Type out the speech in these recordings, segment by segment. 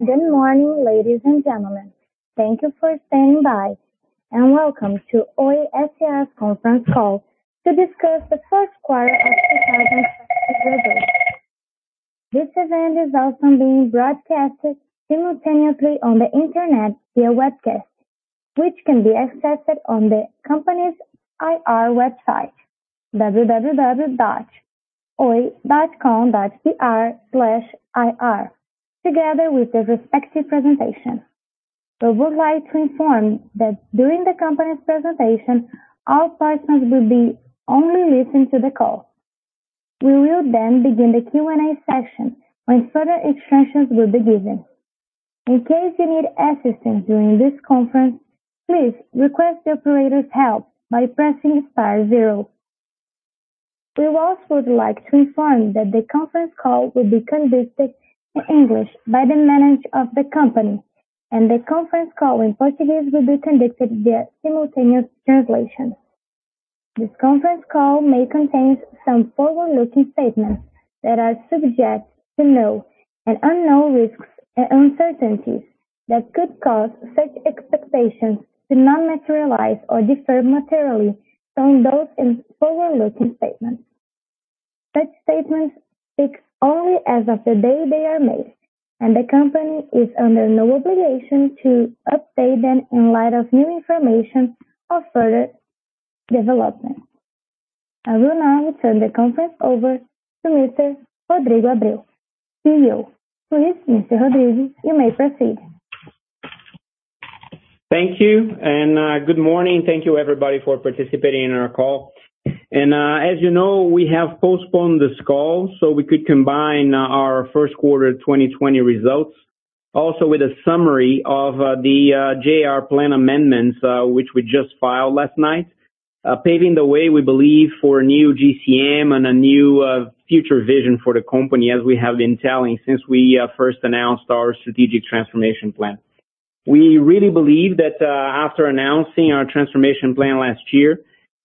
Good morning, ladies and gentlemen. Thank you for staying by. Welcome to Oi S.A.'s conference call to discuss the first quarter of 2020 results. This event is also being broadcast simultaneously on the internet via webcast, which can be accessed on the company's IR website, www.oi.com.br/ir, together with the respective presentation. We would like to inform that during the company's presentation, all persons will be only listening to the call. We will begin the Q&A section when further instructions will be given. In case you need assistance during this conference, please request the operator's help by pressing star zero. We also would like to inform that the conference call will be conducted in English by the management of the company. The conference call in Portuguese will be conducted via simultaneous translation. This conference call may contain some forward-looking statements that are subject to known and unknown risks and uncertainties that could cause such expectations to not materialize or differ materially from those in forward-looking statements. Such statements speak only as of the day they are made, the company is under no obligation to update them in light of new information or further development. I will now turn the conference over to Mr. Rodrigo Abreu, CEO. Please, Mr. Rodrigo, you may proceed. Thank you. Good morning. Thank you, everybody, for participating in our call. As you know, we have postponed this call so we could combine our first quarter 2020 results also with a summary of the JR plan amendments which we just filed last night, paving the way, we believe, for a new GCM and a new future vision for the company, as we have been telling since we first announced our strategic transformation plan. We really believe that after announcing our transformation plan last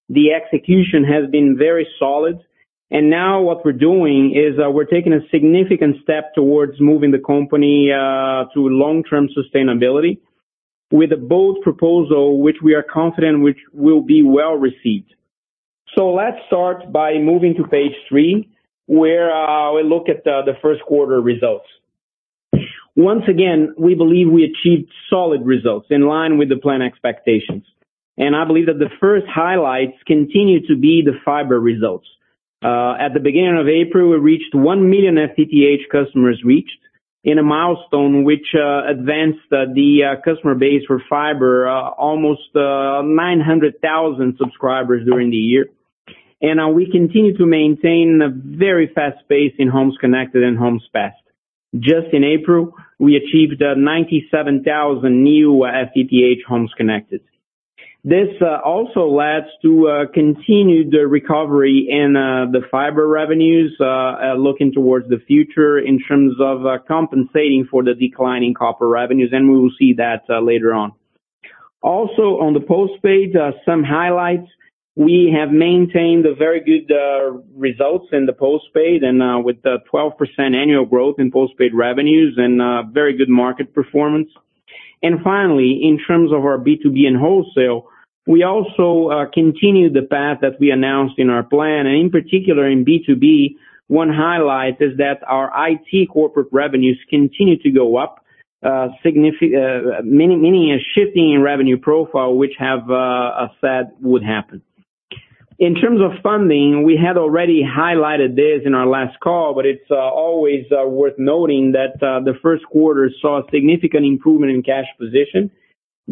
year, the execution has been very solid. Now what we're doing is we're taking a significant step towards moving the company to long-term sustainability with a bold proposal, which we are confident will be well-received. Let's start by moving to page three, where we look at the first quarter results. Once again, we believe we achieved solid results in line with the plan expectations. I believe that the first highlights continue to be the fiber results. At the beginning of April, we reached 1 million FTTH customers reached in a milestone which advanced the customer base for fiber almost 900,000 subscribers during the year. We continue to maintain a very fast pace in homes connected and Homes Passed. Just in April, we achieved 97,000 new FTTH homes connected. This also leads to continued recovery in the fiber revenues looking towards the future in terms of compensating for the decline in copper revenues, and we will see that later on. Also on the postpaid, some highlights. We have maintained very good results in the postpaid and with the 12% annual growth in postpaid revenues and very good market performance. Finally, in terms of our B2B and wholesale, we also continue the path that we announced in our plan. In particular in B2B, one highlight is that our IT corporate revenues continue to go up, meaning a shifting in revenue profile, which have said would happen. In terms of funding, we had already highlighted this in our last call, but it's always worth noting that the first quarter saw a significant improvement in cash position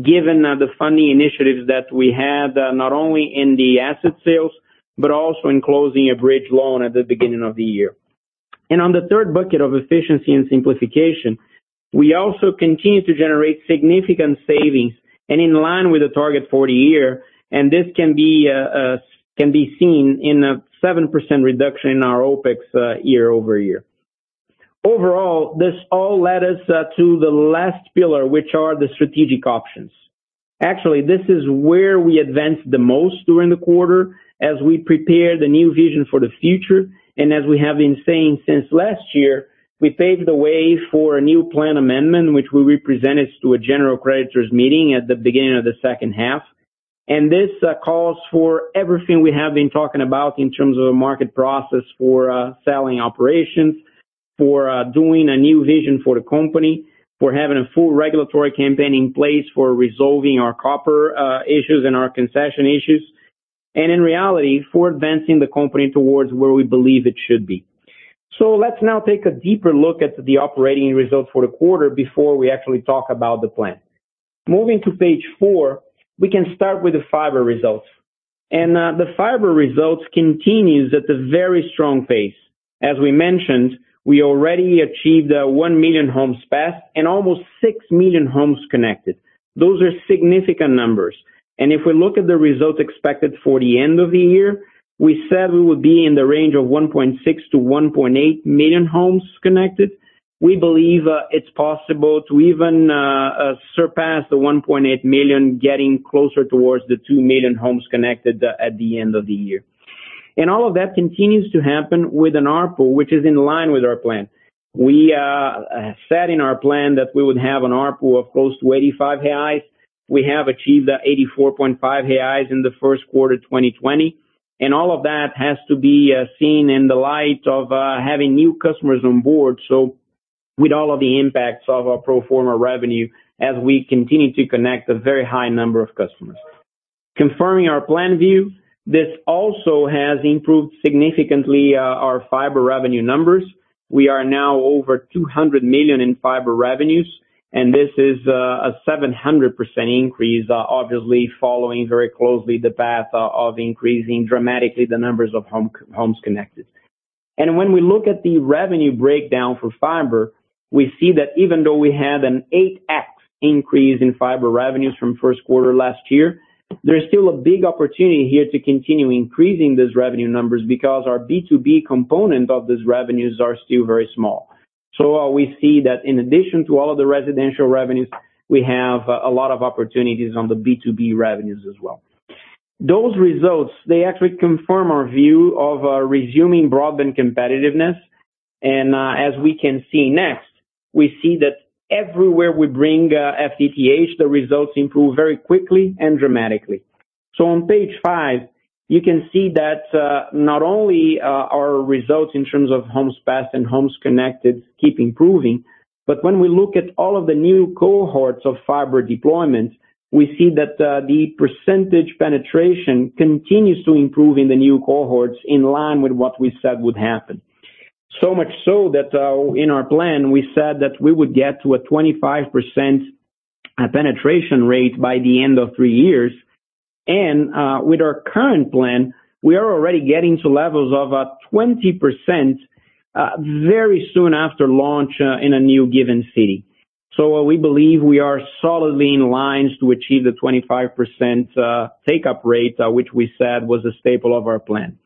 given the funding initiatives that we had, not only in the asset sales, but also in closing a bridge loan at the beginning of the year. On the third bucket of efficiency and simplification, we also continue to generate significant savings and in line with the target for the year, and this can be seen in a 7% reduction in our OpEx year-over-year. Overall, this all led us to the last pillar, which are the strategic options. This is where we advanced the most during the quarter as we prepare the new vision for the future. As we have been saying since last year, we paved the way for a new plan amendment, which will be presented to a general creditors meeting at the beginning of the second half. This calls for everything we have been talking about in terms of a market process for selling operations, for doing a new vision for the company, for having a full regulatory campaign in place for resolving our copper issues and our concession issues. In reality, for advancing the company towards where we believe it should be. Let's now take a deeper look at the operating results for the quarter before we actually talk about the plan. Moving to page four, we can start with the fiber results. The fiber results continues at a very strong pace. As we mentioned, we already achieved 1 million Homes Passed and almost 6 million homes connected. Those are significant numbers. If we look at the results expected for the end of the year, we said we would be in the range of 1.6 million-1.8 million homes connected. We believe it's possible to even surpass the 1.8 million, getting closer towards the 2 million homes connected at the end of the year. All of that continues to happen with an ARPU, which is in line with our plan. We set in our plan that we would have an ARPU of close to 85 reais. We have achieved 84.5 reais in the first quarter 2020. All of that has to be seen in the light of having new customers on board. With all of the impacts of our pro forma revenue, as we continue to connect a very high number of customers, confirming our plan view, this also has improved significantly our fiber revenue numbers. We are now over 200 million in fiber revenues. This is a 700% increase, obviously following very closely the path of increasing, dramatically, the numbers of homes connected. When we look at the revenue breakdown for fiber, we see that even though we had an 8x increase in fiber revenues from first quarter last year, there's still a big opportunity here to continue increasing those revenue numbers because our B2B component of those revenues are still very small. We see that in addition to all of the residential revenues, we have a lot of opportunities on the B2B revenues as well. Those results, they actually confirm our view of resuming broadband competitiveness, and as we can see next, we see that everywhere we bring FTTH, the results improve very quickly and dramatically. On page five, you can see that not only are results in terms of Homes Passed and homes connected keep improving, but when we look at all of the new cohorts of fiber deployments, we see that the percentage penetration continues to improve in the new cohorts in line with what we said would happen. So much so that in our plan, we said that we would get to a 25% penetration rate by the end of three years. With our current plan, we are already getting to levels of 20% very soon after launch in a new given city. We believe we are solidly in lines to achieve the 25% take-up rate, which we said was a staple of our plan.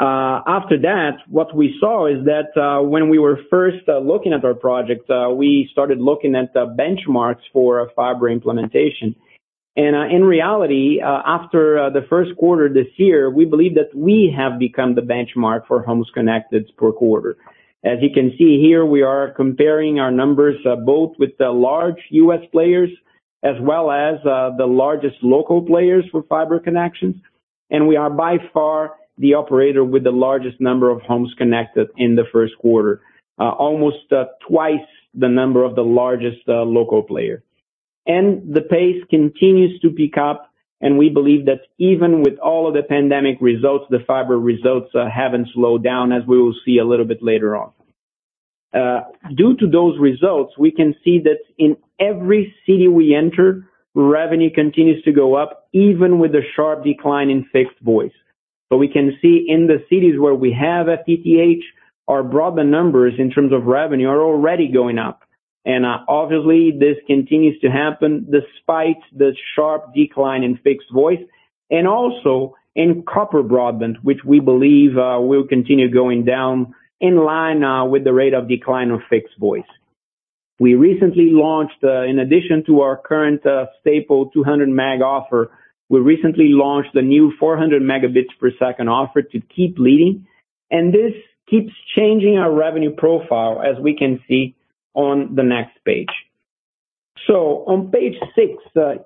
After that, what we saw is that when we were first looking at our project, we started looking at the benchmarks for a fiber implementation. In reality, after the first quarter this year, we believe that we have become the benchmark for homes connected per quarter. As you can see here, we are comparing our numbers both with the large U.S. players as well as the largest local players for fiber connections, and we are by far the operator with the largest number of homes connected in the first quarter. Almost twice the number of the largest local player. The pace continues to pick up, and we believe that even with all of the pandemic results, the fiber results haven't slowed down as we will see a little bit later on. Due to those results, we can see that in every city we enter, revenue continues to go up, even with the sharp decline in fixed voice. We can see in the cities where we have FTTH, our broadband numbers in terms of revenue are already going up. Obviously, this continues to happen despite the sharp decline in fixed voice, and also in copper broadband, which we believe will continue going down in line with the rate of decline of fixed voice. We recently launched, in addition to our current staple 200 Mb offer, we recently launched a new 400 Mbps offer to keep leading. This keeps changing our revenue profile as we can see on the next page. On page six,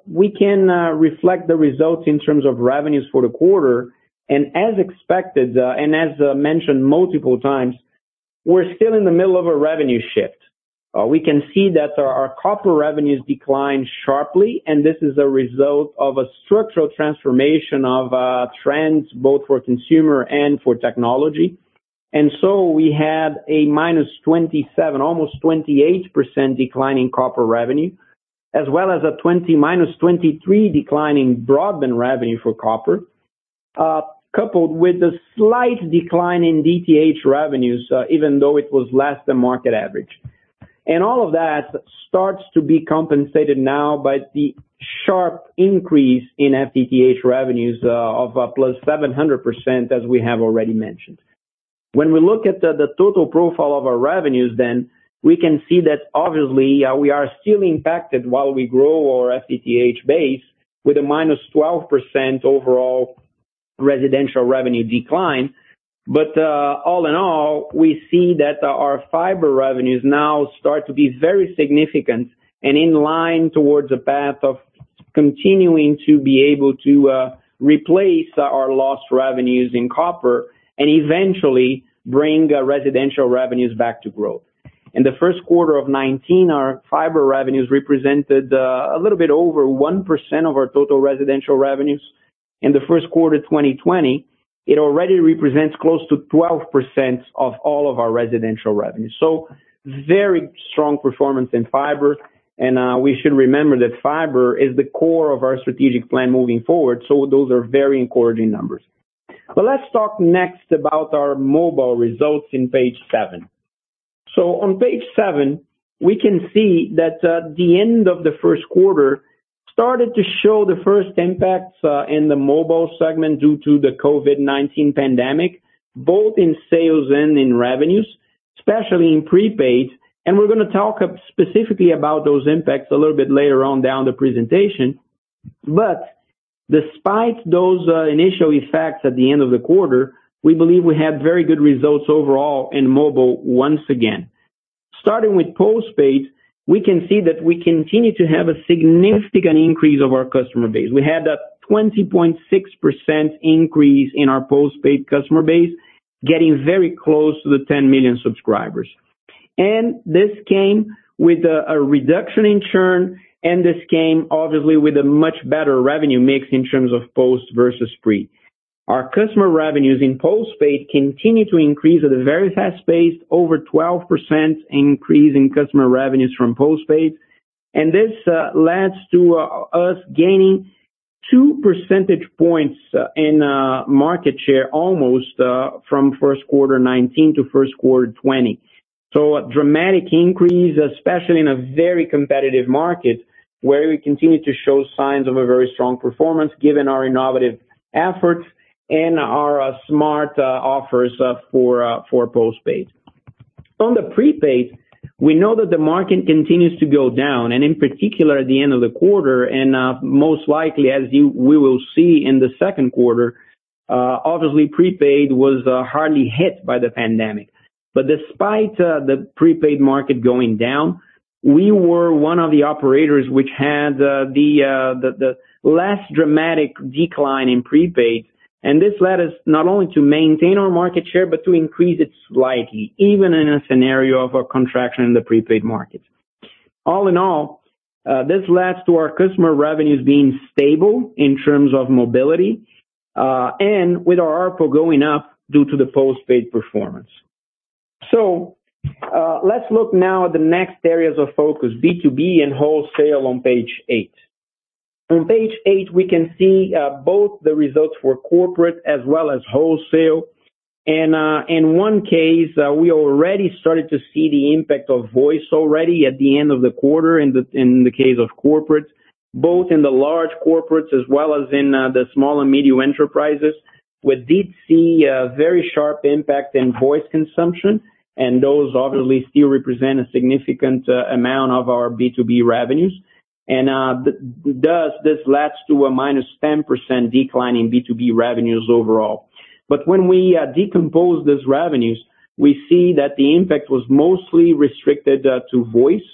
we can reflect the results in terms of revenues for the quarter. As expected, as mentioned multiple times, we're still in the middle of a revenue shift. We can see that our copper revenues declined sharply. This is a result of a structural transformation of trends both for consumer and for technology. We had a -27%, almost -28% decline in copper revenue, as well as a -23% decline in broadband revenue for copper, coupled with a slight decline in DTH revenues, even though it was less than market average. All of that starts to be compensated now by the sharp increase in FTTH revenues of +700%, as we have already mentioned. When we look at the total profile of our revenues then, we can see that obviously we are still impacted while we grow our FTTH base with a -12% overall residential revenue decline. All in all, we see that our fiber revenues now start to be very significant and in line towards a path of continuing to be able to replace our lost revenues in copper and eventually bring residential revenues back to growth. In the first quarter of 2019, our fiber revenues represented a little bit over 1% of our total residential revenues. In the first quarter 2020, it already represents close to 12% of all of our residential revenues. Very strong performance in fiber, and we should remember that fiber is the core of our strategic plan moving forward. Those are very encouraging numbers. Let's talk next about our mobile results on page seven. On page seven, we can see that the end of the first quarter started to show the first impacts in the mobile segment due to the COVID-19 pandemic, both in sales and in revenues. Especially in prepaid. We're going to talk specifically about those impacts a little bit later on down the presentation. Despite those initial effects at the end of the quarter, we believe we had very good results overall in mobile once again. Starting with postpaid, we can see that we continue to have a significant increase of our customer base. We had a 20.6% increase in our postpaid customer base, getting very close to the 10 million subscribers. This came with a reduction in churn, and this came obviously with a much better revenue mix in terms of post versus pre. Our customer revenues in postpaid continue to increase at a very fast pace, over 12% increase in customer revenues from postpaid. This leads to us gaining two percentage points in market share almost from first quarter 2019 to first quarter 2020. A dramatic increase, especially in a very competitive market, where we continue to show signs of a very strong performance given our innovative efforts and our smart offers for postpaid. On the prepaid, we know that the market continues to go down and in particular at the end of the quarter, and most likely as we will see in the second quarter, obviously prepaid was hardly hit by the pandemic. Despite the prepaid market going down, we were one of the operators which had the less dramatic decline in prepaid. This led us not only to maintain our market share, but to increase it slightly, even in a scenario of a contraction in the prepaid market. All in all, this leads to our customer revenues being stable in terms of mobility, and with our ARPU going up due to the postpaid performance. Let's look now at the next areas of focus, B2B and wholesale on page eight. On page eight, we can see both the results for corporate as well as wholesale. In one case, we already started to see the impact of voice already at the end of the quarter in the case of corporate, both in the large corporates as well as in the small and medium enterprises. We did see a very sharp impact in voice consumption, and those obviously still represent a significant amount of our B2B revenues. Thus this leads to a -10% decline in B2B revenues overall. When we decompose these revenues, we see that the impact was mostly restricted to voice.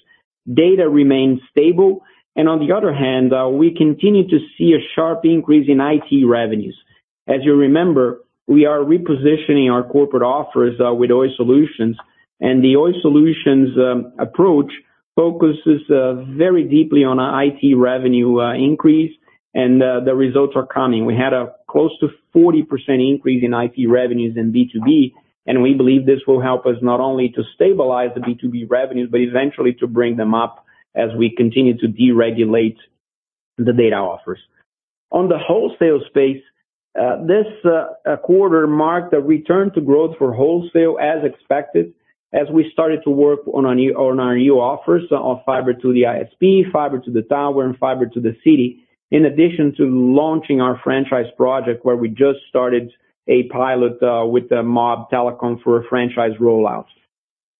Data remained stable, and on the other hand, we continue to see a sharp increase in IT revenues. As you remember, we are repositioning our corporate offers with Oi Soluções, and the Oi Soluções approach focuses very deeply on IT revenue increase, and the results are coming. We had a close to 40% increase in IT revenues in B2B, and we believe this will help us not only to stabilize the B2B revenues, but eventually to bring them up as we continue to deregulate the data offers. On the wholesale space, this quarter marked a return to growth for wholesale as expected, as we started to work on our new offers of fiber to the ISP, fiber to the tower, and fiber to the city, in addition to launching our franchise project, where we just started a pilot with Mob Telecom for a franchise rollout.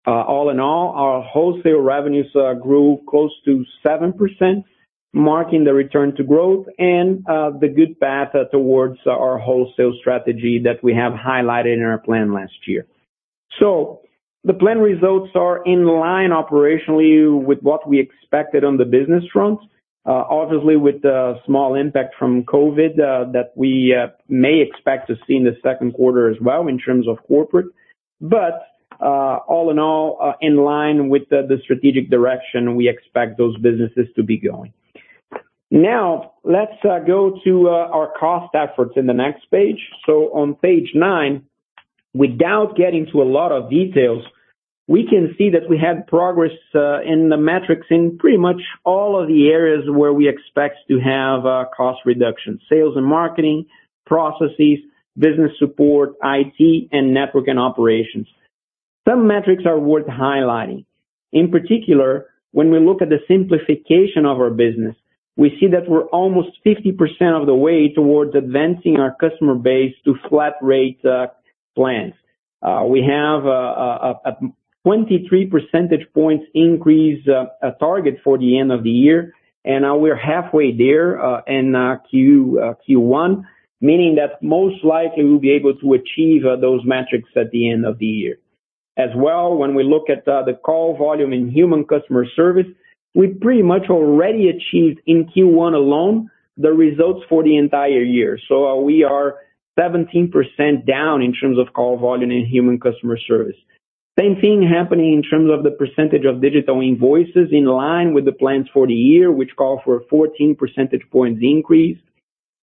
All in all, our wholesale revenues grew close to 7%, marking the return to growth and the good path towards our wholesale strategy that we have highlighted in our plan last year. The plan results are in line operationally with what we expected on the business front. Obviously, with the small impact from COVID that we may expect to see in the second quarter as well in terms of corporate. All in all, in line with the strategic direction we expect those businesses to be going. Let's go to our cost efforts in the next page. On page nine, without getting to a lot of details, we can see that we had progress in the metrics in pretty much all of the areas where we expect to have cost reduction. Sales and marketing, processes, business support, IT, and network and operations. Some metrics are worth highlighting. In particular, when we look at the simplification of our business, we see that we're almost 50% of the way towards advancing our customer base to flat rate plans. We have a 23 percentage points increase target for the end of the year, and we're halfway there in Q1, meaning that most likely we'll be able to achieve those metrics at the end of the year. As well look at the call volume in human customer service, we're pretty much already achieved in Q1 alone the results for the entire year so we are 17% down in terms of call volume in human customer service. Same thing happening in terms of the percentage of digital invoices in line with the plans for the year, which call for 14 percentage points increase.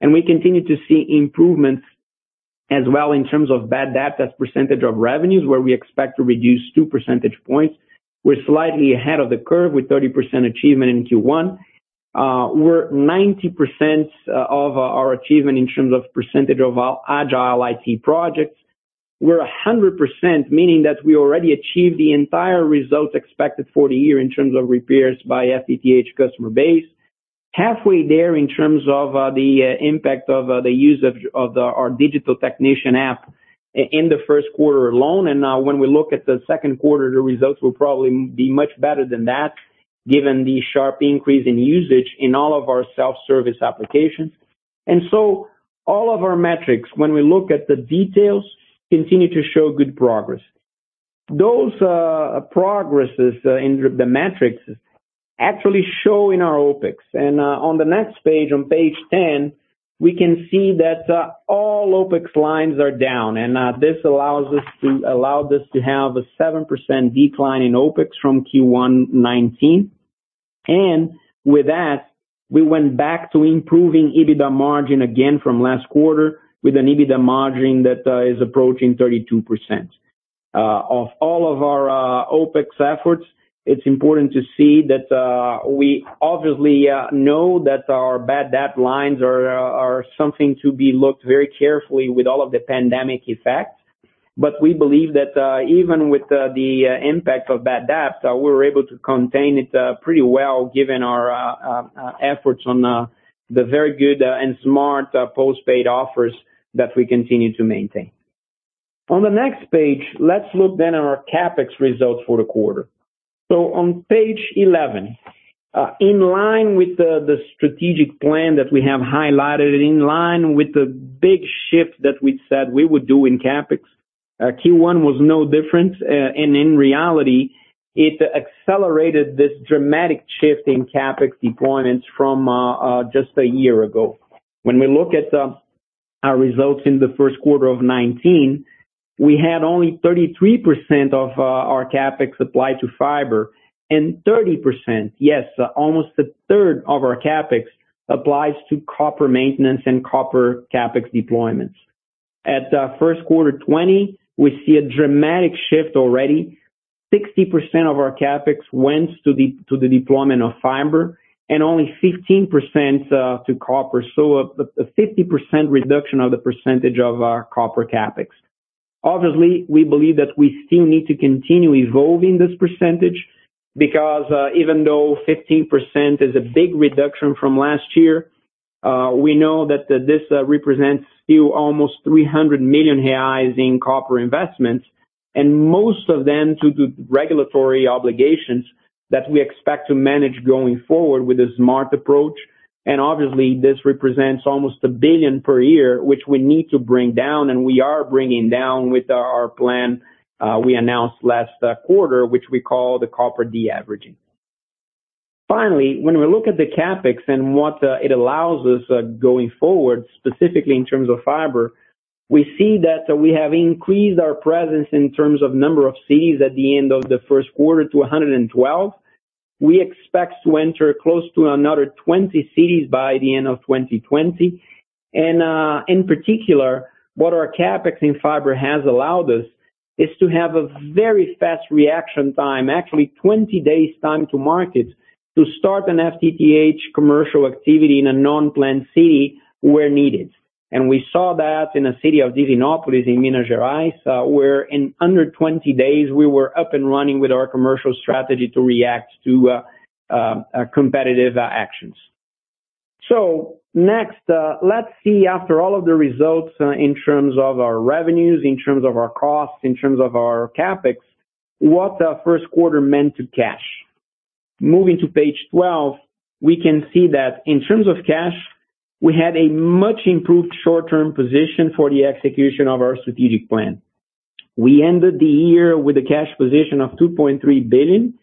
We continue to see improvements as well in terms of bad debt as percentage of revenues, where we expect to reduce 2 percentage points. We're slightly ahead of the curve with 30% achievement in Q1. We're 90% of our achievement in terms of percentage of our agile IT projects. We're 100%, meaning that we already achieved the entire results expected for the year in terms of repairs by FTTH customer base. Halfway there in terms of the impact of the use of our digital technician app in the first quarter alone. When we look at the second quarter, the results will probably be much better than that given the sharp increase in usage in all of our self-service applications. All of our metrics, when we look at the details, continue to show good progress. Those progresses in the metrics actually show in our OpEx. On the next page, on page 10, we can see that all OpEx lines are down, and this allowed us to have a 7% decline in OpEx from Q1 2019. With that, we went back to improving EBITDA margin again from last quarter with an EBITDA margin that is approaching 32%. Of all of our OpEx efforts, it's important to see that we obviously know that our bad debt lines are something to be looked very carefully with all of the pandemic effects. We believe that even with the impact of bad debt, we were able to contain it pretty well given our efforts on the very good and smart postpaid offers that we continue to maintain. On the next page, let's look then at our CapEx results for the quarter. On page 11, in line with the strategic plan that we have highlighted, in line with the big shift that we said we would do in CapEx, Q1 was no different. In reality, it accelerated this dramatic shift in CapEx deployments from just a year ago. When we look at our results in the first quarter of 2019, we had only 33% of our CapEx applied to fiber and 30%, yes, almost a third of our CapEx applies to copper maintenance and copper CapEx deployments. At first quarter 2020, we see a dramatic shift already. 60% of our CapEx went to the deployment of fiber and only 15% to copper. A 50% reduction of the percentage of our copper CapEx. We believe that we still need to continue evolving this percentage because even though 15% is a big reduction from last year, we know that this represents still almost 300 million reais in copper investments, and most of them due to regulatory obligations that we expect to manage going forward with a smart approach. Obviously, this represents almost 1 billion per year, which we need to bring down, and we are bringing down with our plan we announced last quarter, which we call the copper de-averaging. Finally, when we look at the CapEx and what it allows us going forward, specifically in terms of fiber, we see that we have increased our presence in terms of number of cities at the end of the first quarter to 112. We expect to enter close to another 20 cities by the end of 2020. In particular, what our CapEx in fiber has allowed us is to have a very fast reaction time, actually 20 days time to market, to start an FTTH commercial activity in a non-planned city where needed. We saw that in the city of Divinópolis in Minas Gerais, where in under 20 days, we were up and running with our commercial strategy to react to competitive actions. Next, let's see after all of the results in terms of our revenues, in terms of our costs, in terms of our CapEx, what the first quarter meant to cash. Moving to page 12, we can see that in terms of cash, we had a much improved short-term position for the execution of our strategic plan. We ended the year with a cash position of 2.3 billion,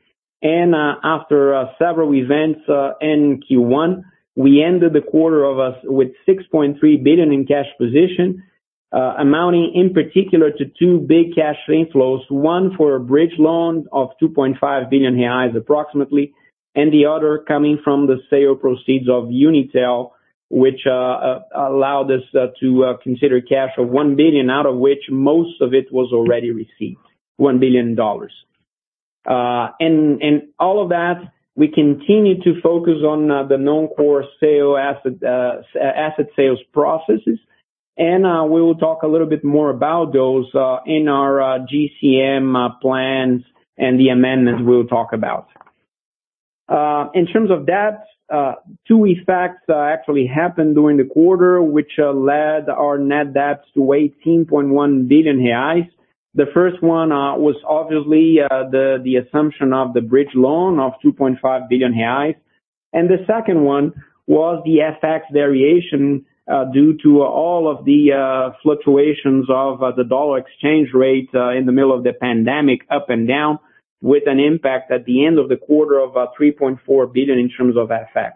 and after several events in Q1, we ended the quarter with 6.3 billion in cash position, amounting in particular to two big cash inflows, one for a bridge loan of 2.5 billion reais approximately, and the other coming from the sale proceeds of Unitel, which allowed us to consider cash of 1 billion, out of which most of it was already received, $1 billion. All of that, we continue to focus on the non-core asset sales processes, and we'll talk a little bit more about those in our GCM plans and the amendments we'll talk about. In terms of debt, two effects actually happened during the quarter, which led our net debts to 18.1 billion reais. The first one was obviously the assumption of the bridge loan of 2.5 billion reais. The second one was the FX variation due to all of the fluctuations of the dollar exchange rate in the middle of the pandemic up and down with an impact at the end of the quarter of $3.4 billion in terms of FX.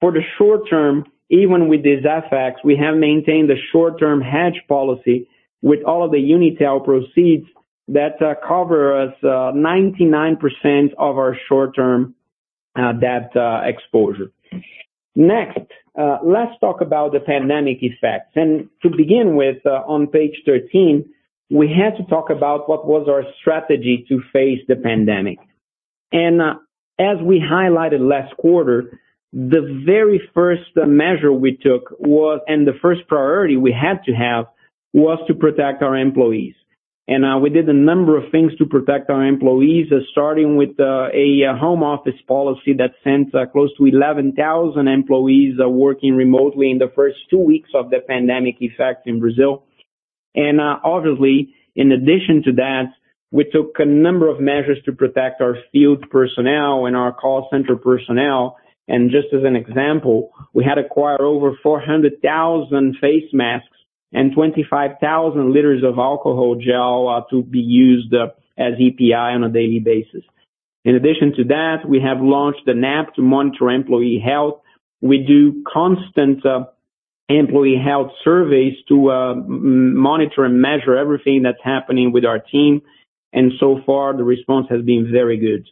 For the short term, even with this FX, we have maintained a short-term hedge policy with all of the Unitel proceeds that cover us 99% of our short-term debt exposure. Next, let's talk about the pandemic effects. To begin with, on page 13, we have to talk about what was our strategy to face the pandemic. As we highlighted last quarter, the very first measure we took and the first priority we had to have was to protect our employees. We did a number of things to protect our employees, starting with a home office policy that sent close to 11,000 employees working remotely in the first two weeks of the pandemic effect in Brazil. Obviously, in addition to that, we took a number of measures to protect our field personnel and our call center personnel. Just as an example, we had acquired over 400,000 face masks and 25,000 l of alcohol gel to be used as EPI on a daily basis. In addition to that, we have launched an app to monitor employee health. We do constant employee health surveys to monitor and measure everything that's happening with our team, and so far the response has been very good.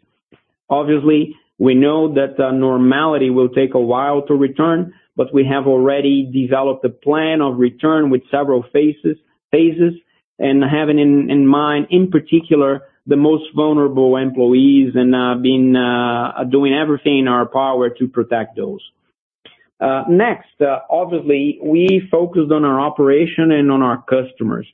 Obviously, we know that normality will take a while to return, but we have already developed a plan of return with several phases. Having in mind, in particular, the most vulnerable employees and doing everything in our power to protect those. Next, obviously, we focused on our operation and on our customers.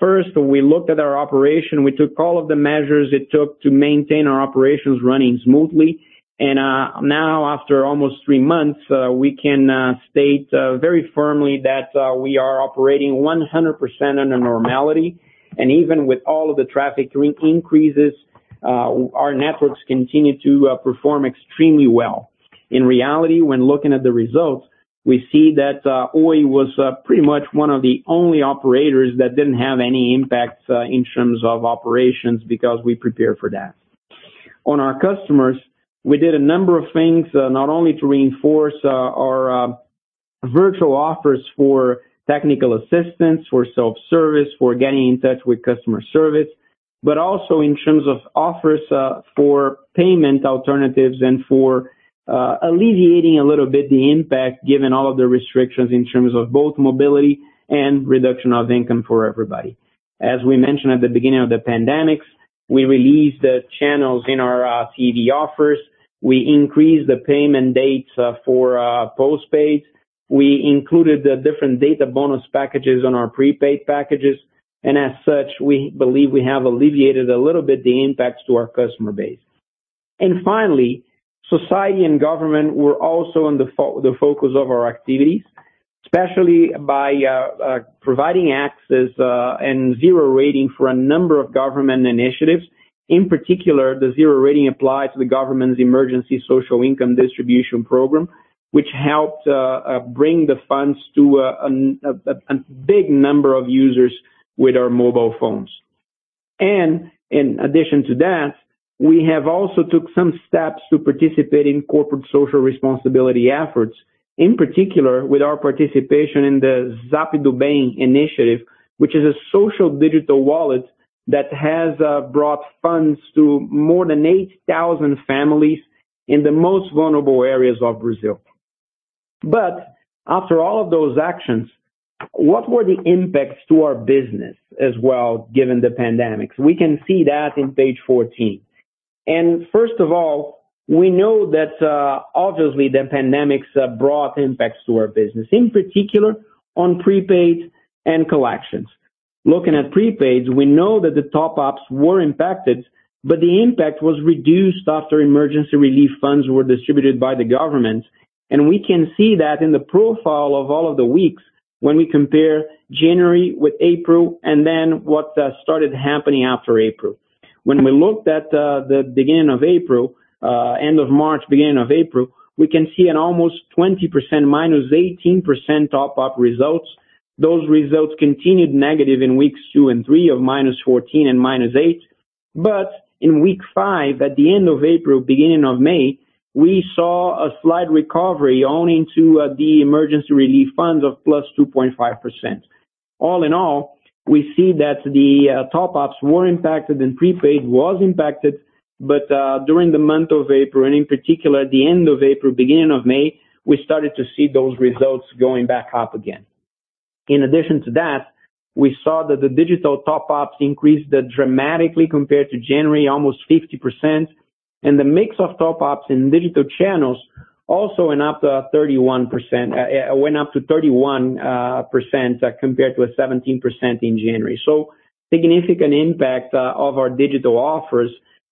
First we looked at our operation. We took all of the measures it took to maintain our operations running smoothly. Now, after almost three months, we can state very firmly that we are operating 100% under normality. Even with all of the traffic increases, our networks continue to perform extremely well. In reality, when looking at the results, we see that Oi was pretty much one of the only operators that didn't have any impact in terms of operations because we prepared for that. On our customers, we did a number of things, not only to reinforce our virtual offers for technical assistance, for self-service, for getting in touch with customer service, but also in terms of offers for payment alternatives and for alleviating a little bit the impact, given all of the restrictions in terms of both mobility and reduction of income for everybody. As we mentioned at the beginning of the pandemic, we released channels in our TV offers. We increased the payment dates for postpaid. We included different data bonus packages on our prepaid packages, and as such, we believe we have alleviated a little bit the impacts to our customer base. Finally, society and government were also in the focus of our activities, especially by providing access and zero rating for a number of government initiatives. The zero rating applied to the government's emergency social income distribution program, which helped bring the funds to a big number of users with our mobile phones. In addition to that, we have also took some steps to participate in corporate social responsibility efforts, in particular with our participation in the Zap do Bem initiative, which is a social digital wallet that has brought funds to more than 8,000 families in the most vulnerable areas of Brazil. After all of those actions, what were the impacts to our business as well, given the pandemic? We can see that on page 14. First of all, we know that obviously the pandemic's brought impacts to our business, in particular on prepaid and collections. Looking at prepaid, we know that the top-ups were impacted, but the impact was reduced after emergency relief funds were distributed by the government. We can see that in the profile of all of the weeks when we compare January with April, then what started happening after April. When we looked at the end of March, beginning of April, we can see an almost 20%, -18% top-up results. Those results continued negative in weeks two and three of -14 and -8. In week five, at the end of April, beginning of May, we saw a slight recovery owing to the emergency relief funds of +2.5%. All in all, we see that the top-ups were impacted and prepaid was impacted. During the month of April, and in particular at the end of April, beginning of May, we started to see those results going back up again. In addition to that, we saw that the digital top-ups increased dramatically compared to January, almost 50%. The mix of top-ups in digital channels also went up to 31% compared to a 17% in January. Significant impact of our digital offers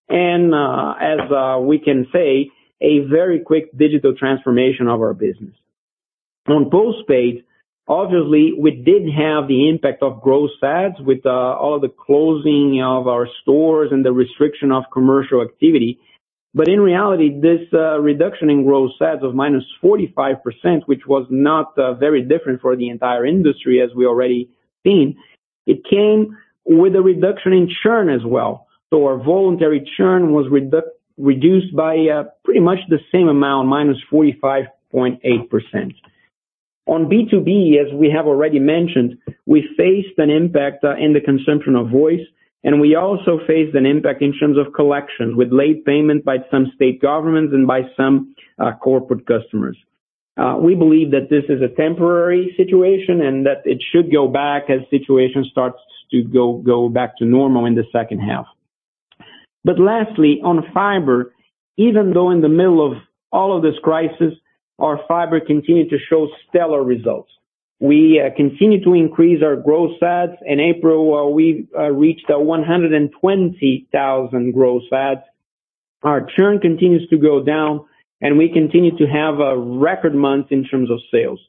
and, as we can say, a very quick digital transformation of our business. On postpaid, obviously, we did have the impact of gross adds with all the closing of our stores and the restriction of commercial activity. In reality, this reduction in gross adds of -45%, which was not very different for the entire industry as we already seen, it came with a reduction in churn as well. Our voluntary churn was reduced by pretty much the same amount, -45.8%. On B2B, as we have already mentioned, we faced an impact in the consumption of voice, and we also faced an impact in terms of collection, with late payment by some state governments and by some corporate customers. We believe that this is a temporary situation and that it should go back as situation starts to go back to normal in the second half. Lastly, on fiber, even though in the middle of all of this crisis, our fiber continued to show stellar results. We continue to increase our gross stats. In April, we reached 120,000 gross stats. Our churn continues to go down, and we continue to have a record month in terms of sales.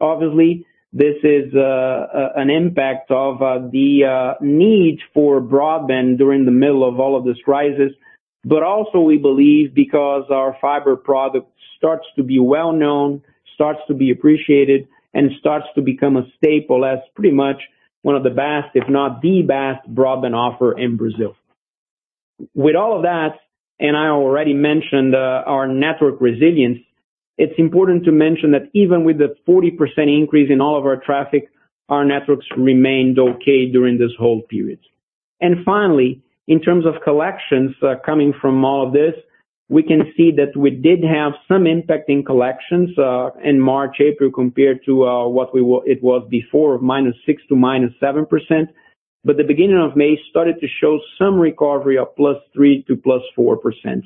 Obviously, this is an impact of the need for broadband during the middle of all of this crisis. Also, we believe because our fiber product starts to be well-known, starts to be appreciated, and starts to become a staple as pretty much one of the best, if not the best, broadband offer in Brazil. With all of that, and I already mentioned our network resilience, it's important to mention that even with the 40% increase in all of our traffic, our networks remained okay during this whole period. Finally, in terms of collections coming from all of this, we can see that we did have some impact in collections, in March, April, compared to what it was before of -6% to -7%. The beginning of May started to show some recovery of +3% to +4%.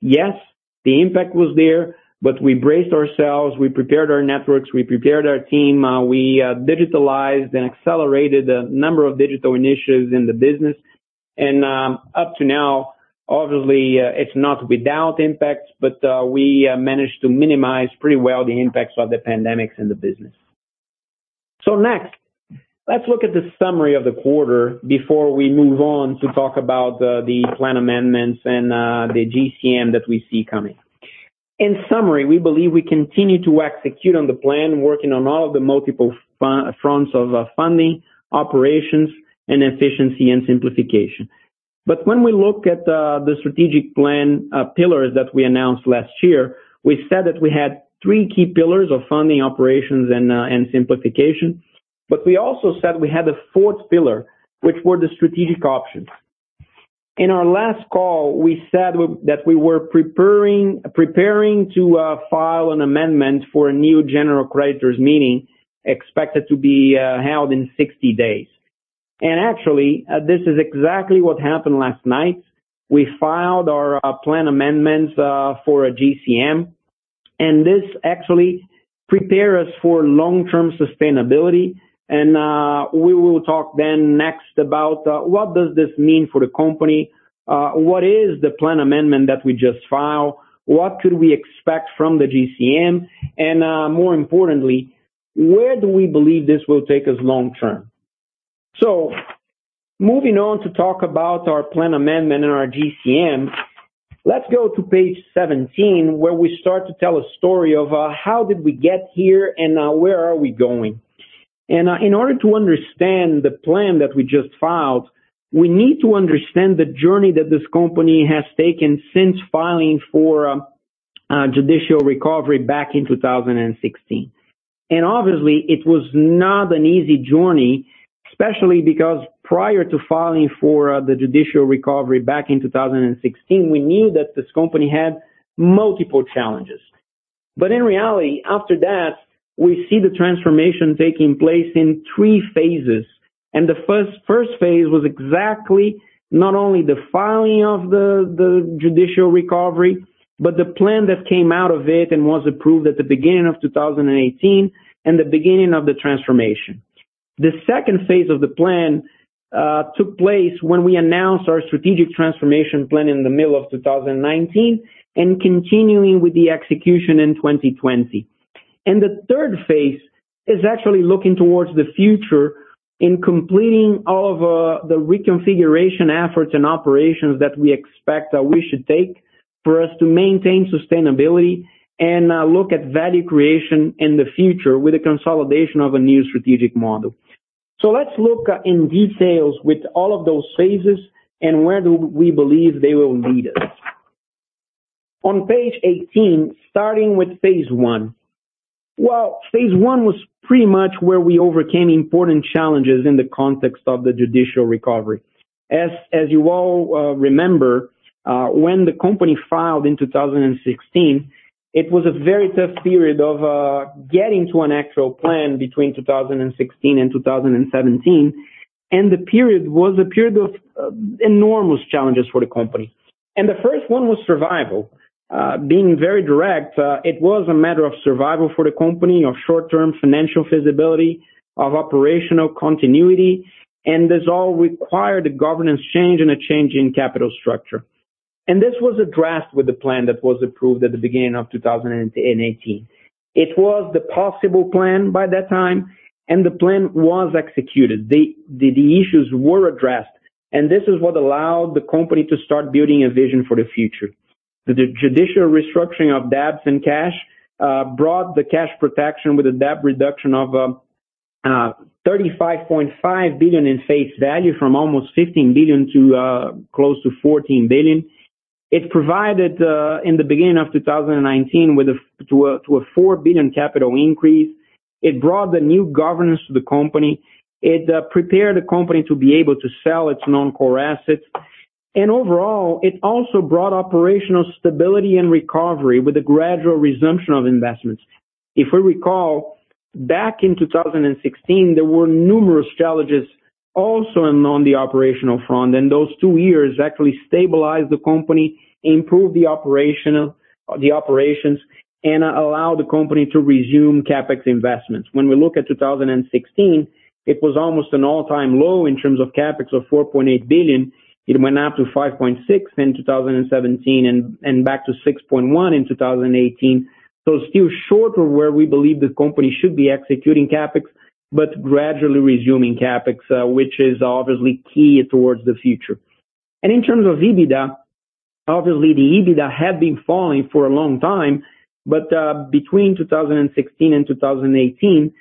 Yes, the impact was there, but we braced ourselves, we prepared our networks, we prepared our team, we digitalized and accelerated a number of digital initiatives in the business. Up to now, obviously, it's not without impact, but we managed to minimize pretty well the impacts of the pandemic in the business. Next, let's look at the summary of the quarter before we move on to talk about the plan amendments and the GCM that we see coming. In summary, we believe we continue to execute on the plan, working on all of the multiple fronts of funding, operations, and efficiency and simplification. When we look at the strategic plan pillars that we announced last year, we said that we had three key pillars of funding, operations, and simplification. We also said we had a fourth pillar, which were the strategic options. In our last call, we said that we were preparing to file an amendment for a new general creditors meeting expected to be held in 60 days. Actually, this is exactly what happened last night. We filed our plan amendments for a GCM, and this actually prepare us for long-term sustainability. We will talk then next about what does this mean for the company? What is the plan amendment that we just filed? What could we expect from the GCM? More importantly, where do we believe this will take us long-term? Moving on to talk about our plan amendment and our GCM, let's go to page 17 where we start to tell a story of how did we get here and where are we going. In order to understand the plan that we just filed, we need to understand the journey that this company has taken since filing for judicial recovery back in 2016. Obviously, it was not an easy journey, especially because prior to filing for the judicial recovery back in 2016, we knew that this company had multiple challenges. In reality, after that, we see the transformation taking place in three phases. The first phase was exactly not only the filing of the judicial recovery, but the plan that came out of it and was approved at the beginning of 2018 and the beginning of the transformation. The second phase of the plan took place when we announced our Strategic Transformation Plan in the middle of 2019 and continuing with the execution in 2020. The third phase is actually looking towards the future in completing all of the reconfiguration efforts and operations that we expect that we should take for us to maintain sustainability and look at value creation in the future with the consolidation of a new strategic model. Let's look in details with all of those phases and where do we believe they will lead us. On page 18, starting with phase I. Well, phase I was pretty much where we overcame important challenges in the context of the judicial recovery. As you all remember, when the company filed in 2016, it was a very tough period of getting to an actual plan between 2016 and 2017. The period was a period of enormous challenges for the company. The first one was survival. Being very direct, it was a matter of survival for the company, of short-term financial feasibility, of operational continuity, and this all required a governance change and a change in capital structure. This was addressed with the plan that was approved at the beginning of 2018. It was the possible plan by that time, and the plan was executed. The issues were addressed, and this is what allowed the company to start building a vision for the future. The judicial restructuring of debts and cash brought the cash protection with a debt reduction of 35.5 billion in face value from almost 15 billion to close to 14 billion. It provided, in the beginning of 2019, to a 4 billion capital increase. It brought the new governance to the company. It prepared the company to be able to sell its non-core assets. Overall, it also brought operational stability and recovery with the gradual resumption of investments. If we recall, back in 2016, there were numerous challenges also on the operational front, and those two years actually stabilized the company, improved the operations, and allowed the company to resume CapEx investments. When we look at 2016, it was almost an all-time low in terms of CapEx of 4.8 billion. It went up to 5.6 billion in 2017 and back to 6.1 billion in 2018. Still short of where we believe the company should be executing CapEx, but gradually resuming CapEx, which is obviously key towards the future. In terms of EBITDA, obviously the EBITDA had been falling for a long time, but between 2016 and 2018,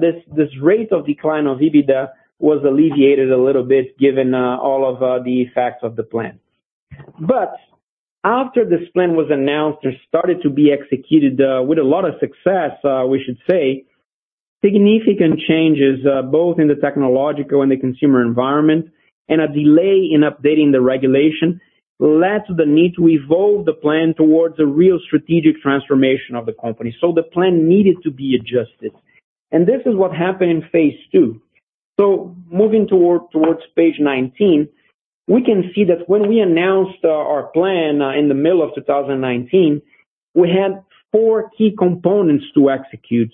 this rate of decline of EBITDA was alleviated a little bit given all of the effects of the plan. After this plan was announced or started to be executed, with a lot of success we should say, significant changes, both in the technological and the consumer environment and a delay in updating the regulation, led to the need to evolve the plan towards a real strategic transformation of the company. The plan needed to be adjusted. This is what happened in phase II. Moving towards page 19, we can see that when we announced our plan in the middle of 2019, we had four key components to execute.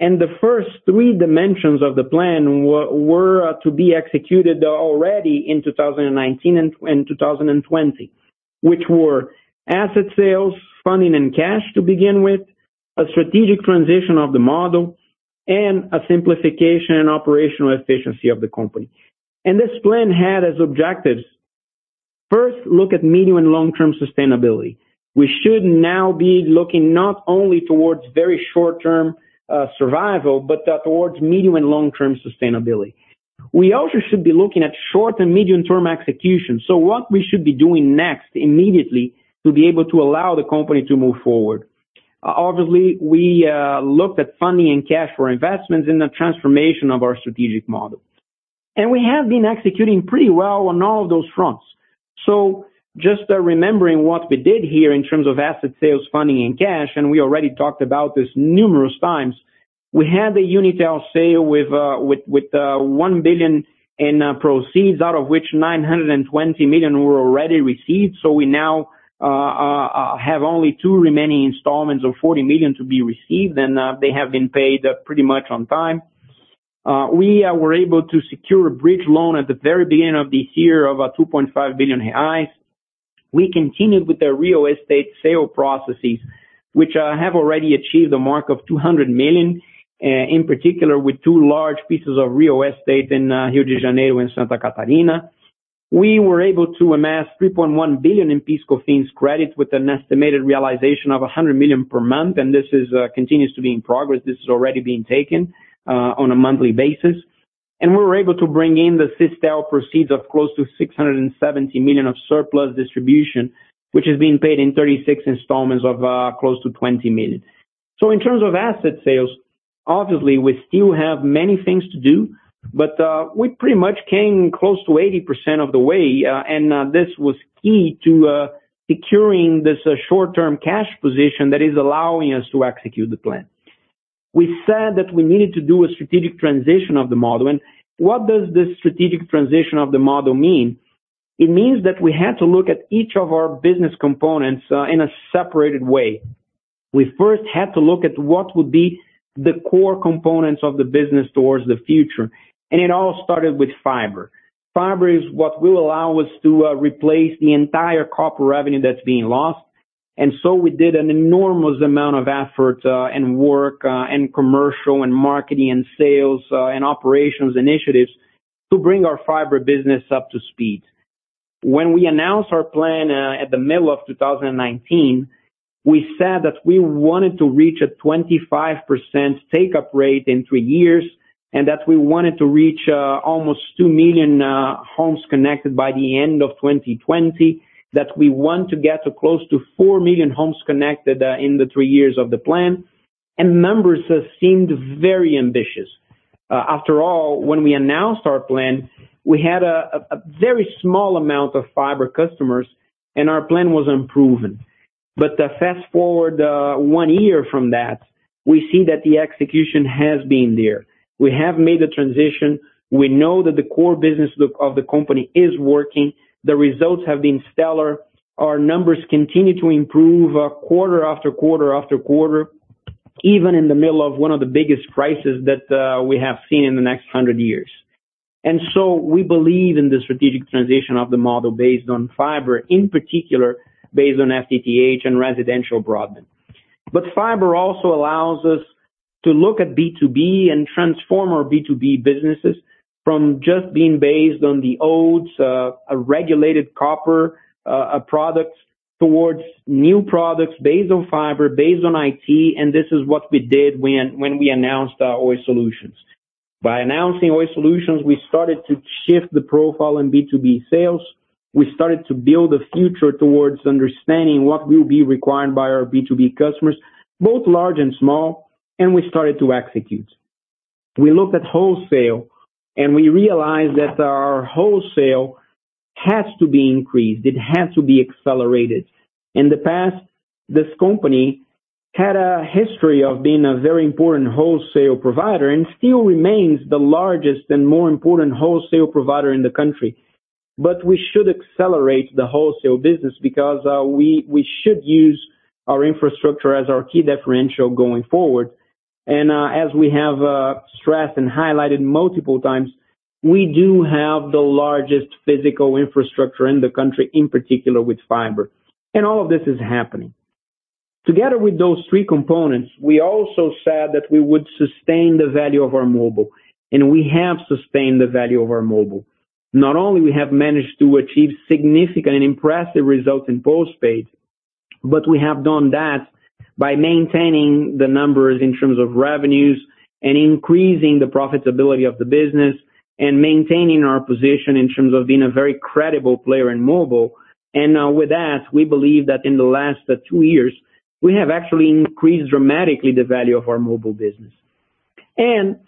The first three dimensions of the plan were to be executed already in 2019 and 2020, which were asset sales, funding and cash to begin with, a strategic transition of the model, and a simplification and operational efficiency of the company. This plan had as objectives, first, look at medium and long-term sustainability. We should now be looking not only towards very short-term survival, but towards medium and long-term sustainability. We also should be looking at short and medium-term execution. What we should be doing next immediately to be able to allow the company to move forward. Obviously, we looked at funding and cash for investments in the transformation of our strategic model. We have been executing pretty well on all of those fronts. Just remembering what we did here in terms of asset sales, funding, and cash, and we already talked about this numerous times, we had a Unitel sale with $1 billion in proceeds, out of which $920 million were already received. We now have only two remaining installments of $40 million to be received, and they have been paid pretty much on time. We were able to secure a bridge loan at the very beginning of this year of 2.5 billion reais. We continued with the real estate sale processes, which have already achieved a mark of 200 million, in particular with two large pieces of real estate in Rio de Janeiro and Santa Catarina. We were able to amass 3.1 billion in PIS/COFINS credit with an estimated realization of 100 million per month. This continues to be in progress. This is already being taken on a monthly basis. We were able to bring in the Sistel proceeds of close to 670 million of surplus distribution, which is being paid in 36 installments of close to 20 million. In terms of asset sales, obviously, we still have many things to do, but we pretty much came close to 80% of the way. This was key to securing this short-term cash position that is allowing us to execute the plan. We said that we needed to do a strategic transition of the model. What does this strategic transition of the model mean? It means that we had to look at each of our business components in a separated way. We first had to look at what would be the core components of the business towards the future, and it all started with fiber. Fiber is what will allow us to replace the entire copper revenue that's being lost. We did an enormous amount of effort, and work, and commercial, and marketing, and sales, and operations initiatives to bring our fiber business up to speed. When we announced our plan at the middle of 2019, we said that we wanted to reach a 25% take-up rate in three years, that we wanted to reach almost 2 million homes connected by the end of 2020, that we want to get to close to 4 million homes connected in the three years of the plan. Numbers seemed very ambitious. After all, when we announced our plan, we had a very small amount of fiber customers, and our plan was unproven. Fast-forward one year from that, we see that the execution has been there. We have made the transition. We know that the core business of the company is working. The results have been stellar. Our numbers continue to improve quarter after quarter after quarter, even in the middle of one of the biggest crises that we have seen in the next 100 years. We believe in the strategic transition of the model based on fiber, in particular, based on FTTH and residential broadband. Fiber also allows us to look at B2B and transform our B2B businesses from just being based on the old regulated copper products towards new products based on fiber, based on IT, and this is what we did when we announced Oi Soluções. By announcing Oi Soluções, we started to shift the profile in B2B sales. We started to build a future towards understanding what will be required by our B2B customers, both large and small, and we started to execute. We looked at wholesale, and we realized that our wholesale has to be increased. It has to be accelerated. In the past, this company had a history of being a very important wholesale provider and still remains the largest and more important wholesale provider in the country. We should accelerate the wholesale business because we should use our infrastructure as our key differential going forward. As we have stressed and highlighted multiple times, we do have the largest physical infrastructure in the country, in particular with fiber. All of this is happening. Together with those three components, we also said that we would sustain the value of our mobile, and we have sustained the value of our mobile. Not only have we managed to achieve significant and impressive results in postpaid, but we have done that by maintaining the numbers in terms of revenues and increasing the profitability of the business and maintaining our position in terms of being a very credible player in mobile. With that, we believe that in the last two years, we have actually increased dramatically the value of our mobile business.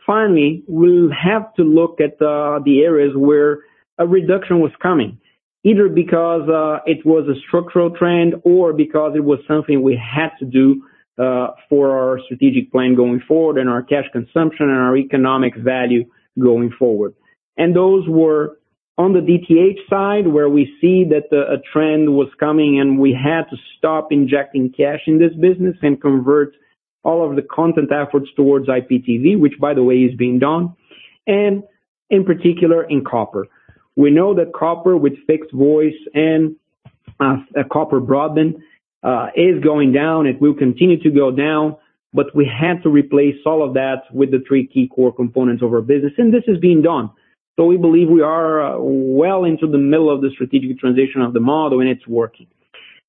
Finally, we have to look at the areas where a reduction was coming, either because it was a structural trend or because it was something we had to do for our strategic plan going forward and our cash consumption and our economic value going forward. Those were on the DTH side, where we see that a trend was coming and we had to stop injecting cash in this business and convert all of the content efforts towards IPTV, which by the way, is being done, and in particular, in copper. We know that copper with fixed voice and copper broadband is going down. It will continue to go down, but we have to replace all of that with the three key core components of our business, and this is being done. We believe we are well into the middle of the strategic transition of the model, and it's working.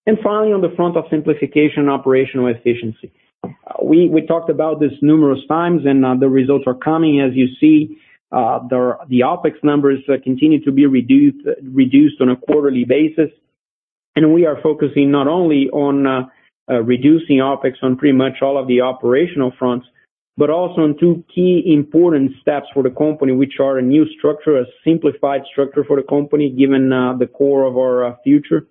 Finally, on the front of simplification and operational efficiency. We talked about this numerous times, and the results are coming. As you see, the OpEx numbers continue to be reduced on a quarterly basis. We are focusing not only on reducing OpEx on pretty much all of the operational fronts, but also on two key important steps for the company, which are a new structure, a simplified structure for the company, given the core of our future.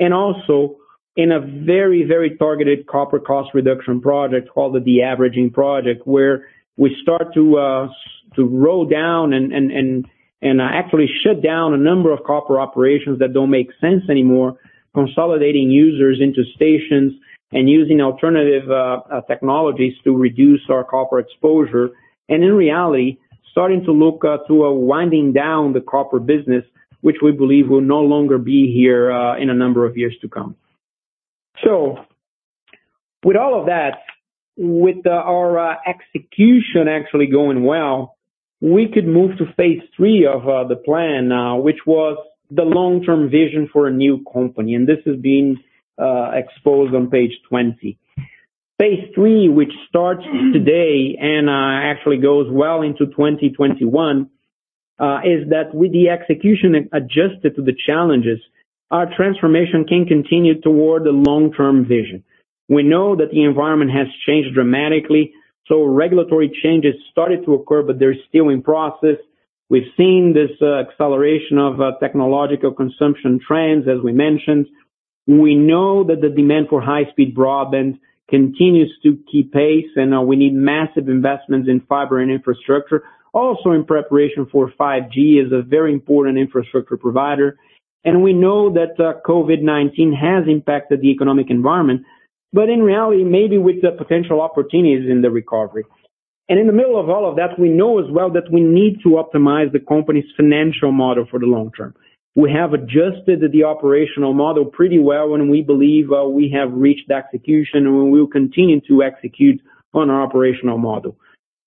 Also in a very targeted copper cost reduction project called the de-averaging project, where we start to roll down and actually shut down a number of copper operations that don't make sense anymore, consolidating users into stations and using alternative technologies to reduce our copper exposure. In reality, starting to look to winding down the copper business, which we believe will no longer be here in a number of years to come. With all of that, with our execution actually going well, we could move to phase III of the plan now, which was the long-term vision for a new company, and this is being exposed on page 20. Phase III, which starts today and actually goes well into 2021, is that with the execution adjusted to the challenges, our transformation can continue toward the long-term vision. We know that the environment has changed dramatically, so regulatory changes started to occur, but they're still in process. We've seen this acceleration of technological consumption trends, as we mentioned. We know that the demand for high-speed broadband continues to keep pace, we need massive investments in fiber and infrastructure, also in preparation for 5G as a very important infrastructure provider. We know that COVID-19 has impacted the economic environment, but in reality, maybe with the potential opportunities in the recovery. In the middle of all of that, we know as well that we need to optimize the company's financial model for the long term. We have adjusted the operational model pretty well, and we believe we have reached execution, and we will continue to execute on our operational model.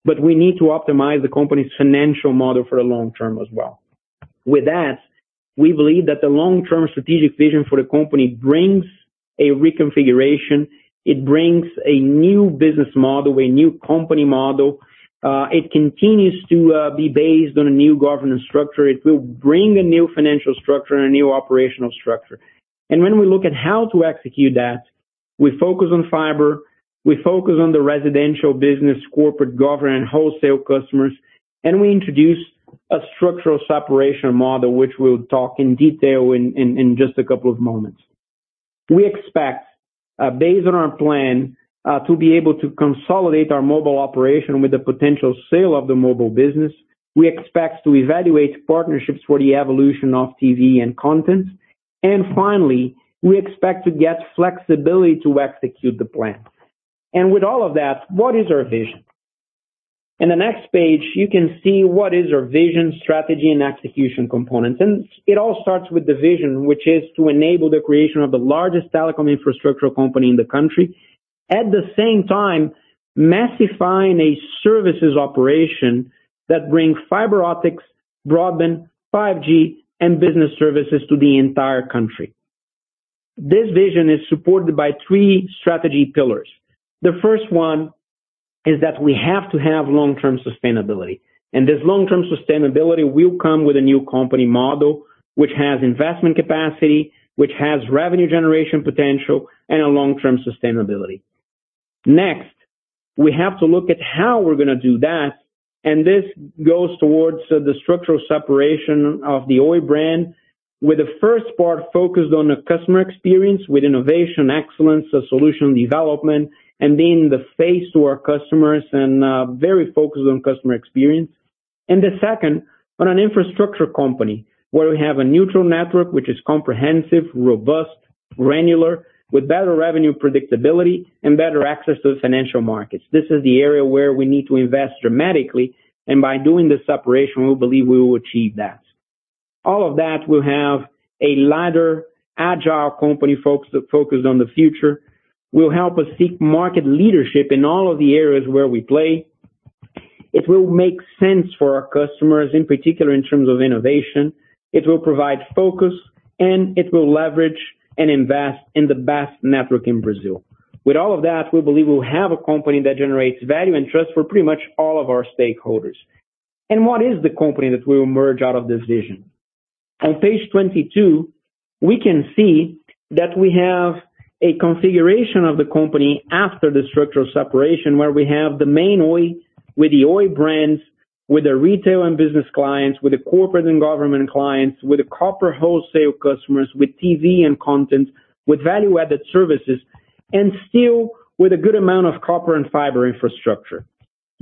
We need to optimize the company's financial model for the long term as well. With that, we believe that the long-term strategic vision for the company brings a reconfiguration. It brings a new business model, a new company model. It continues to be based on a new governance structure. It will bring a new financial structure and a new operational structure. When we look at how to execute that, we focus on fiber. We focus on the residential business, corporate governance, wholesale customers, and we introduce a structural separation model, which we'll talk in detail in just a couple of moments. We expect, based on our plan, to be able to consolidate our mobile operation with the potential sale of the mobile business. We expect to evaluate partnerships for the evolution of TV and content. Finally, we expect to get flexibility to execute the plan. With all of that, what is our vision? In the next page, you can see what is our vision, strategy, and execution components. It all starts with the vision, which is to enable the creation of the largest telecom infrastructure company in the country. At the same time, massifying a services operation that brings fiber optics, broadband, 5G, and business services to the entire country. This vision is supported by three strategy pillars. The first one is that we have to have long-term sustainability, and this long-term sustainability will come with a new company model, which has investment capacity, which has revenue generation potential, and a long-term sustainability. We have to look at how we're going to do that. This goes towards the structural separation of the Oi brand with the first part focused on the customer experience with innovation excellence, solution development, and being the face to our customers and very focused on customer experience. The second, on an infrastructure company where we have a neutral network, which is comprehensive, robust, granular, with better revenue predictability and better access to the financial markets. This is the area where we need to invest dramatically, and by doing the separation, we believe we will achieve that. All of that will have a lighter, agile company focused on the future, will help us seek market leadership in all of the areas where we play. It will make sense for our customers, in particular, in terms of innovation. It will provide focus, and it will leverage and invest in the best network in Brazil. With all of that, we believe we'll have a company that generates value and trust for pretty much all of our stakeholders. What is the company that will emerge out of this vision? On page 22, we can see that we have a configuration of the company after the structural separation, where we have the main Oi with the Oi brands, with the retail and business clients, with the corporate and government clients, with the copper wholesale customers, with TV and content, with value-added services, and still with a good amount of copper and fiber infrastructure.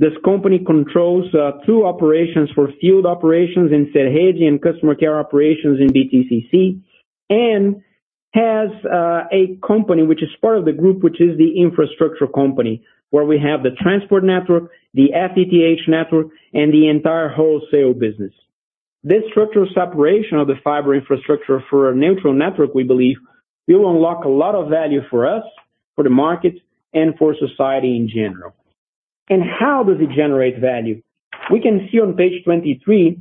This company controls two operations for field operations in Serede and customer care operations in BTCC, and has a company which is part of the group, which is the infrastructure company. Where we have the transport network, the FTTH network, and the entire wholesale business. This structural separation of the fiber infrastructure for a neutral network, we believe, will unlock a lot of value for us, for the market, and for society in general. How does it generate value? We can see on page 23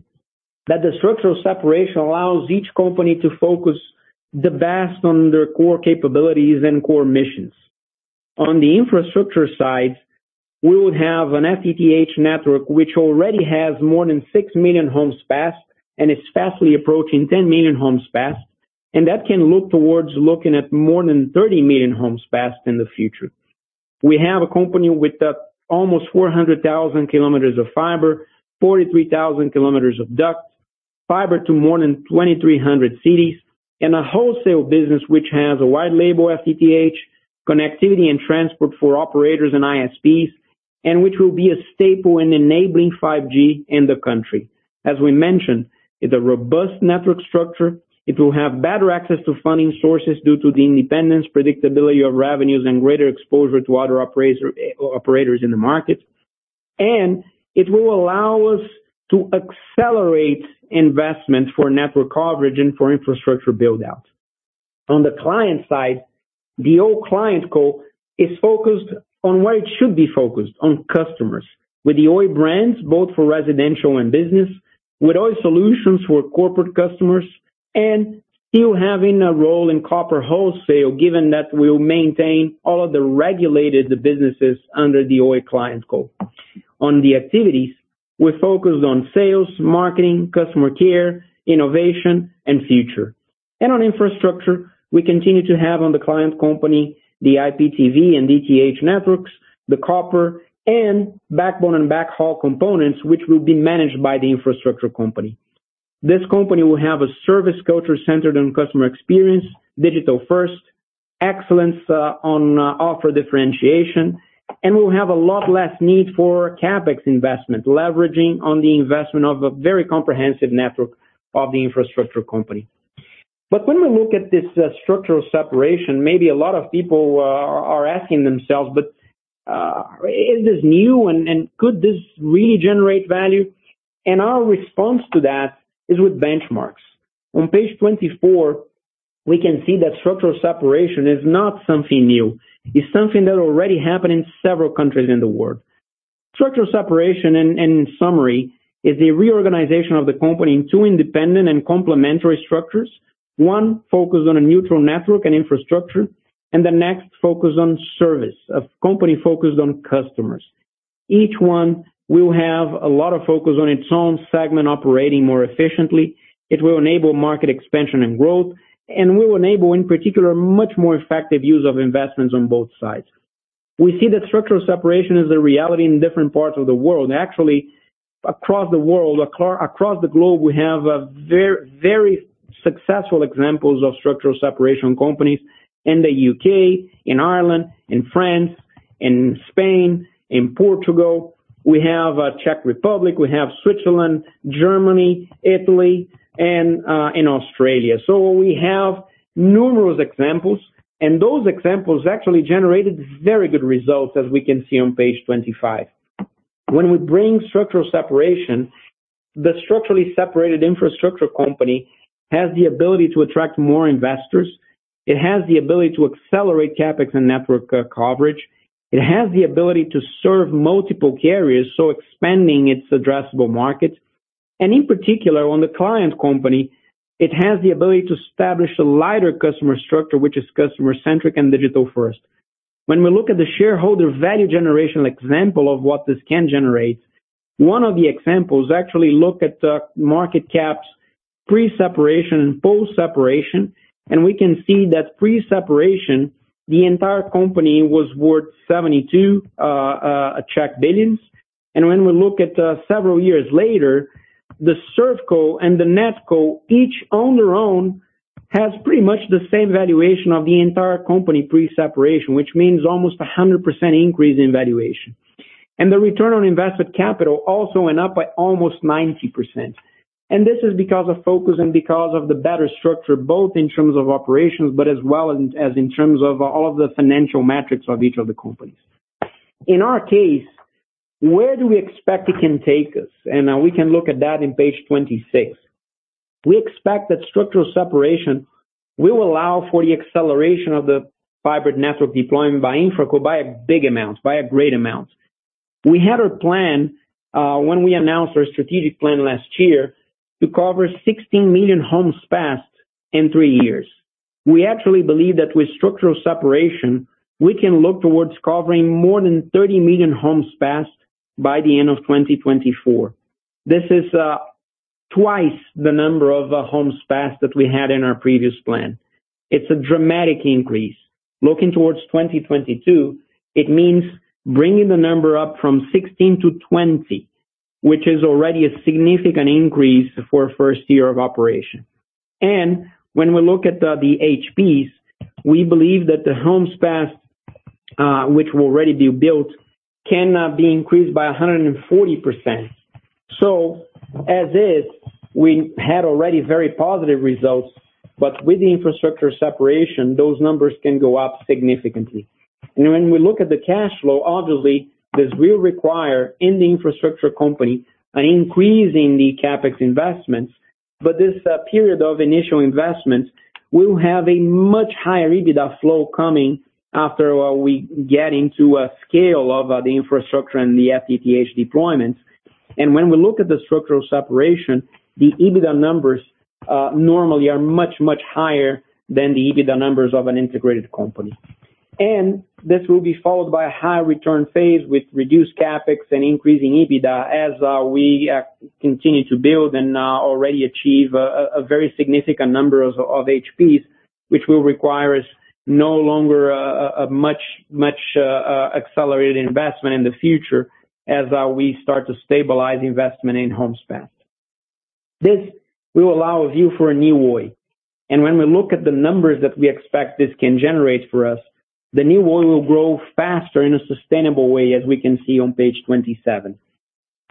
that the structural separation allows each company to focus the best on their core capabilities and core missions. On the infrastructure side, we would have an FTTH network, which already has more than 6 million Homes Passed, and is fastly approaching 10 million Homes Passed, and that can look towards looking at more than 30 million Homes Passed in the future. We have a company with almost 400,000 km of fiber, 43,000 km of duct, fiber to more than 2,300 cities, and a wholesale business which has a white label FTTH, connectivity and transport for operators and ISPs, and which will be a staple in enabling 5G in the country. As we mentioned, it's a robust network structure. It will have better access to funding sources due to the independence, predictability of revenues, and greater exposure to other operators in the market. It will allow us to accelerate investment for network coverage and for infrastructure build-out. On the client side, the Oi ClientCo is focused on what it should be focused, on customers. With the Oi brands, both for residential and business, with Oi Soluções for corporate customers, and still having a role in copper wholesale, given that we will maintain all of the regulated businesses under the Oi ClientCo. On the activities, we are focused on sales, marketing, customer care, innovation, and future. On infrastructure, we continue to have on the ClientCo the IPTV and DTH networks, the copper, and backbone and backhaul components, which will be managed by the InfraCo. This company will have a service culture centered on customer experience, digital-first, excellence on offer differentiation, and will have a lot less need for CapEx investment, leveraging on the investment of a very comprehensive network of the infrastructure company. When we look at this structural separation, maybe a lot of people are asking themselves, but is this new and could this really generate value? Our response to that is with benchmarks. On page 24, we can see that structural separation is not something new. It's something that already happened in several countries in the world. Structural separation, in summary, is a reorganization of the company in two independent and complementary structures. One focused on a neutral network and infrastructure, and the next focused on service. A company focused on customers. Each one will have a lot of focus on its own segment operating more efficiently. It will enable market expansion and growth, and will enable, in particular, much more effective use of investments on both sides. We've seen that structure separation is the reality in different parts of the world and actually across the world, across the globe, we have very successful examples of structural separation companies in the U.K., in Ireland, in France, in Spain, in Portugal. We have Czech Republic, we have Switzerland, Germany, Italy, and in Australia. We have numerous examples, and those examples actually generated very good results as we can see on page 25. When we bring structural separation, the structurally separated infrastructure company has the ability to attract more investors. It has the ability to accelerate CapEx and network coverage. It has the ability to serve multiple carriers, so expanding its addressable market. In particular, on the ClientCo, it has the ability to establish a lighter customer structure, which is customer-centric and digital first. When we look at the shareholder value generation example of what this can generate, one of the examples actually look at the market caps pre-separation and post-separation. We can see that pre-separation, the entire company was worth 72 billion. When we look at several years later, the ServCo and the NetCo, each on their own, has pretty much the same valuation of the entire company pre-separation, which means almost 100% increase in valuation. The return on invested capital also went up by almost 90%. This is because of focus and because of the better structure, both in terms of operations, but as well as in terms of all of the financial metrics of each of the companies. In our case, where do we expect it can take us? We can look at that on page 26. We expect that structural separation will allow for the acceleration of the fiber network deployment by InfraCo by a big amount, by a great amount. We had a plan when we announced our strategic plan last year to cover 16 million Homes Passed in three years. We actually believe that with structural separation, we can look towards covering more than 30 million Homes Passed by the end of 2024. This is twice the number of Homes Passed that we had in our previous plan. It's a dramatic increase. Looking towards 2022, it means bringing the number up from 16-20, which is already a significant increase for a first year of operation. When we look at the HPs, we believe that the Homes Passed, which will already be built, can now be increased by 140%. As is, we had already very positive results, but with the infrastructure separation, those numbers can go up significantly. When we look at the cash flow, obviously, this will require in the infrastructure company an increase in the CapEx investments. This period of initial investments will have a much higher EBITDA flow coming after we get into a scale of the infrastructure and the FTTH deployments. When we look at the structural separation, the EBITDA numbers normally are much, much higher than the EBITDA numbers of an integrated company. This will be followed by a high return phase with reduced CapEx and increasing EBITDA as we continue to build and already achieve a very significant number of HPs, which will require us no longer a much accelerated investment in the future as we start to stabilize investment in Homes Passed. This will allow a view for a new Oi. When we look at the numbers that we expect this can generate for us, the new Oi will grow faster in a sustainable way, as we can see on page 27.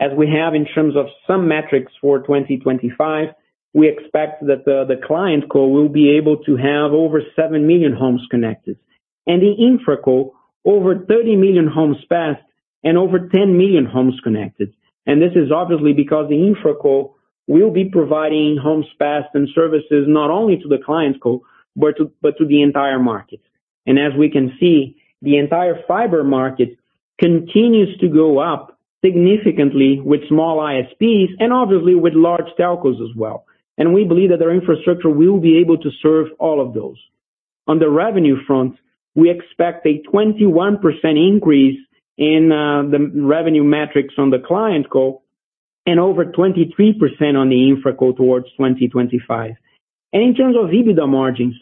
As we have in terms of some metrics for 2025, we expect that the ClientCo will be able to have over seven million homes connected. The InfraCo, over 30 million Homes Passed and over 10 million homes connected. This is obviously because the InfraCo will be providing Homes Passed and services not only to the ClientCo, but to the entire market. As we can see, the entire fiber market continues to go up significantly with small ISPs and obviously with large telcos as well. We believe that our infrastructure will be able to serve all of those. On the revenue front, we expect a 21% increase in the revenue metrics on the ClientCo and over 23% on the InfraCo towards 2025. In terms of EBITDA margins,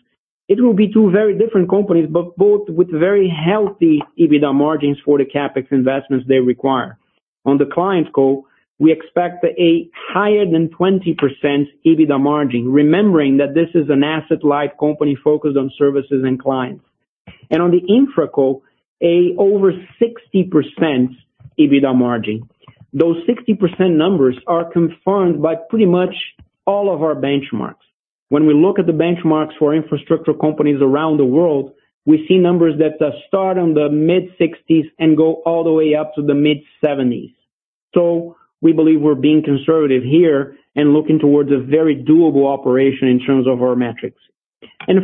it will be two very different companies, but both with very healthy EBITDA margins for the CapEx investments they require. On the ClientCo, we expect a higher than 20% EBITDA margin, remembering that this is an asset-light company focused on services and clients. On the InfraCo, an over 60% EBITDA margin. Those 60% numbers are confirmed by pretty much all of our benchmarks. When we look at the benchmarks for infrastructure companies around the world, we see numbers that start in the mid-60s and go all the way up to the mid-70s. We believe we're being conservative here and looking towards a very doable operation in terms of our metrics.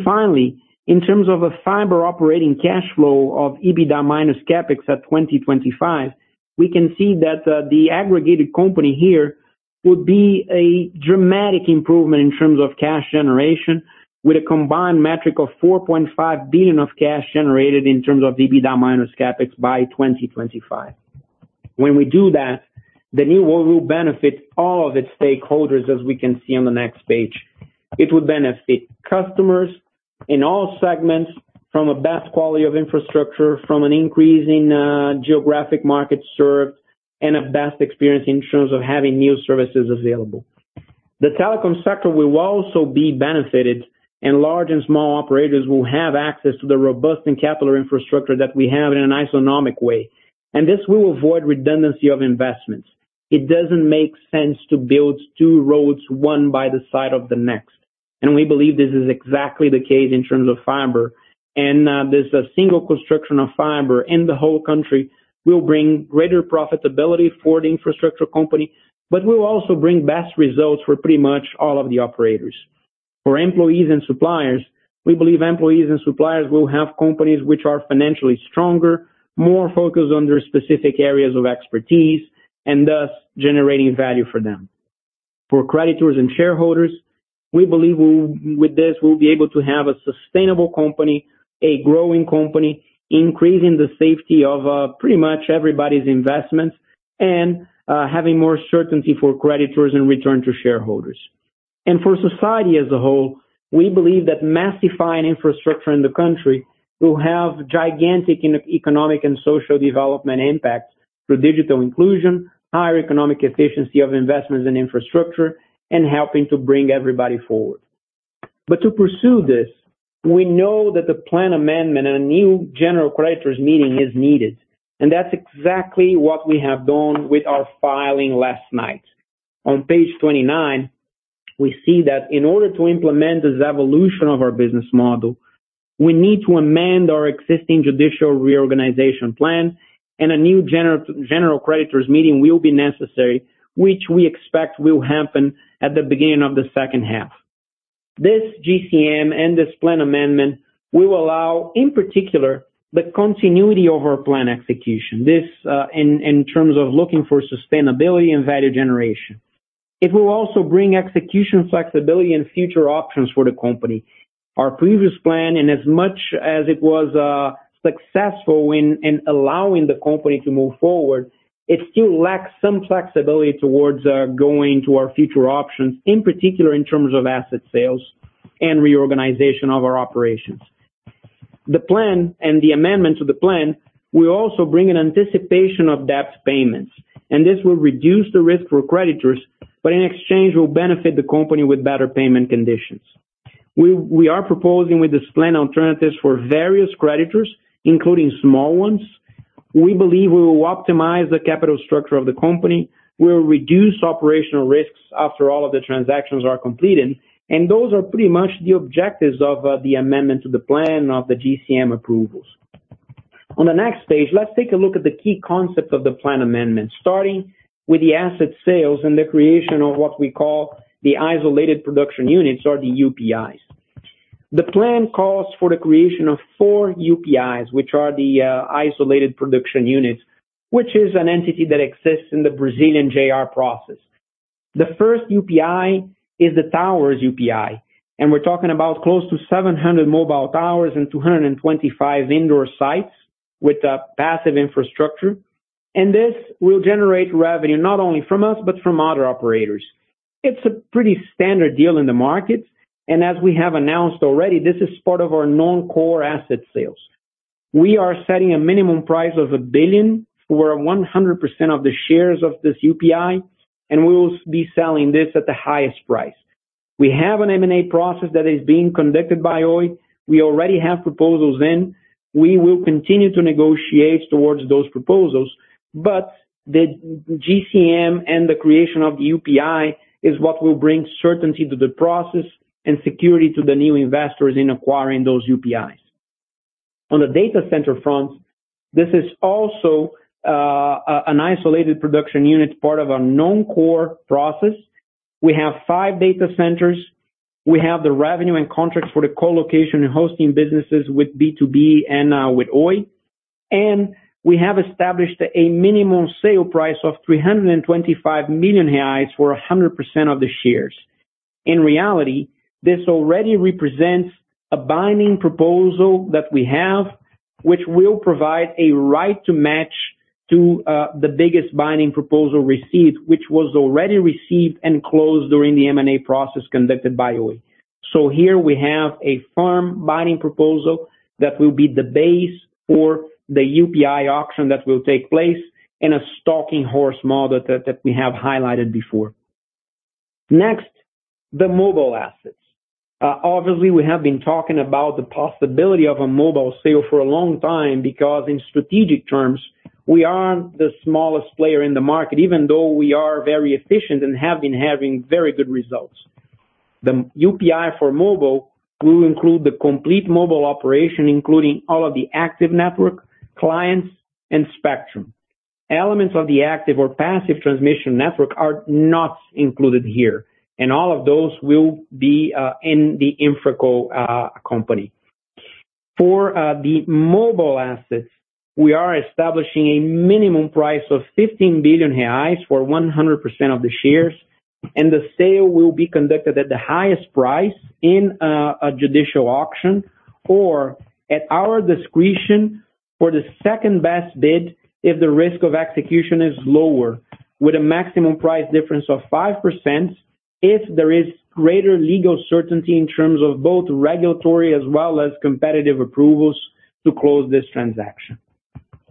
Finally, in terms of a fiber operating cash flow of EBITDA minus CapEx at 2025, we can see that the aggregated company here would be a dramatic improvement in terms of cash generation with a combined metric of 4.5 billion of cash generated in terms of EBITDA minus CapEx by 2025. When we do that, the new Oi will benefit all of its stakeholders, as we can see on the next page. It would benefit customers in all segments from a best quality of infrastructure, from an increase in geographic markets served, and a best experience in terms of having new services available. The telecom sector will also be benefited, large and small operators will have access to the robust and capital infrastructure that we have in an isonomic way. This will avoid redundancy of investments. It doesn't make sense to build two roads, one by the side of the next. We believe this is exactly the case in terms of fiber. This single construction of fiber in the whole country will bring greater profitability for the infrastructure company, but will also bring best results for pretty much all of the operators. For employees and suppliers, we believe employees and suppliers will have companies which are financially stronger, more focused on their specific areas of expertise, and thus generating value for them. For creditors and shareholders, we believe with this, we'll be able to have a sustainable company, a growing company, increasing the safety of pretty much everybody's investments, and having more certainty for creditors and return to shareholders. For society as a whole, we believe that massifying infrastructure in the country will have gigantic economic and social development impacts through digital inclusion, higher economic efficiency of investments in infrastructure, and helping to bring everybody forward. To pursue this, we know that the plan amendment and a new general creditors meeting is needed, and that's exactly what we have done with our filing last night. On page 29, we see that in order to implement this evolution of our business model, we need to amend our existing judicial reorganization plan. A new general creditors meeting will be necessary, which we expect will happen at the beginning of the second half. This GCM and this plan amendment will allow, in particular, the continuity of our plan execution. This, in terms of looking for sustainability and value generation. It will also bring execution flexibility and future options for the company. Our previous plan, and as much as it was successful in allowing the company to move forward, it still lacks some flexibility towards going to our future options, in particular, in terms of asset sales and reorganization of our operations. The plan and the amendments of the plan will also bring an anticipation of debt payments, and this will reduce the risk for creditors, but in exchange, will benefit the company with better payment conditions. We are proposing with this plan alternatives for various creditors, including small ones. We believe we will optimize the capital structure of the company. We'll reduce operational risks after all of the transactions are completed. Those are pretty much the objectives of the amendment to the plan of the GCM approvals. On the next page, let's take a look at the key concept of the plan amendment, starting with the asset sales and the creation of what we call the isolated production units or the UPIs. The plan calls for the creation of four UPIs, which are the isolated production units, which is an entity that exists in the Brazilian JR process. The first UPI is the towers UPI, and we're talking about close to 700 mobile towers and 225 indoor sites with passive infrastructure. This will generate revenue not only from us but from other operators. It's a pretty standard deal in the market, and as we have announced already, this is part of our non-core asset sales. We are setting a minimum price of 1 billion for 100% of the shares of this UPI, and we will be selling this at the highest price. We have an M&A process that is being conducted by Oi. We already have proposals in. We will continue to negotiate towards those proposals, the GCM and the creation of the UPI is what will bring certainty to the process and security to the new investors in acquiring those UPIs. On the data center front, this is also an isolated production unit, part of our non-core process. We have five data centers. We have the revenue and contracts for the co-location and hosting businesses with B2B and now with Oi, and we have established a minimum sale price of 325 million reais for 100% of the shares. In reality, this already represents a binding proposal that we have, which will provide a right to match to the biggest binding proposal received, which was already received and closed during the M&A process conducted by Oi. Here we have a firm binding proposal that will be the base for the UPI auction that will take place in a stalking horse model that we have highlighted before. Next, the mobile assets. Obviously, we have been talking about the possibility of a mobile sale for a long time because in strategic terms, we are the smallest player in the market, even though we are very efficient and have been having very good results. The UPI for mobile will include the complete mobile operation, including all of the active network, clients, and spectrum. Elements of the active or passive transmission network are not included here, and all of those will be in the InfraCo company. For the mobile assets, we are establishing a minimum price of 15 billion reais for 100% of the shares. The sale will be conducted at the highest price in a judicial auction, or at our discretion for the second-best bid if the risk of execution is lower with a maximum price difference of 5% if there is greater legal certainty in terms of both regulatory as well as competitive approvals to close this transaction.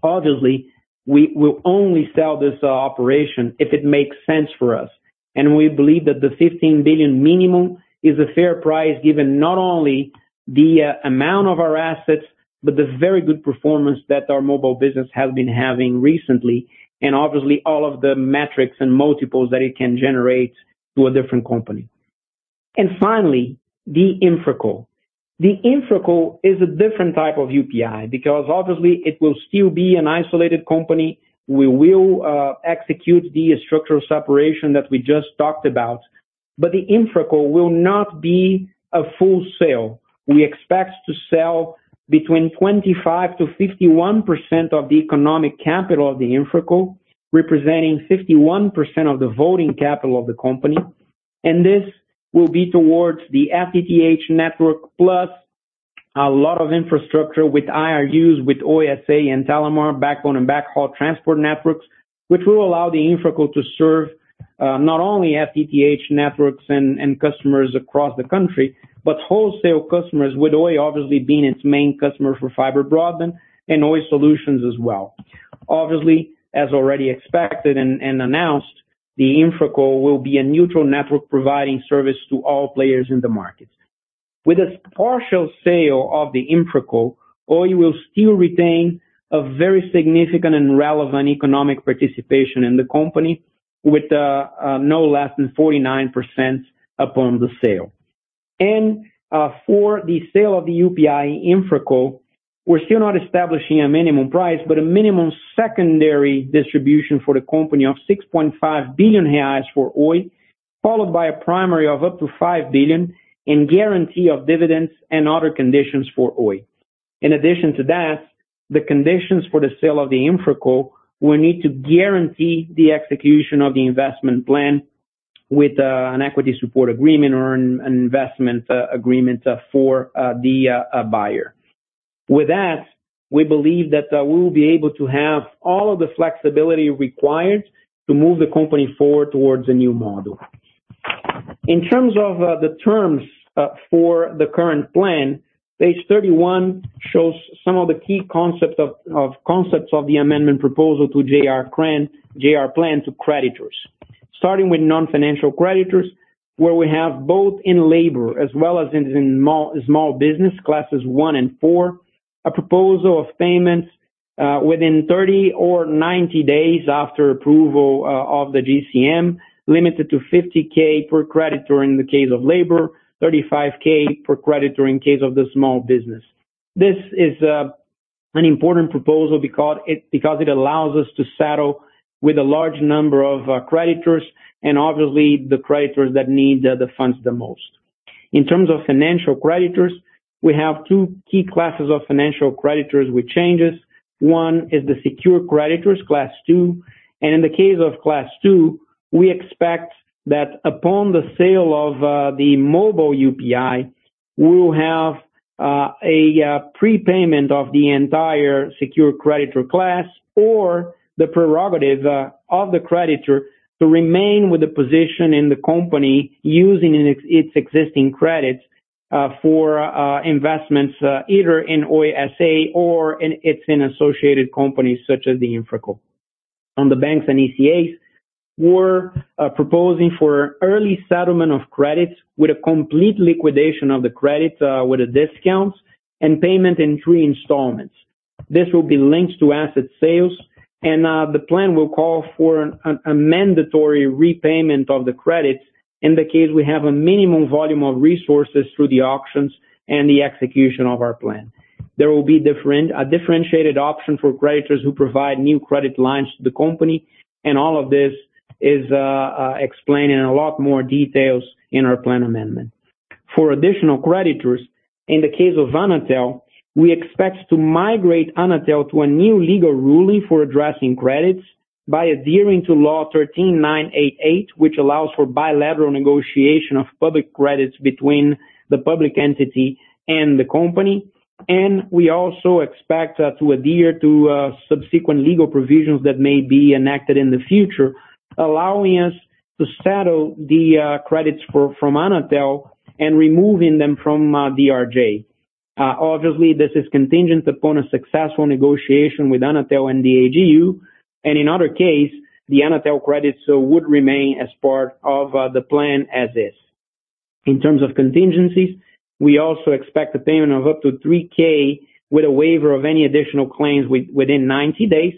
Obviously, we will only sell this operation if it makes sense for us. We believe that the 15 billion BRL minimum is a fair price given not only the amount of our assets, but the very good performance that our mobile business has been having recently, and obviously all of the metrics and multiples that it can generate to a different company. Finally, the InfraCo. The InfraCo is a different type of UPI because obviously it will still be an isolated company. We will execute the structural separation that we just talked about. The InfraCo will not be a full sale. We expect to sell between 25%-51% of the economic capital of the InfraCo, representing 51% of the voting capital of the company. This will be towards the FTTH network plus a lot of infrastructure with IRUs, with Oi S.A. and Telemar backbone and backhaul transport networks, which will allow the InfraCo to serve not only FTTH networks and customers across the country, but wholesale customers, with Oi obviously being its main customer for fiber broadband and Oi Soluções as well. Obviously, as already expected and announced, the InfraCo will be a neutral network providing service to all players in the market. With a partial sale of the InfraCo, Oi will still retain a very significant and relevant economic participation in the company with no less than 49% upon the sale. For the sale of the UPI InfraCo, we're still not establishing a minimum price, but a minimum secondary distribution for the company of 6.5 billion reais for Oi, followed by a primary of up to 5 billion, and guarantee of dividends and other conditions for Oi. In addition to that, the conditions for the sale of the InfraCo will need to guarantee the execution of the investment plan with an equity support agreement or an investment agreement for the buyer. With that, we believe that we will be able to have all of the flexibility required to move the company forward towards a new model. In terms of the terms for the current plan, page 31 shows some of the key concepts of the amendment proposal to JR plan to creditors. Starting with non-financial creditors, where we have both in labor as well as in small business class one and four, a proposal of payments within 30 or 90 days after approval of the GCM, limited to 50,000 per creditor in the case of labor, 35,000 per creditor in case of the small business. This is an important proposal because it allows us to settle with a large number of creditors and obviously the creditors that need the funds the most. In terms of financial creditors, we have two key classes of financial creditors with changes. One is the secure creditors, class two. In the case of class two, we expect that upon the sale of the mobile UPI, we will have a prepayment of the entire secure creditor class or the prerogative of the creditor to remain with a position in the company using its existing credits for investments either in Oi S.A. or in its associated companies, such as the InfraCo. On the banks and ECAs, we're proposing for early settlement of credits with a complete liquidation of the credits with a discount and payment in three installments. This will be linked to asset sales and the plan will call for a mandatory repayment of the credits in the case we have a minimum volume of resources through the auctions and the execution of our plan. There will be a differentiated option for creditors who provide new credit lines to the company. All of this is explained in a lot more details in our plan amendment. For additional creditors, in the case of Anatel, we expect to migrate Anatel to a new legal ruling for addressing credits by adhering to Law 13988, which allows for bilateral negotiation of public credits between the public entity and the company. We also expect to adhere to subsequent legal provisions that may be enacted in the future, allowing us to settle the credits from Anatel and removing them from DRJ. Obviously, this is contingent upon a successful negotiation with Anatel and the AGU. In other case, the Anatel credits would remain as part of the plan as is. In terms of contingencies, we also expect a payment of up to 3,000 with a waiver of any additional claims within 90 days.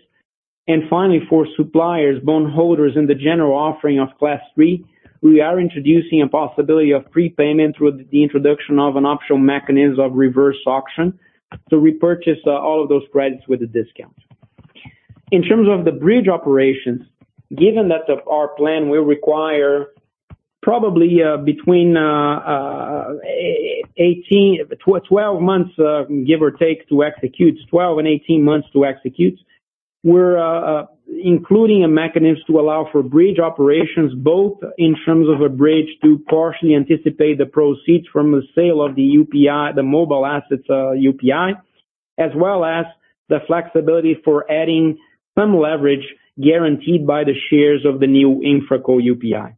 Finally, for suppliers, bondholders in the general offering of class three, we are introducing a possibility of prepayment through the introduction of an optional mechanism of reverse auction to repurchase all of those credits with a discount. In terms of the bridge operations, given that our plan will require probably between 12 months, give or take, to execute, 12 and 18 months to execute, we're including a mechanism to allow for bridge operations, both in terms of a bridge to partially anticipate the proceeds from the sale of the mobile assets UPI, as well as the flexibility for adding some leverage guaranteed by the shares of the new InfraCo UPI.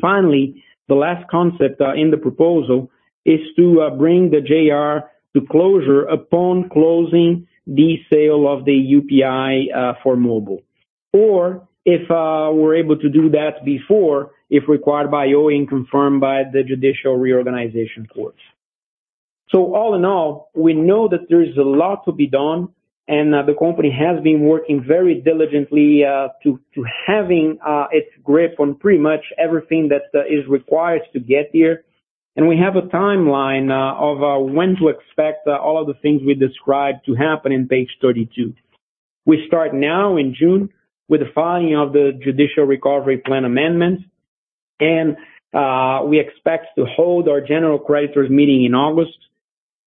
Finally, the last concept in the proposal is to bring the JR to closure upon closing the sale of the UPI for mobile. If we're able to do that before, if required by Oi and confirmed by the judicial reorganization courts. All in all, we know that there is a lot to be done and the company has been working very diligently to having its grip on pretty much everything that is required to get here. We have a timeline of when to expect all of the things we described to happen in page 32. We start now in June with the filing of the judicial recovery plan amendment, and we expect to hold our general creditors meeting in August.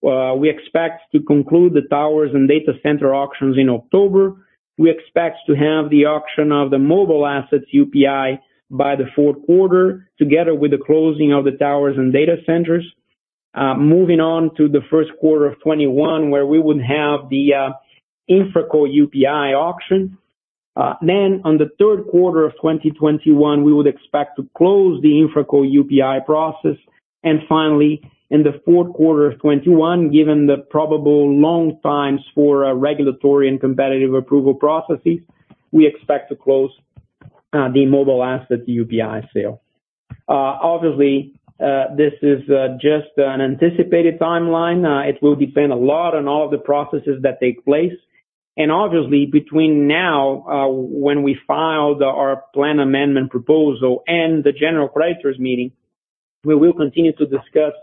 We expect to conclude the towers and data center auctions in October. We expect to have the auction of the mobile assets UPI by the fourth quarter, together with the closing of the towers and data centers. Moving on to the first quarter of 2021, where we would have the InfraCo UPI auction. On the third quarter of 2021, we would expect to close the InfraCo UPI process. Finally, in the fourth quarter of 2021, given the probable long times for regulatory and competitive approval processes, we expect to close the mobile asset UPI sale. Obviously, this is just an anticipated timeline. It will depend a lot on all the processes that take place. Obviously between now, when we file our plan amendment proposal and the general creditors meeting, we will continue to discuss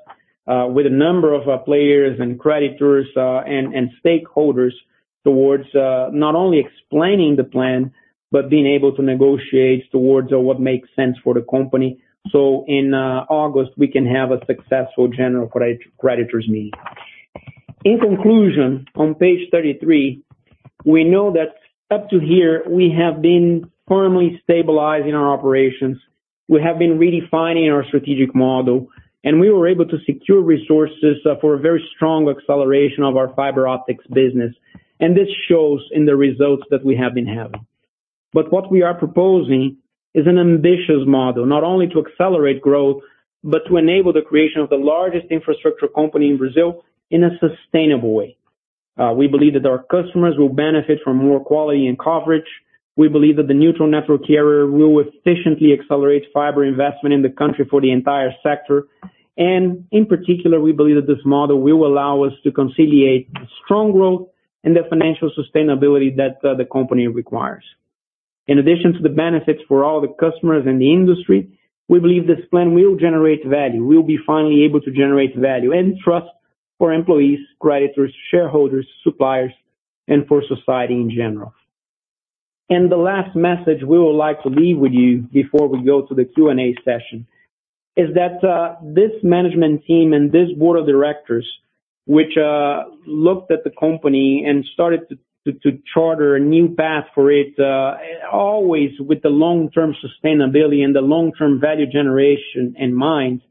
with a number of players and creditors and stakeholders towards not only explaining the plan, but being able to negotiate towards what makes sense for the company. In August, we can have a successful general creditors meeting. In conclusion, on page 33, we know that up to here we have been firmly stabilizing our operations. We have been redefining our strategic model, and we were able to secure resources for a very strong acceleration of our fiber optics business. This shows in the results that we have been having. What we are proposing is an ambitious model, not only to accelerate growth, but to enable the creation of the largest infrastructure company in Brazil in a sustainable way. We believe that our customers will benefit from more quality and coverage. We believe that the neutral network carrier will efficiently accelerate fiber investment in the country for the entire sector. In particular, we believe that this model will allow us to conciliate strong growth and the financial sustainability that the company requires. In addition to the benefits for all the customers in the industry, we believe this plan will generate value. We'll be finally able to generate value and trust for employees, creditors, shareholders, suppliers, and for society in general. The last message we would like to leave with you before we go to the Q&A session is that, this management team and this board of directors, which looked at the company and started to chart a new path for it, always with the long-term sustainability and the long-term value generation in mind,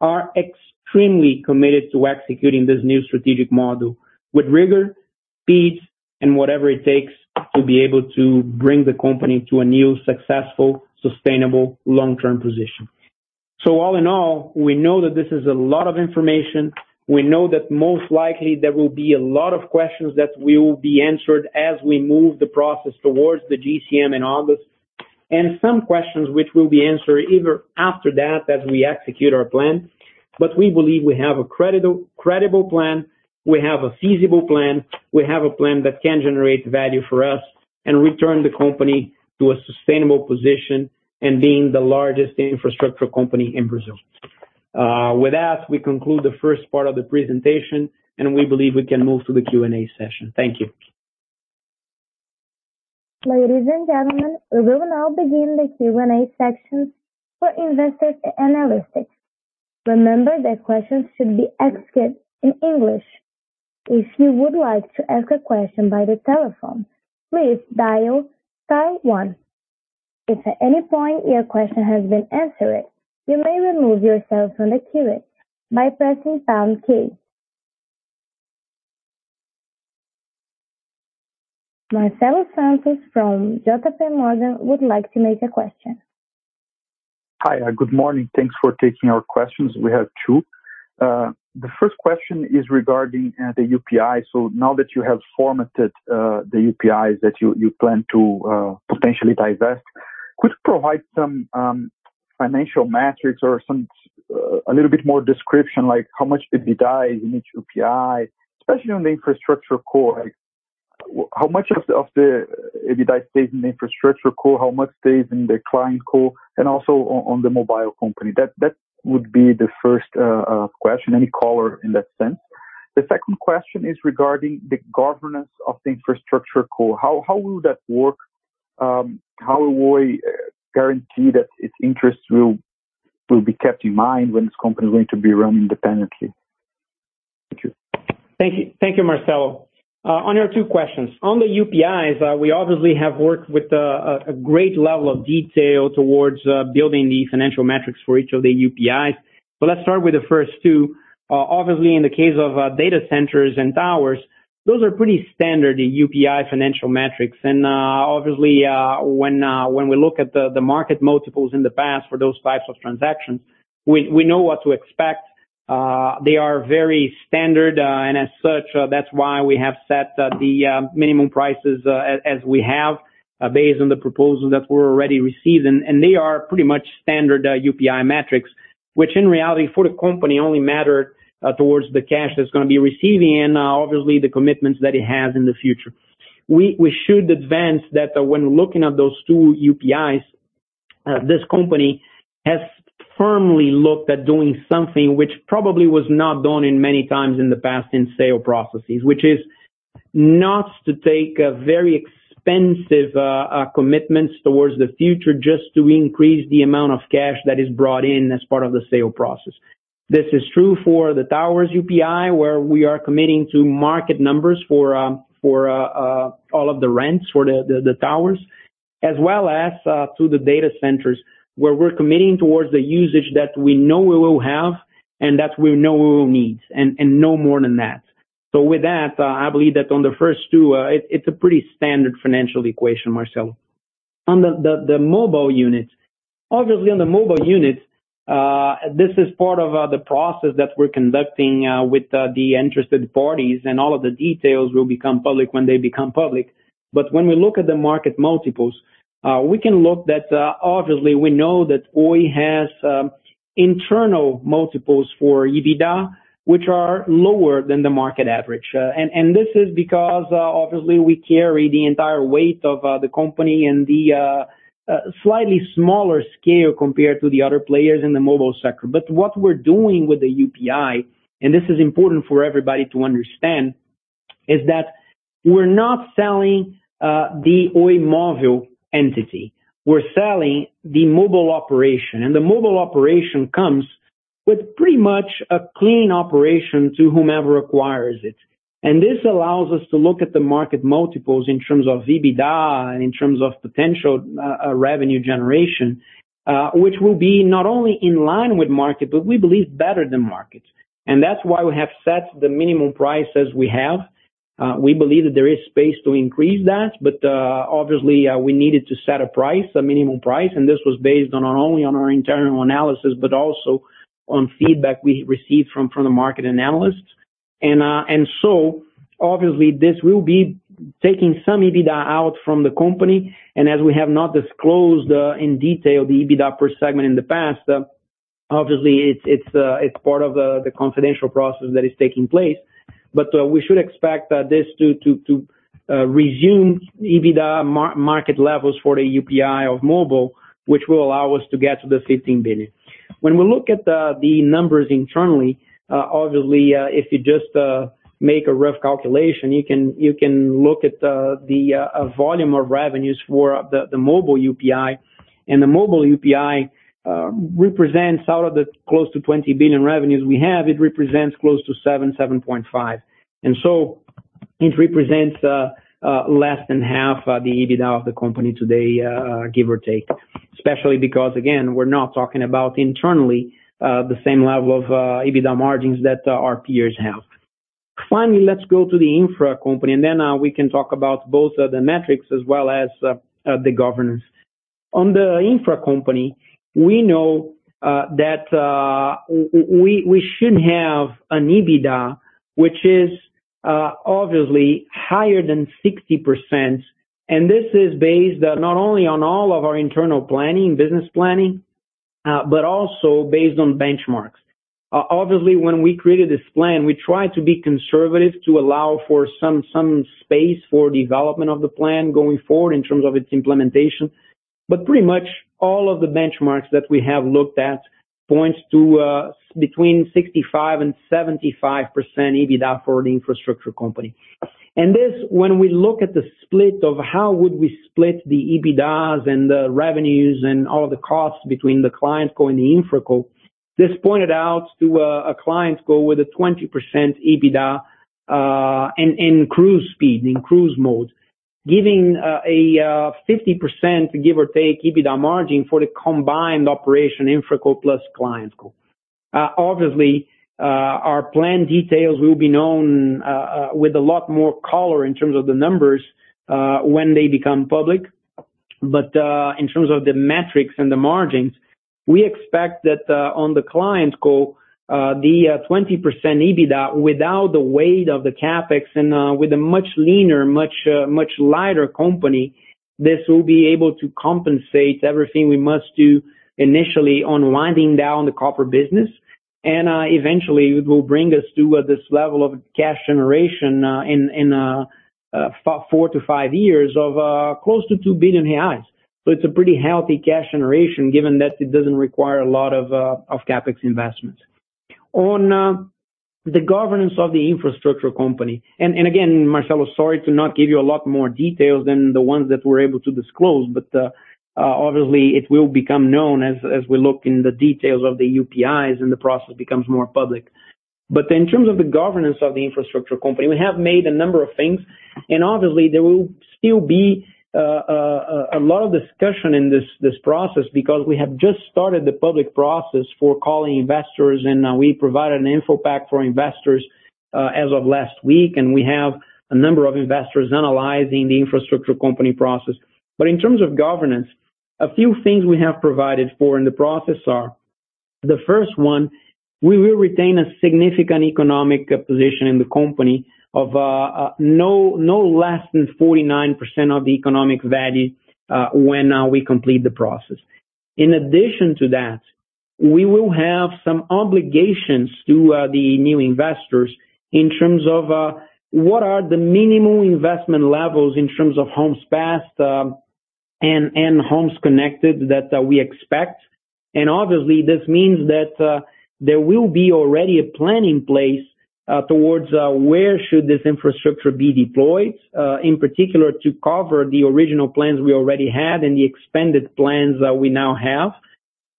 are extremely committed to executing this new strategic model with rigor, speed, and whatever it takes to be able to bring the company to a new, successful, sustainable long-term position. All in all, we know that this is a lot of information. We know that most likely there will be a lot of questions that will be answered as we move the process towards the GCM in August, and some questions which will be answered either after that, as we execute our plan. We believe we have a credible plan. We have a feasible plan. We have a plan that can generate value for us and return the company to a sustainable position in being the largest infrastructure company in Brazil. With that, we conclude the first part of the presentation and we believe we can move to the Q&A session. Thank you. Ladies and gentlemen, we will now begin the Q&A section for investors and analysts. Remember that questions should be asked in English. If you would like to ask a question by the telephone, please dial star one. If at any point your question has been answered, you may remove yourself from the queue by pressing pound key. Marcelo Santos from JPMorgan would like to make a question. Hi. Good morning. Thanks for taking our questions. We have two. The first question is regarding the UPI. Now that you have formatted the UPIs that you plan to potentially divest, could you provide some financial metrics or a little bit more description, like how much EBITDA in each UPI, especially on the InfrastructureCo? How much of the EBITDA stays in the InfrastructureCo? How much stays in the ClientCo? Also on the mobile company. That would be the first question, any color in that sense. The second question is regarding the governance of the InfrastructureCo. How will that work? How will Oi guarantee that its interests will be kept in mind when this company is going to be run independently? Thank you. Thank you, Marcelo. On your two questions. On the UPIs, we obviously have worked with a great level of detail towards building the financial metrics for each of the UPIs. Let's start with the first two. Obviously, in the case of data centers and towers, those are pretty standard UPI financial metrics. Obviously, when we look at the market multiples in the past for those types of transactions, we know what to expect. They are very standard, as such, that's why we have set the minimum prices as we have, based on the proposal that we're already receiving. They are pretty much standard UPI metrics, which in reality for the company only matter towards the cash that's going to be received and obviously the commitments that it has in the future. We should advance that when looking at those two UPIs, this company has firmly looked at doing something which probably was not done in many times in the past in sale processes, which is not to take very expensive commitments towards the future just to increase the amount of cash that is brought in as part of the sale process. This is true for the towers UPI, where we are committing to market numbers for all of the rents for the towers, as well as to the data centers, where we're committing towards the usage that we know we will have and that we know we will need, and no more than that. With that, I believe that on the first two, it's a pretty standard financial equation, Marcelo. On the mobile units. Obviously, on the mobile units, this is part of the process that we're conducting with the interested parties, and all of the details will become public when they become public. When we look at the market multiples, we can look that obviously we know that Oi has internal multiples for EBITDA which are lower than the market average. This is because obviously we carry the entire weight of the company in the slightly smaller scale compared to the other players in the mobile sector. What we're doing with the UPI, and this is important for everybody to understand, is that we're not selling the Oi Móvel entity. We're selling the mobile operation. The mobile operation comes with pretty much a clean operation to whomever acquires it. This allows us to look at the market multiples in terms of EBITDA and in terms of potential revenue generation, which will be not only in line with market, but we believe better than market. That's why we have set the minimum price as we have. We believe that there is space to increase that, but obviously we needed to set a price, a minimum price, and this was based not only on our internal analysis, but also on feedback we received from the market analysts. Obviously this will be taking some EBITDA out from the company, and as we have not disclosed in detail the EBITDA per segment in the past, obviously it's part of the confidential process that is taking place. We should expect this to resume EBITDA market levels for the UPI of mobile, which will allow us to get to 15 billion. When we look at the numbers internally, obviously, if you just make a rough calculation, you can look at the volume of revenues for the mobile UPI. The mobile UPI represents out of the close to 20 billion revenues we have, it represents close to 7, 7.5. It represents less than half the EBITDA of the company today, give or take. Especially because, again, we're not talking about internally the same level of EBITDA margins that our peers have. Finally, let's go to the InfraCo, and then we can talk about both the metrics as well as the governance. On the infra company, we know that we should have an EBITDA which is obviously higher than 60%, and this is based not only on all of our internal planning, business planning, but also based on benchmarks. Obviously, when we created this plan, we tried to be conservative to allow for some space for development of the plan going forward in terms of its implementation. Pretty much all of the benchmarks that we have looked at points to between 65% and 75% EBITDA for the infrastructure company. When we look at the split of how would we split the EBITDAs and the revenues and all of the costs between the ClientCo and the InfraCo, this pointed out to a ClientCo with a 20% EBITDA in cruise speed, in cruise mode, giving a 50%, give or take, EBITDA margin for the combined operation, InfraCo plus ClientCo. Obviously, our plan details will be known with a lot more color in terms of the numbers when they become public, but in terms of the metrics and the margins, we expect that on the ClientCo, the 20% EBITDA without the weight of the CapEx and with a much leaner, much lighter company, this will be able to compensate everything we must do initially on winding down the copper business. Eventually, it will bring us to this level of cash generation in 4-5 years of close to 2 billion reais. It's a pretty healthy cash generation given that it doesn't require a lot of CapEx investments. On the governance of the infrastructure company, again, Marcelo, sorry to not give you a lot more details than the ones that we're able to disclose, but obviously it will become known as we look in the details of the UPIs and the process becomes more public. In terms of the governance of the infrastructure company, we have made a number of things, and obviously there will still be a lot of discussion in this process because we have just started the public process for calling investors, and we provided an info pack for investors as of last week, and we have a number of investors analyzing the infrastructure company process. In terms of governance, a few things we have provided for in the process are the first one, we will retain a significant economic position in the company of no less than 49% of the economic value when we complete the process. In addition to that, we will have some obligations to the new investors in terms of what are the minimum investment levels in terms of Homes Passed and homes connected that we expect. Obviously this means that there will be already a plan in place towards where should this infrastructure be deployed, in particular to cover the original plans we already had and the expanded plans that we now have,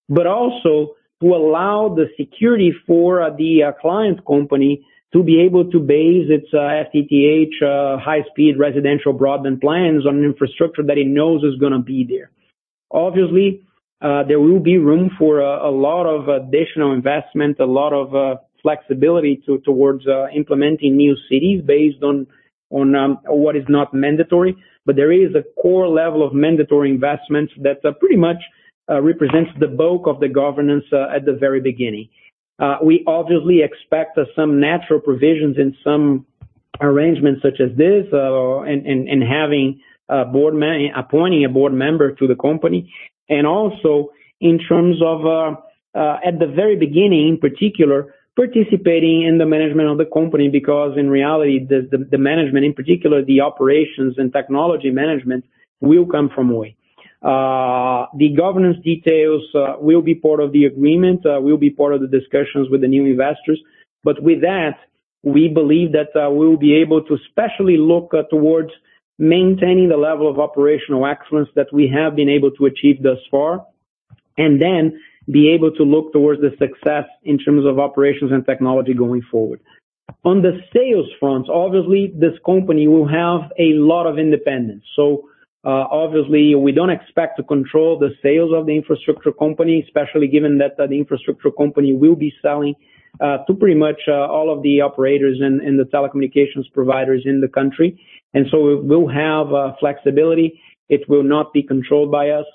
but also to allow the security for the client company to be able to base its FTTH high-speed residential broadband plans on infrastructure that it knows is going to be there. Obviously, there will be room for a lot of additional investment, a lot of flexibility towards implementing new cities based on what is not mandatory. There is a core level of mandatory investments that pretty much represents the bulk of the governance at the very beginning. We obviously expect some natural provisions in some arrangements such as this, and appointing a board member to the company. Also in terms of, at the very beginning in particular, participating in the management of the company because in reality, the management, in particular the operations and technology management, will come from Oi. The governance details will be part of the agreement, will be part of the discussions with the new investors. With that, we believe that we'll be able to especially look towards maintaining the level of operational excellence that we have been able to achieve thus far, and then be able to look towards the success in terms of operations and technology going forward. On the sales front, obviously, this company will have a lot of independence. Obviously, we don't expect to control the sales of the infrastructure company, especially given that the infrastructure company will be selling to pretty much all of the operators and the telecommunications providers in the country. It will have flexibility. It will not be controlled by us.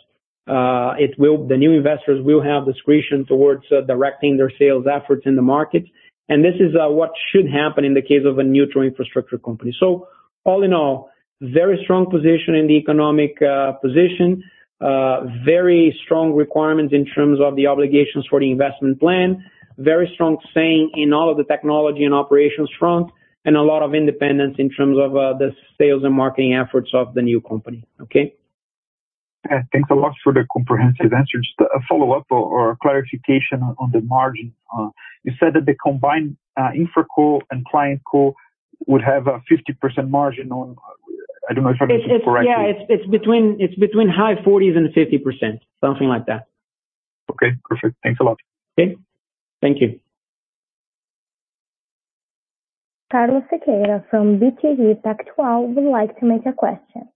The new investors will have discretion towards directing their sales efforts in the market. This is what should happen in the case of a neutral infrastructure company. All in all, very strong position in the economic position. Very strong requirement in terms of the obligations for the investment plan. Very strong saying in all of the technology and operations front, and a lot of independence in terms of the sales and marketing efforts of the new company. Okay? Thanks a lot for the comprehensive answer. Just a follow-up or clarification on the margin. You said that the combined InfraCo and ClientCo would have a 50% margin, I don't know if I understood correctly. Yeah, it's between high 40s and 50%, something like that. Okay, perfect. Thanks a lot. Okay. Thank you. Carlos Sequeira from BTG Pactual would like to make a question.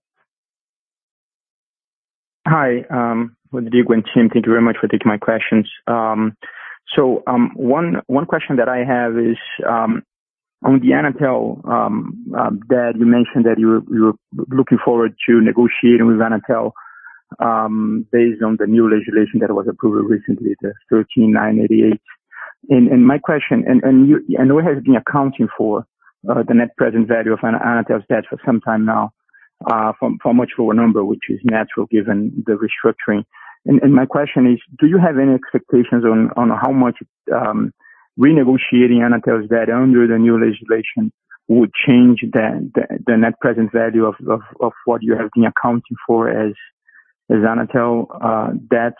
Hi, Rodrigo and team. Thank you very much for taking my questions. One question that I have is on the Anatel, that you mentioned that you're looking forward to negotiating with Anatel based on the new legislation that was approved recently, the 13988. My question, we have been accounting for the net present value of Anatel's debt for some time now, for much lower number, which is natural given the restructuring. My question is, do you have any expectations on how much renegotiating Anatel's debt under the new legislation would change the net present value of what you have been accounting for as Anatel debt?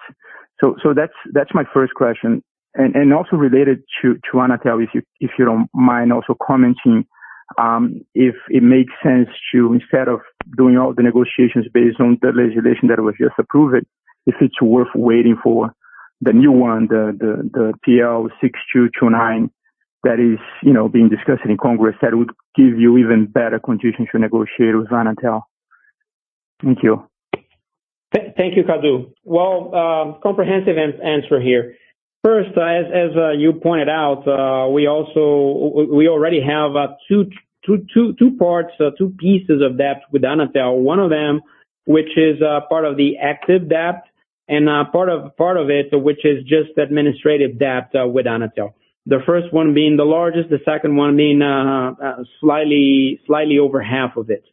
That's my first question. Also related to Anatel, if you don't mind also commenting, if it makes sense to, instead of doing all the negotiations based on the legislation that was just approved, if it's worth waiting for the new one, the PL 6229, that is being discussed in Congress that would give you even better conditions to negotiate with Anatel. Thank you. Thank you, Carlos. Comprehensive answer here. First, as you pointed out, we already have two parts, two pieces of debt with Anatel. One of them, which is part of the active debt, and part of it, which is just administrative debt with Anatel. The first one being the largest, the second one being slightly over half of it.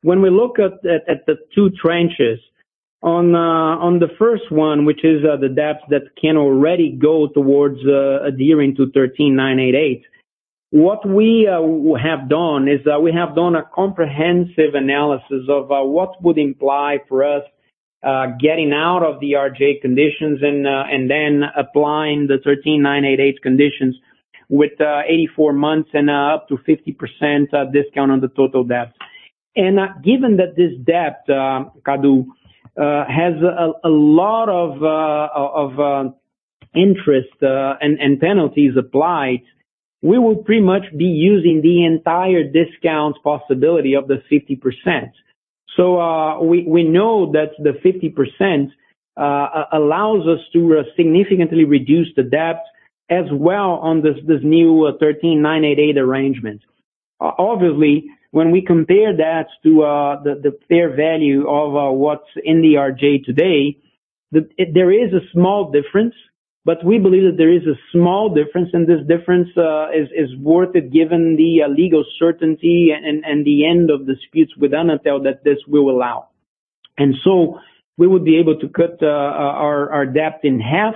When we look at the two tranches, on the first one, which is the debt that can already go towards adhering to 13988, what we have done is that we have done a comprehensive analysis of what would imply for us getting out of the JR conditions and then applying the 13988 conditions with 84 months and up to 50% discount on the total debt. Given that this debt, Carlos, has a lot of interest and penalties applied, we will pretty much be using the entire discount possibility of the 50%. We know that the 50% allows us to significantly reduce the debt as well on this new 13988 arrangement. Obviously, when we compare that to the fair value of what's in the RJ today, there is a small difference. We believe that there is a small difference, and this difference is worth it given the legal certainty and the end of disputes with Anatel that this will allow. We would be able to cut our debt in half.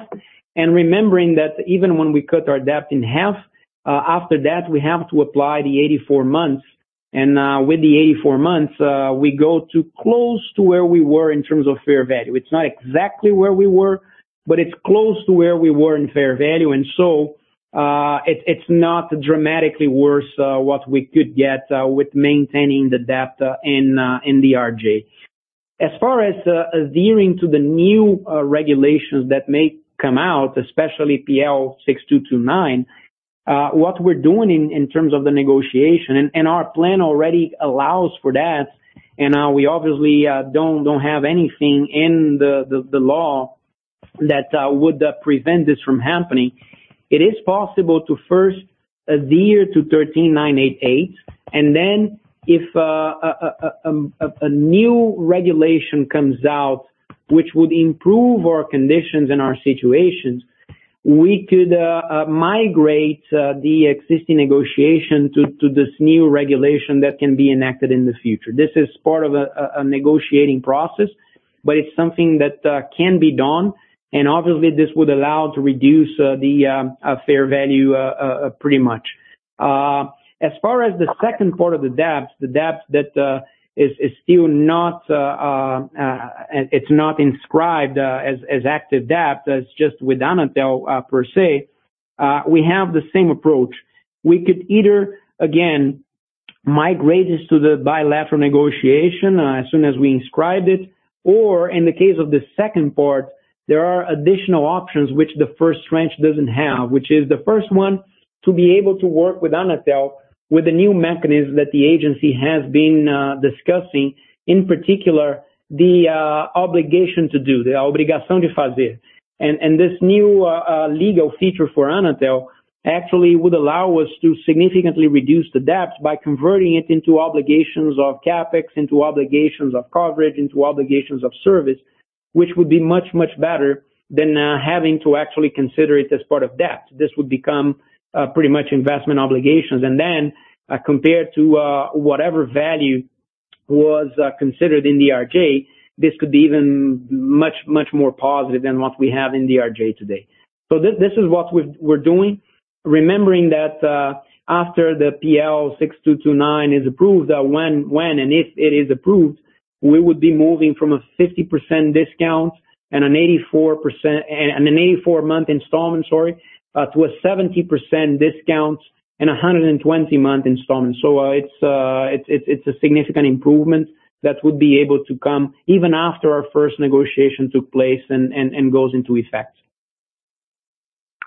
Remembering that even when we cut our debt in half, after that, we have to apply the 84 months and with the 84 months, we go to close to where we were in terms of fair value. It's not exactly where we were, but it's close to where we were in fair value. It's not dramatically worse what we could get with maintaining the debt in the RJ. As far as adhering to the new regulations that may come out, especially PL 6229, what we're doing in terms of the negotiation, and our plan already allows for that. We obviously don't have anything in the law that would prevent this from happening. It is possible to first adhere to 13988, and then if a new regulation comes out, which would improve our conditions and our situations, we could migrate the existing negotiation to this new regulation that can be enacted in the future. This is part of a negotiating process, but it's something that can be done, and obviously this would allow to reduce the fair value pretty much. As far as the second part of the debt, the debt that is still not inscribed as active debt, that's just with Anatel per se, we have the same approach. We could either, again, migrate this to the bilateral negotiation as soon as we inscribe it. In the case of the second part, there are additional options which the first tranche doesn't have, which is the first one to be able to work with Anatel with the new mechanism that the agency has been discussing, in particular, the obligation to do, the obrigação de fazer. This new legal feature for Anatel actually would allow us to significantly reduce the debt by converting it into obligations of CapEx, into obligations of coverage, into obligations of service, which would be much, much better than having to actually consider it as part of debt. This would become pretty much investment obligations. Compared to whatever value was considered in the JR, this could be even much, much more positive than what we have in the JR today. This is what we're doing, remembering that after the PL 6229 is approved, when and if it is approved, we would be moving from a 50% discount and an 84-month installment to a 70% discount and 120-month installment. It's a significant improvement that would be able to come even after our first negotiation took place and goes into effect.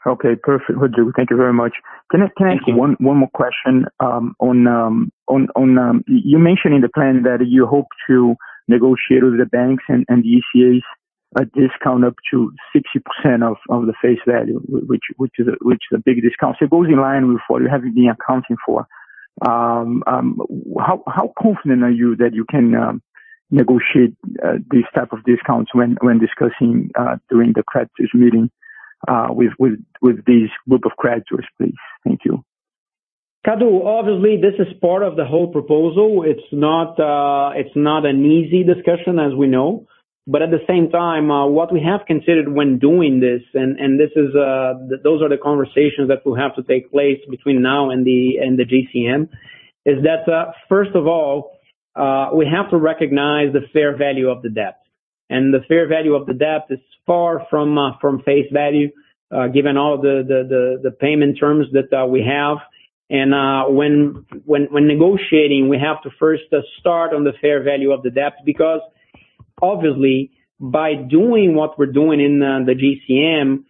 Okay, perfect, Rodrigo. Thank you very much. Thank you. Can I ask one more question? You mentioned in the plan that you hope to negotiate with the banks and ECAs a discount up to 60% of the face value, which is a big discount. It goes in line with what you have been accounting for. How confident are you that you can negotiate these type of discounts when discussing during the creditors meeting with this group of creditors, please? Thank you. Carlos, obviously, this is part of the whole proposal. It's not an easy discussion, as we know. At the same time, what we have considered when doing this, and those are the conversations that will have to take place between now and the GCM, is that, first of all, we have to recognize the fair value of the debt. The fair value of the debt is far from face value, given all the payment terms that we have. When negotiating, we have to first start on the fair value of the debt, because obviously, by doing what we're doing in the GCM,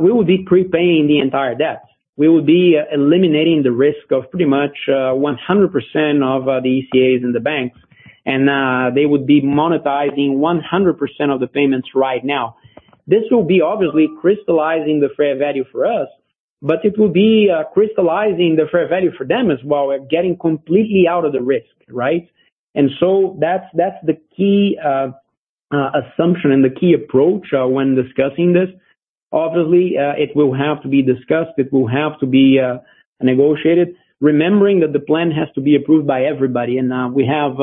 we will be prepaying the entire debt. We will be eliminating the risk of pretty much 100% of the ECAs and the banks, and they would be monetizing 100% of the payments right now. This will be obviously crystallizing the fair value for us, but it will be crystallizing the fair value for them as well. We're getting completely out of the risk, right? That's the key assumption and the key approach when discussing this. Obviously, it will have to be discussed. It will have to be negotiated. Remembering that the plan has to be approved by everybody, and we have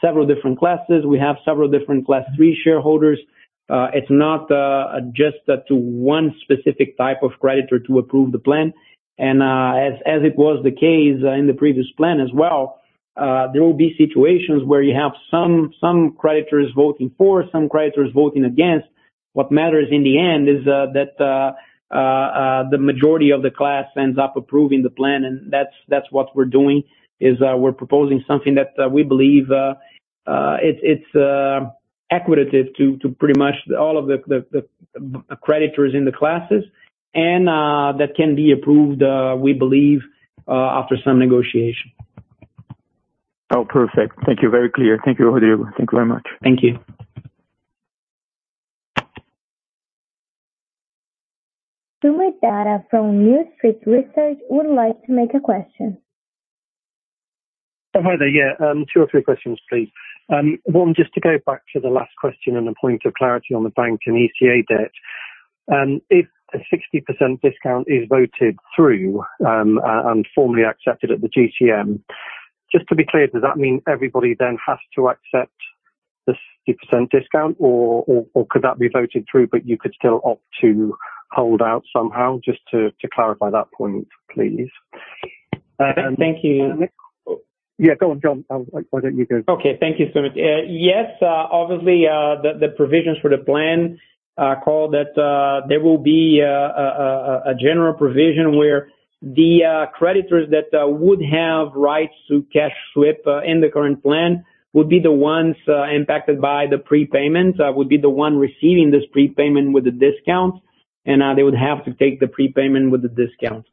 several different classes. We have several different class III shareholders. It's not just to one specific type of creditor to approve the plan. As it was the case in the previous plan as well, there will be situations where you have some creditors voting for, some creditors voting against. What matters in the end is that the majority of the class ends up approving the plan, and that's what we're doing, is we're proposing something that we believe it's equitable to pretty much all of the creditors in the classes, and that can be approved, we believe, after some negotiation. Oh, perfect. Thank you. Very clear. Thank you, Rodrigo. Thank you very much. Thank you. Soomit Datta from New Street Research would like to make a question. Hi there. Yeah. Two or three questions, please. One, just to go back to the last question and the point of clarity on the bank and ECA debt. If a 60% discount is voted through, and formally accepted at the GCM, just to be clear, does that mean everybody then has to accept the 60% discount, or could that be voted through but you could still opt to hold out somehow? Just to clarify that point, please. Thank you. Yeah, go on, John. Why don't you go? Okay. Thank you, Soomit. Yes, obviously, the provisions for the plan call that there will be a general provision where the creditors that would have rights to cash sweep in the current plan would be the ones impacted by the prepayment, would be the one receiving this prepayment with the discount, and they would have to take the prepayment with the discount.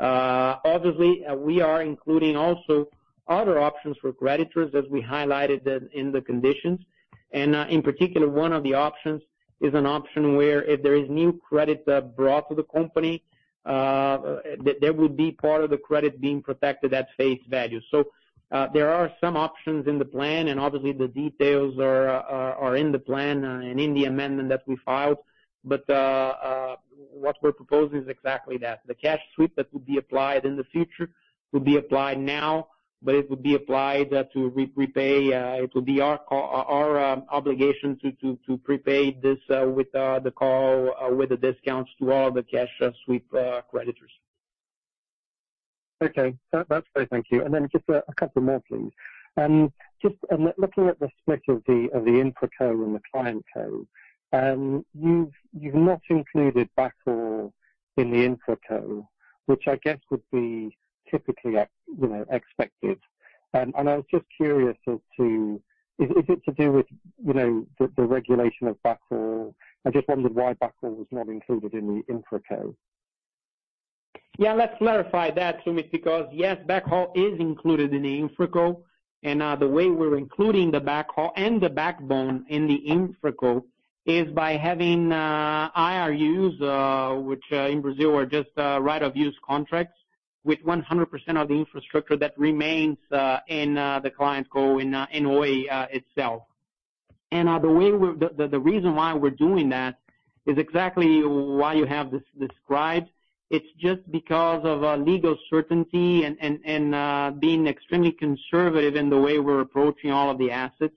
Obviously, we are including also other options for creditors as we highlighted in the conditions. In particular, one of the options is an option where if there is new credit brought to the company, there would be part of the credit being protected at face value. There are some options in the plan, and obviously the details are in the plan and in the amendment that we filed. What we're proposing is exactly that. The cash sweep that would be applied in the future would be applied now, but it would be applied to repay. It would be our obligation to prepay this with the call, with the discounts to all the cash sweep creditors. Okay. That's great. Thank you. Just a couple more, please. Just looking at the split of the InfraCo and the ClientCo, you've not included backhaul in the InfraCo, which I guess would be typically expected. I was just curious as to, is it to do with the regulation of backhaul? I just wondered why backhaul was not included in the InfraCo. Yeah, let's clarify that, Soomit, because yes, backhaul is included in the InfraCo. The way we're including the backhaul and the backbone in the InfraCo is by having IRUs, which in Brazil are just right-of-use contracts with 100% of the infrastructure that remains in the ClientCo in Oi itself. The reason why we're doing that is exactly why you have this described. It's just because of legal certainty and being extremely conservative in the way we're approaching all of the assets.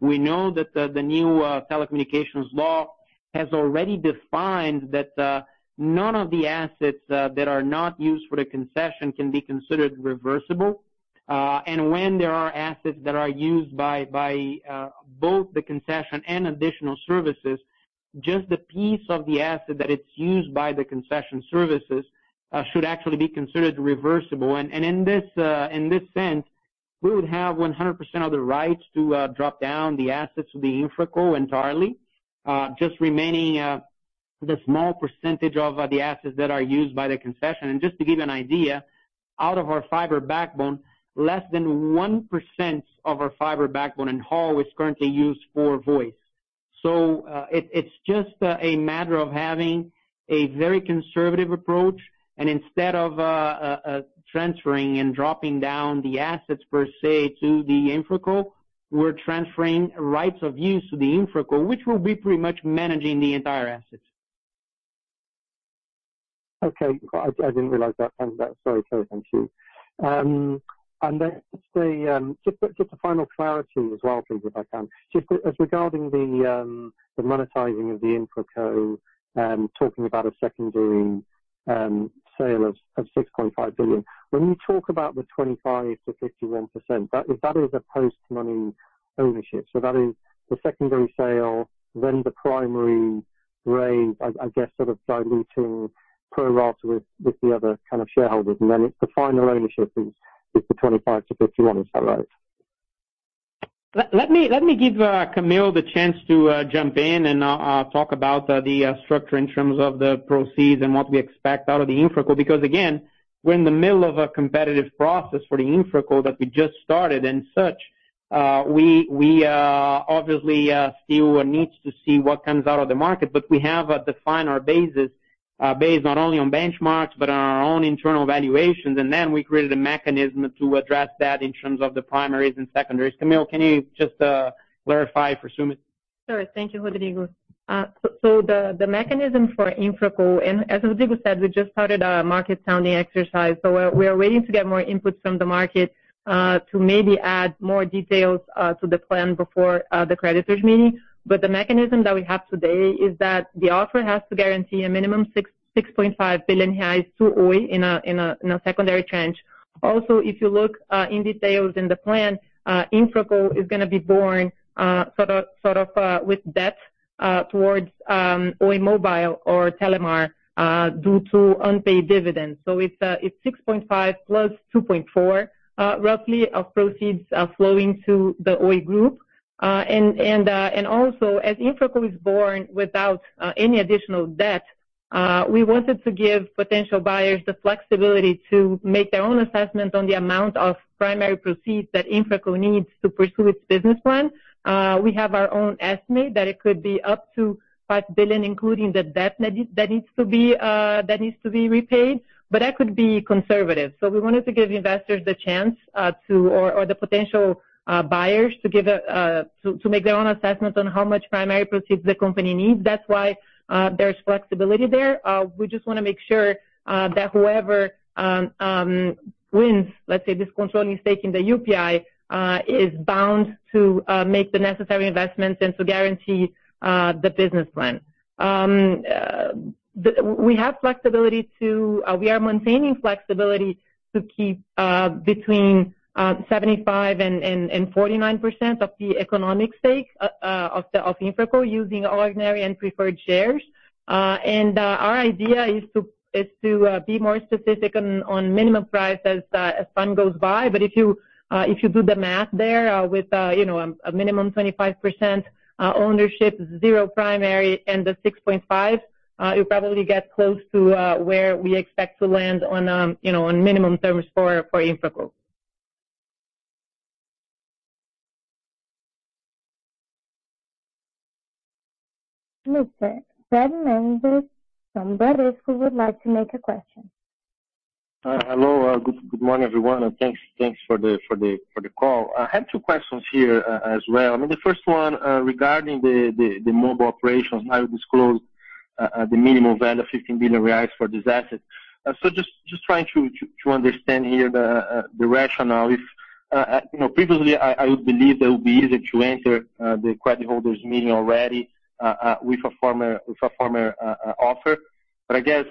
We know that the new telecommunications law has already defined that none of the assets that are not used for the concession can be considered reversible. When there are assets that are used by both the concession and additional services, just the piece of the asset that it's used by the concession services should actually be considered reversible. In this sense, we would have 100% of the rights to drop down the assets of the InfraCo entirely, just remaining the small percentage of the assets that are used by the concession. Just to give you an idea, out of our fiber backbone, less than 1% of our fiber backbone and haul is currently used for voice. It's just a matter of having a very conservative approach. Instead of transferring and dropping down the assets per se to the InfraCo, we're transferring rights of use to the InfraCo, which will be pretty much managing the entire asset. Okay. I didn't realize that. Sorry. Thank you. Just a final clarity as well, please, if I can. Just as regarding the monetizing of the InfraCo, talking about a secondary sale of 6.5 billion. When you talk about the 25%-51%, that is a post-money ownership. That is the secondary sale, then the primary raise, I guess sort of diluting pro rata with the other kind of shareholders. The final ownership is the 25%-51%, is that right? Let me give Camille the chance to jump in and talk about the structure in terms of the proceeds and what we expect out of the InfraCo. Again, we're in the middle of a competitive process for the InfraCo that we just started and such. We obviously still need to see what comes out of the market, but we have defined our basis based not only on benchmarks but on our own internal valuations, and then we created a mechanism to address that in terms of the primaries and secondaries. Camille, can you just clarify for Soomit? Thank you, Rodrigo. The mechanism for InfraCo, and as Rodrigo said, we just started a market sounding exercise. We are waiting to get more inputs from the market to maybe add more details to the plan before the creditors' meeting. The mechanism that we have today is that the offer has to guarantee a minimum 6.5 billion reais to Oi in a secondary tranche. Also, if you look in details in the plan, InfraCo is going to be born sort of with debt towards Oi Móvel or Telemar due to unpaid dividends. It's 6.5 plus 2.4 roughly of proceeds flowing to the Oi Group. Also, as InfraCo is born without any additional debt, we wanted to give potential buyers the flexibility to make their own assessment on the amount of primary proceeds that InfraCo needs to pursue its business plan. We have our own estimate that it could be up to 5 billion, including the debt that needs to be repaid, but that could be conservative. We wanted to give investors the chance or the potential buyers to make their own assessment on how much primary proceeds the company needs. That's why there's flexibility there. We just want to make sure that whoever wins, let's say this controlling stake in the UPI is bound to make the necessary investments and to guarantee the business plan. We are maintaining flexibility to keep between 75% and 49% of the economic stake of InfraCo using ordinary and preferred shares. Our idea is to be more specific on minimum price as time goes by. If you do the math there with a minimum 25% ownership, zero primary, and the 6.5, you will probably get close to where we expect to land on minimum terms for InfraCo. Mr. Fred Mendes from Bradesco would like to make a question. Hello. Good morning, everyone, and thanks for the call. I had two questions here as well. I mean, the first one regarding the mobile operations. Now you disclose the minimum value 15 billion reais for this asset. Just trying to understand here the rationale. Previously, I would believe that it would be easier to enter the credit holders' meeting already with a former offer. I guess,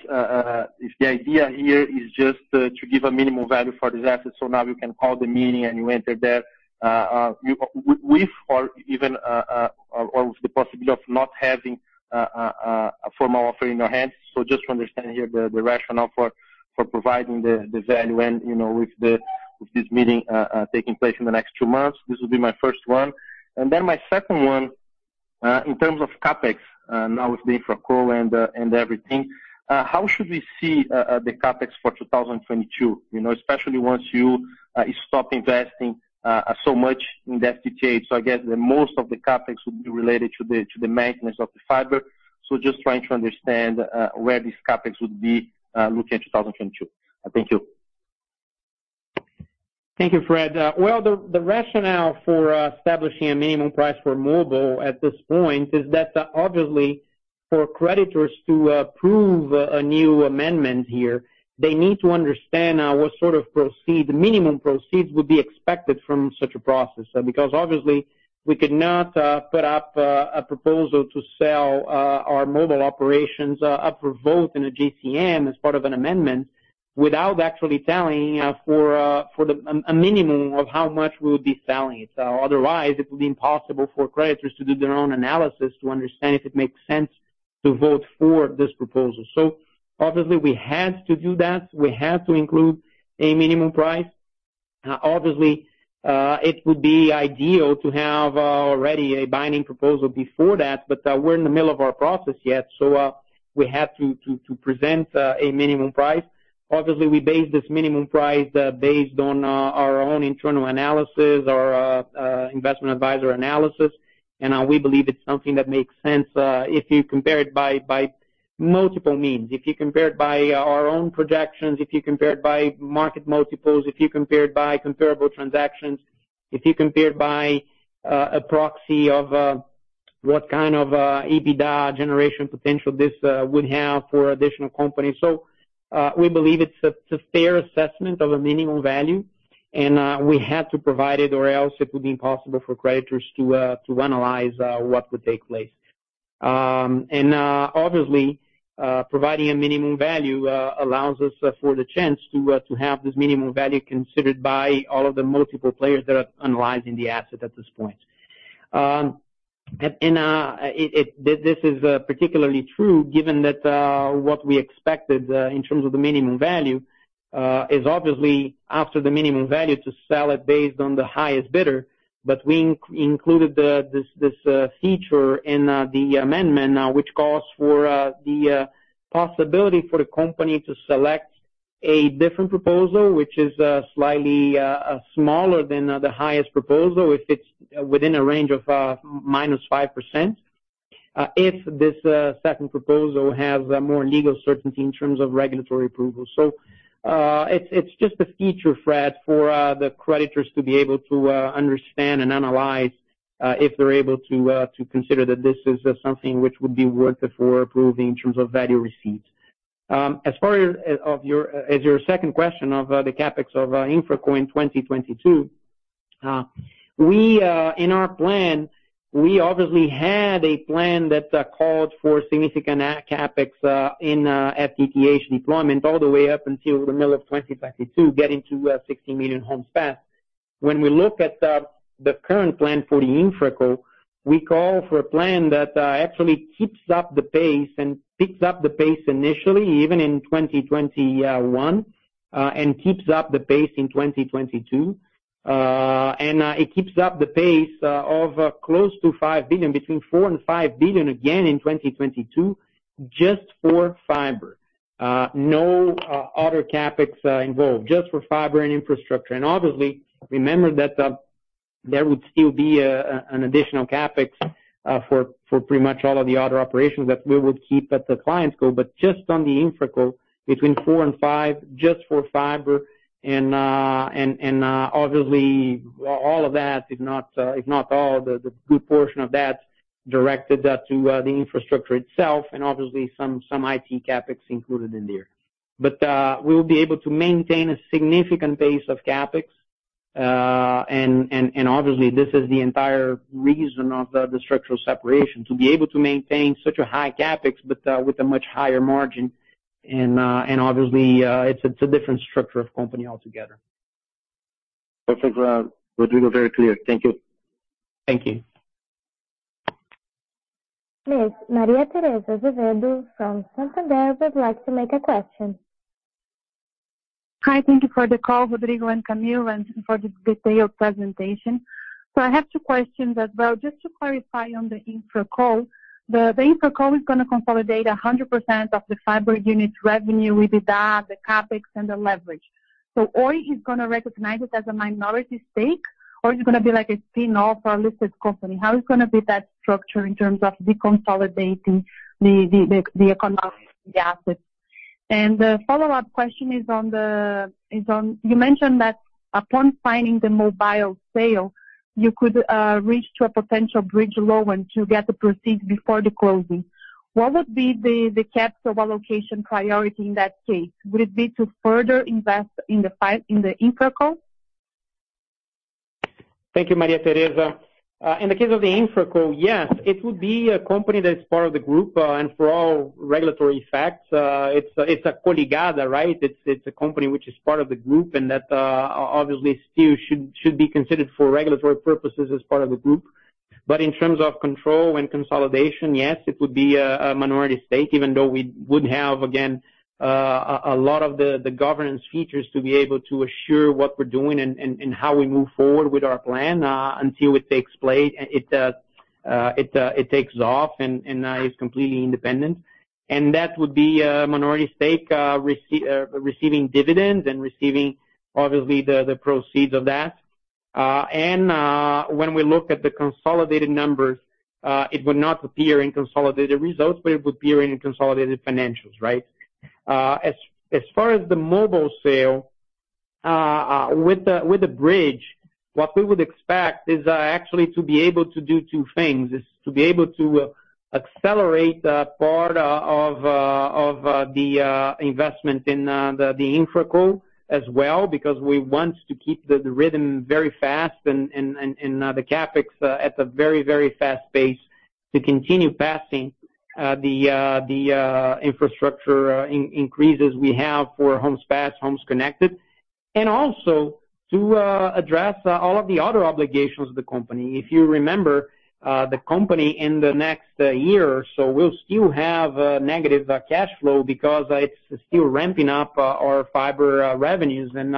if the idea here is just to give a minimum value for this asset, so now you can call the meeting and you enter there with or even with the possibility of not having a formal offer in your hands. Just to understand here the rationale for providing the value and with this meeting taking place in the next two months. This will be my first one. My second one, in terms of CapEx, now with the InfraCo and everything, how should we see the CapEx for 2022? Especially once you stop investing so much in FTTH. I guess the most of the CapEx would be related to the maintenance of the fiber. Just trying to understand where this CapEx would be looking at 2022. Thank you. Thank you, Fred. The rationale for establishing a minimum price for mobile at this point is that obviously for creditors to approve a new amendment here, they need to understand what sort of minimum proceeds would be expected from such a process. Obviously we could not put up a proposal to sell our mobile operations up for vote in a GCM as part of an amendment without actually telling for the minimum of how much we would be selling it. Otherwise, it would be impossible for creditors to do their own analysis to understand if it makes sense to vote for this proposal. Obviously we had to do that. We had to include a minimum price. Obviously, it would be ideal to have already a binding proposal before that, we're in the middle of our process yet, we have to present a minimum price. Obviously, we base this minimum price based on our own internal analysis, our investment advisor analysis. We believe it's something that makes sense, if you compare it by multiple means. If you compare it by our own projections, if you compare it by market multiples, if you compare it by comparable transactions, if you compare it by a proxy of what kind of EBITDA generation potential this would have for additional companies. We believe it's a fair assessment of a minimum value, and we had to provide it or else it would be impossible for creditors to analyze what would take place. Obviously, providing a minimum value allows us for the chance to have this minimum value considered by all of the multiple players that are analyzing the asset at this point. This is particularly true given that what we expected, in terms of the minimum value, is obviously after the minimum value to sell it based on the highest bidder. We included this feature in the amendment now, which calls for the possibility for the company to select a different proposal, which is slightly smaller than the highest proposal if it's within a range of -5%, if this second proposal has more legal certainty in terms of regulatory approval. It's just a feature, Fred, for the creditors to be able to understand and analyze if they're able to consider that this is something which would be worth it for approving in terms of value received. As far as your second question of the CapEx of InfraCo in 2022. In our plan, we obviously had a plan that called for significant CapEx in FTTH deployment all the way up until the middle of 2022, getting to 16 million Homes Passed. When we look at the current plan for the InfraCo, we call for a plan that actually keeps up the pace and picks up the pace initially, even in 2021, and keeps up the pace in 2022. It keeps up the pace of close to 5 billion, between 4 billion and 5 billion again in 2022 just for fiber. No other CapEx involved, just for fiber and infrastructure. Obviously, remember that there would still be an additional CapEx for pretty much all of the other operations that we would keep at the ClientCo. Just on the InfraCo, between 4 and 5. Obviously, all of that, if not all, the good portion of that directed to the infrastructure itself and obviously some IT CapEx included in there. We'll be able to maintain a significant base of CapEx. Obviously, this is the entire reason of the structural separation, to be able to maintain such a high CapEx, but with a much higher margin. Obviously, it's a different structure of company altogether. Perfect. Rodrigo, very clear. Thank you. Thank you. Miss Maria Tereza Azevedo from Santander would like to make a question. Hi. Thank you for the call, Rodrigo and Camille, and for this detailed presentation. I have two questions as well. Just to clarify on the InfraCo. The InfraCo is going to consolidate 100% of the fiber unit's revenue with that, the CapEx and the leverage. Oi is going to recognize it as a minority stake, or is it going to be like a spin-off or a listed company? How is it going to be that structure in terms of deconsolidating the economics of the assets? The follow-up question is on, you mentioned that upon signing the mobile sale, you could reach to a potential bridge loan to get the proceeds before the closing. What would be the CapEx overallocation priority in that case? Would it be to further invest in the InfraCo? Thank you, Maria Tereza. In the case of the InfraCo, yes, it would be a company that's part of the group. For all regulatory effects, it's a coligada, right? It's a company which is part of the group, and that obviously still should be considered for regulatory purposes as part of the group. In terms of control and consolidation, yes, it would be a minority stake, even though we would have, again, a lot of the governance features to be able to assure what we're doing and how we move forward with our plan, until it takes off and is completely independent. That would be a minority stake, receiving dividends and receiving, obviously, the proceeds of that. When we look at the consolidated numbers, it would not appear in consolidated results, but it would appear in consolidated financials, right? As far as the mobile sale, with the bridge, what we would expect is actually to be able to do two things, is to be able to accelerate part of the investment in the InfraCo as well, because we want to keep the rhythm very fast and the CapEx at a very, very fast pace to continue passing the infrastructure increases we have for Homes Passed, homes connected. Also to address all of the other obligations of the company. If you remember, the company in the next year or so will still have a negative cash flow because it's still ramping up our fiber revenues, and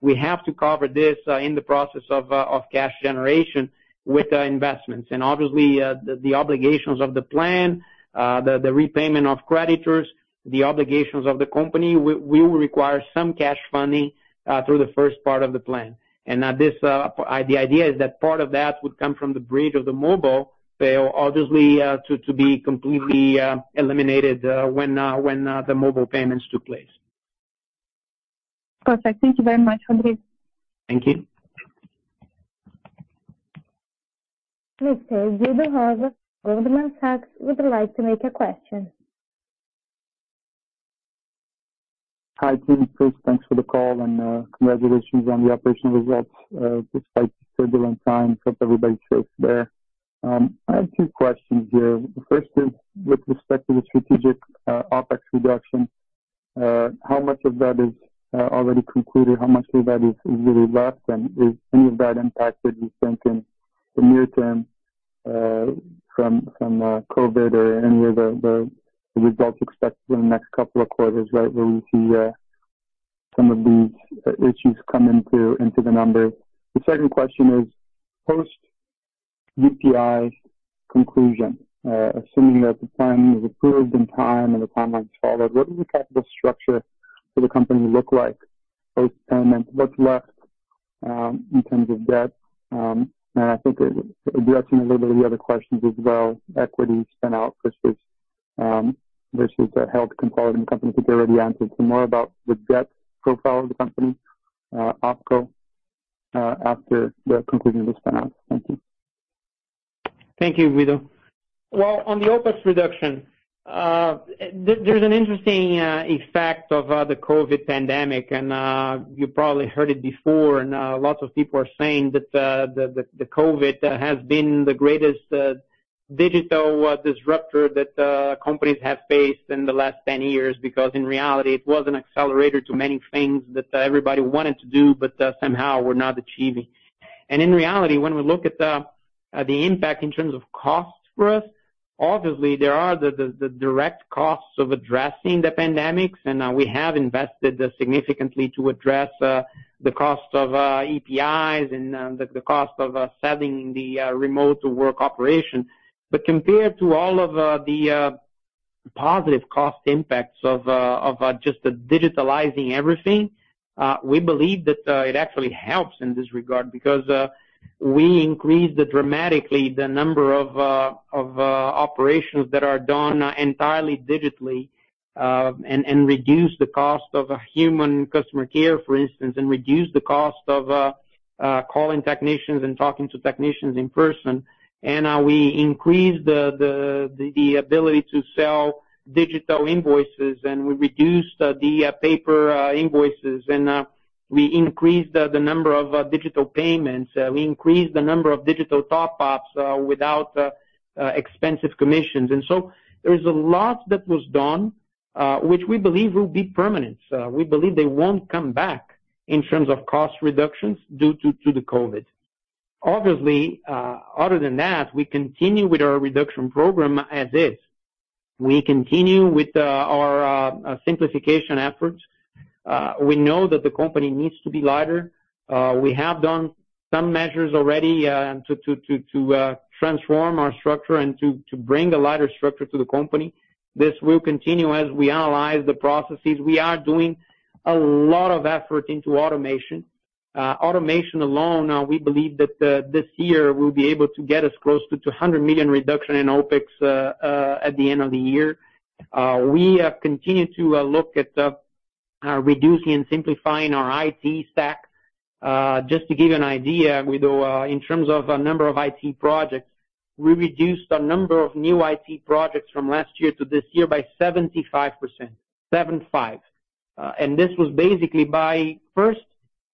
we have to cover this in the process of cash generation with investments. Obviously, the obligations of the plan, the repayment of creditors, the obligations of the company will require some cash funding through the first part of the plan. The idea is that part of that would come from the bridge of the mobile sale, obviously, to be completely eliminated when the mobile payments took place. Perfect. Thank you very much, Rodrigo. Thank you. Mr. Guido Rosas, Goldman Sachs, would like to make a question. Hi, team. First, thanks for the call and congratulations on the operational results despite the turbulent times that everybody faced there. I have two questions here. The first is with respect to the strategic OpEx reduction. How much of that is already concluded? How much of that is really left? Is any of that impacted, you think, in the near term from COVID or anywhere the results expected in the next couple of quarters, right, where we see some of these issues come into the numbers? The second question is post-UPI conclusion, assuming that the plan is approved in time and the timeline is followed. What does the capital structure for the company look like post-payment? What's left in terms of debt? I think addressing a little bit of the other questions as well, equity spin-out versus help consolidating companies, I think you already answered. More about the debt profile of the company, OpCo, after the conclusion of the spin-out. Thank you. Thank you, Guido. Well, on the OpEx reduction, there's an interesting effect of the COVID pandemic, and you probably heard it before, and lots of people are saying that the COVID has been the greatest digital disruptor that companies have faced in the last 10 years because in reality, it was an accelerator to many things that everybody wanted to do, but somehow were not achieving. In reality, when we look at the impact in terms of costs for us, obviously, there are the direct costs of addressing the pandemics. We have invested significantly to address the cost of EPIs and the cost of setting the remote work operation, compared to positive cost impacts of just digitalizing everything. We believe that it actually helps in this regard because we increased dramatically the number of operations that are done entirely digitally, and reduced the cost of human customer care, for instance, and reduced the cost of calling technicians and talking to technicians in person. We increased the ability to sell digital invoices, and we reduced the paper invoices, and we increased the number of digital payments. We increased the number of digital top-ups without expensive commissions. There is a lot that was done, which we believe will be permanent. We believe they won't come back in terms of cost reductions due to the COVID. Obviously, other than that, we continue with our reduction program as is. We continue with our simplification efforts. We know that the company needs to be lighter. We have done some measures already to transform our structure and to bring a lighter structure to the company. This will continue as we analyze the processes. We are doing a lot of effort into automation. Automation alone, we believe that this year will be able to get us close to 100 million reduction in OpEx at the end of the year. We have continued to look at reducing and simplifying our IT stack. Just to give you an idea, in terms of number of IT projects, we reduced the number of new IT projects from last year to this year by 75%. Seven five. This was basically by first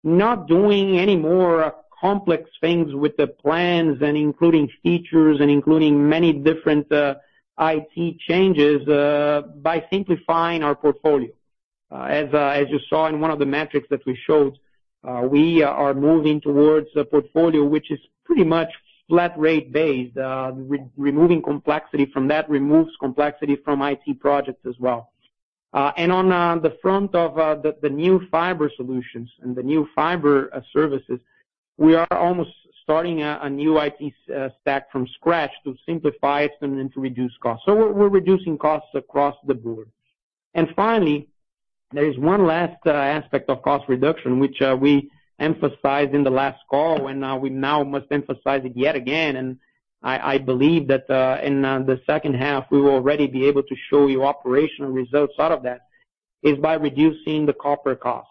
not doing any more complex things with the plans and including features and including many different IT changes by simplifying our portfolio. As you saw in one of the metrics that we showed, we are moving towards a portfolio which is pretty much flat rate based. Removing complexity from that removes complexity from IT projects as well. On the front of the new fiber solutions and the new fiber services, we are almost starting a new IT stack from scratch to simplify it and to reduce costs. We're reducing costs across the board. Finally, there is one last aspect of cost reduction, which we emphasized in the last call, and we now must emphasize it yet again. I believe that in the second half, we will already be able to show you operational results out of that, is by reducing the copper cost.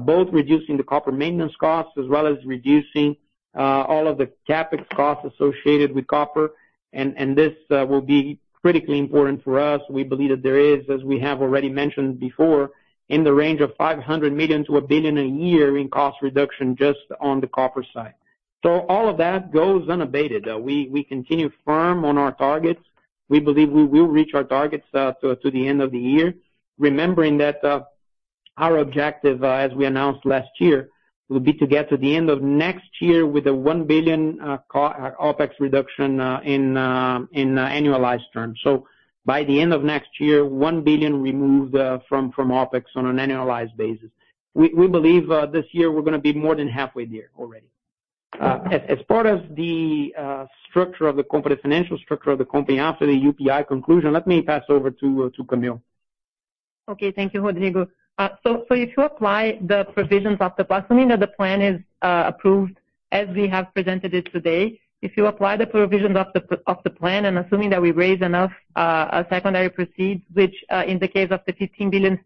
Both reducing the copper maintenance costs as well as reducing all of the CapEx costs associated with copper. This will be critically important for us. We believe that there is, as we have already mentioned before, in the range of 500 million to 1 billion a year in cost reduction just on the copper side. All of that goes unabated. We continue firm on our targets. We believe we will reach our targets to the end of the year, remembering that our objective, as we announced last year, will be to get to the end of next year with a 1 billion OpEx reduction in annualized terms. By the end of next year, 1 billion removed from OpEx on an annualized basis. We believe this year we're going to be more than halfway there already. As part of the financial structure of the company after the UPI conclusion, let me pass over to Camille. Thank you, Rodrigo. If you apply the provisions of the plan, assuming that the plan is approved as we have presented it today. If you apply the provisions of the plan and assuming that we raise enough secondary proceeds, which in the case of the 15 billion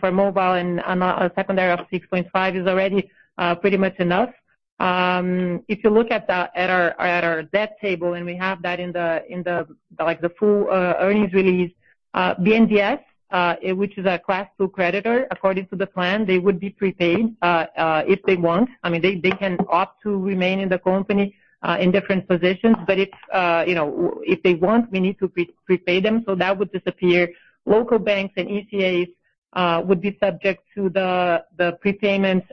for mobile and a secondary of 6.5 is already pretty much enough. If you look at our debt table, and we have that in the full earnings release, BNDES, which is a Class 2 creditor, according to the plan, they would be prepaid if they want. They can opt to remain in the company in different positions. If they want, we need to prepay them, so that would disappear. Local banks and ECAs would be subject to the prepayment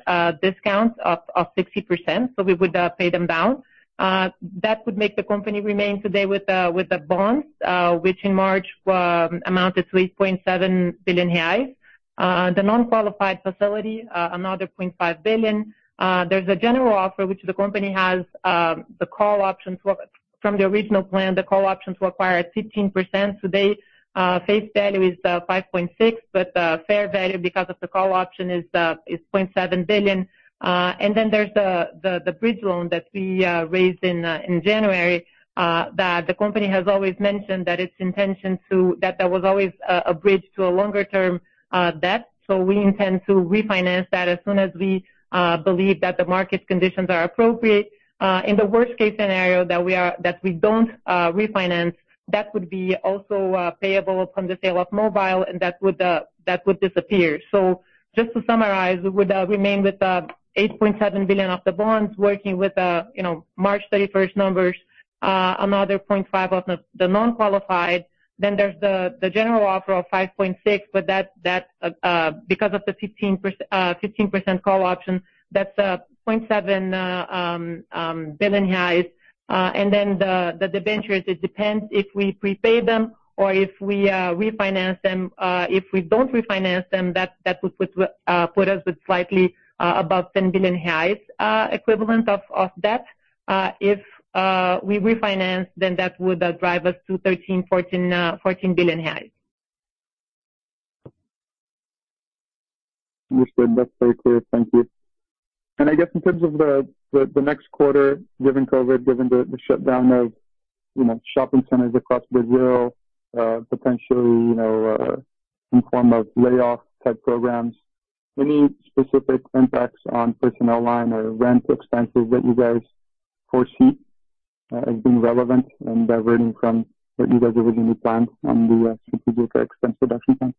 discount of 60%, so we would pay them down. That would make the company remain today with the bonds, which in March amount to 3.7 billion reais. The non-qualified facility, another 0.5 billion. There's a general offer, which the company has the call options from the original plan, the call options to acquire 15%. Today, face value is 5.6, fair value, because of the call option is 0.7 billion. Then there's the bridge loan that we raised in January, that the company has always mentioned that its intention to, that there was always a bridge to a longer-term debt. We intend to refinance that as soon as we believe that the market conditions are appropriate. In the worst-case scenario that we don't refinance, that would be also payable from the sale of mobile, and that would disappear. Just to summarize, we would remain with 8.7 billion of the bonds working with March 31st numbers, another 0.5 of the non-qualified. There's the general offer of 5.6, but because of the 15% call option, that's 0.7 billion. The debentures, it depends if we prepay them or if we refinance them. If we don't refinance them, that would put us with slightly above 10 billion reais equivalent of debt. If we refinance, that would drive us to 13 billion, 14 billion. Understood. That's very clear. Thank you. I guess in terms of the next quarter, given COVID, given the shutdown of shopping centers across Brazil, potentially some form of layoff-type programs, any specific impacts on personnel line or rent expenses that you guys foresee as being relevant and diverting from what you guys originally planned on the strategic or expense reduction plan?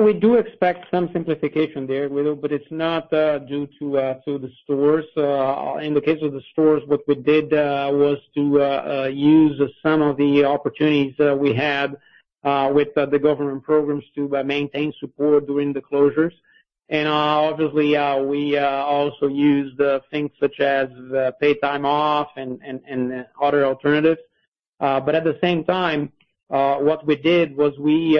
We do expect some simplification there, but it's not due to the stores. In the case of the stores, what we did was to use some of the opportunities that we had with the government programs to maintain support during the closures. Obviously, we also used things such as paid time off and other alternatives. At the same time, what we did was we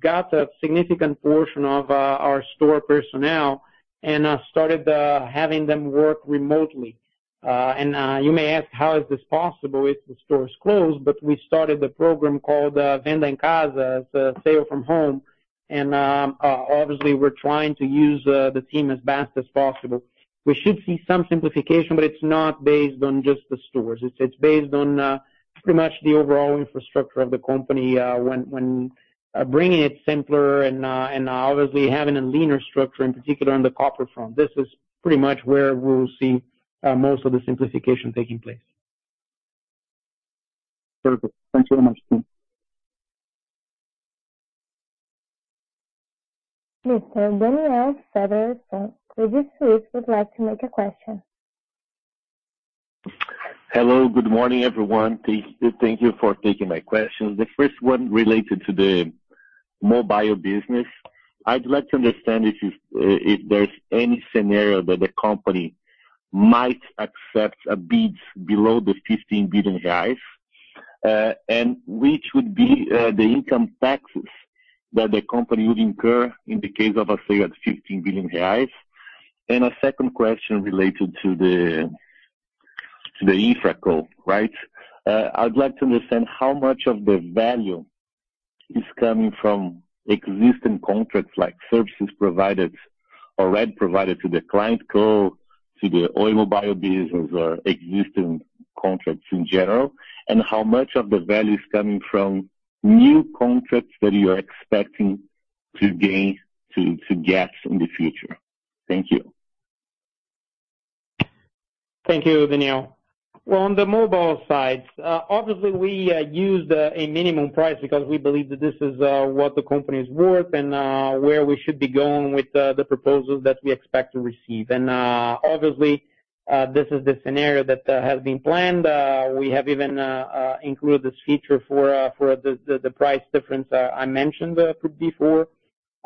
got a significant portion of our store personnel and started having them work remotely. You may ask, how is this possible if the store is closed? We started a program called Venda em Casa, it's a sale from home, and obviously, we're trying to use the team as best as possible. We should see some simplification, but it's not based on just the stores. It's based on pretty much the overall infrastructure of the company, when bringing it simpler and obviously having a leaner structure, in particular on the corporate front. This is pretty much where we'll see most of the simplification taking place. Perfect. Thanks very much, team. Mr. Daniel Severin from Credit Suisse would like to make a question. Hello. Good morning, everyone. Thank you for taking my questions. The first one related to the mobile business. I'd like to understand if there's any scenario that the company might accept a bid below 15 billion reais, which would be the income taxes that the company would incur in the case of a sale at 15 billion reais. A second question related to the InfraCo. I'd like to understand how much of the value is coming from existing contracts, like services provided, already provided to the ClientCo, to the Oi mobile business or existing contracts in general, how much of the value is coming from new contracts that you are expecting to gain, to get in the future. Thank you. Thank you, Daniel. Well, on the mobile side, obviously we used a minimum price because we believe that this is what the company is worth and where we should be going with the proposals that we expect to receive. Obviously, this is the scenario that has been planned. We have even included this feature for the price difference I mentioned before,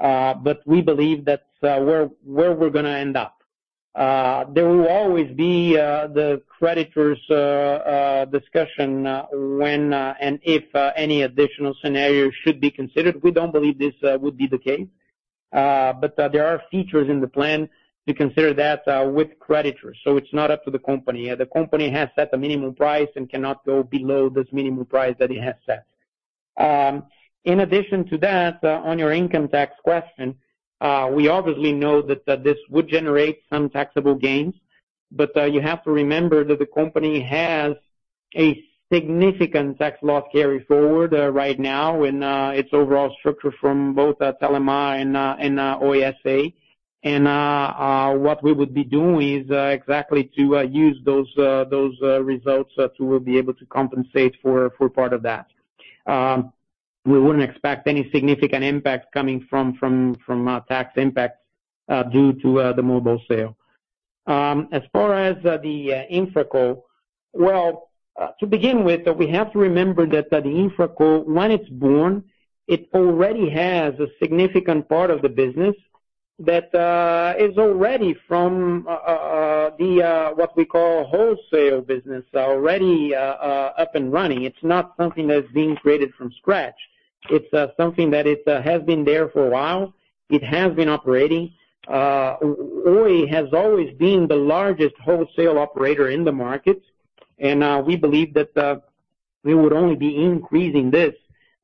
but we believe that's where we're going to end up. There will always be the creditors' discussion when and if any additional scenarios should be considered. We don't believe this would be the case. There are features in the plan to consider that with creditors, so it's not up to the company. The company has set the minimum price and cannot go below this minimum price that it has set. In addition to that, on your income tax question, we obviously know that this would generate some taxable gains. You have to remember that the company has a significant tax loss carry forward right now in its overall structure from both Telemar and Oi S.A. What we would be doing is exactly to use those results to be able to compensate for part of that. We wouldn't expect any significant impact coming from tax impacts due to the mobile sale. As far as the InfraCo, well, to begin with, we have to remember that the InfraCo, when it's born, it already has a significant part of the business that is already from what we call wholesale business, already up and running. It's not something that's being created from scratch. It's something that has been there for a while. It has been operating. Oi has always been the largest wholesale operator in the market. We believe that we would only be increasing this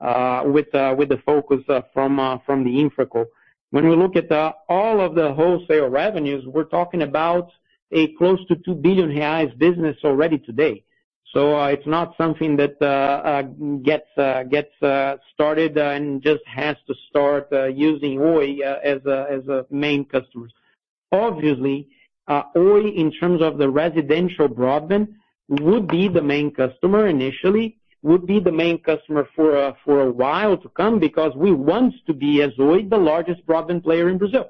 with the focus from the InfraCo. When we look at all of the wholesale revenues, we're talking about a close to 2 billion reais business already today. It's not something that gets started and just has to start using Oi as a main customer. Obviously, Oi, in terms of the residential broadband, would be the main customer initially, would be the main customer for a while to come because we want to be, as Oi, the largest broadband player in Brazil.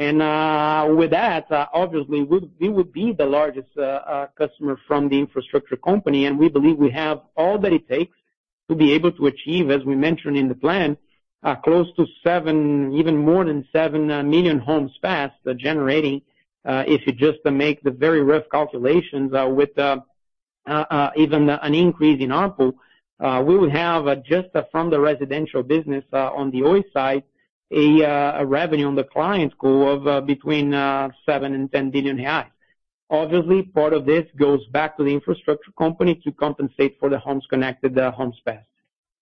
With that, obviously, we would be the largest customer from the InfraCo, and we believe we have all that it takes to be able to achieve, as we mentioned in the plan, close to even more than 7 million Homes Passed, generating, if you just make the very rough calculations. Even an increase in ARPU, we would have just from the residential business on the Oi side, a revenue on the ClientCo of between 7 billion and 10 billion reais. Obviously, part of this goes back to the InfraCo to compensate for the homes connected, the Homes Passed.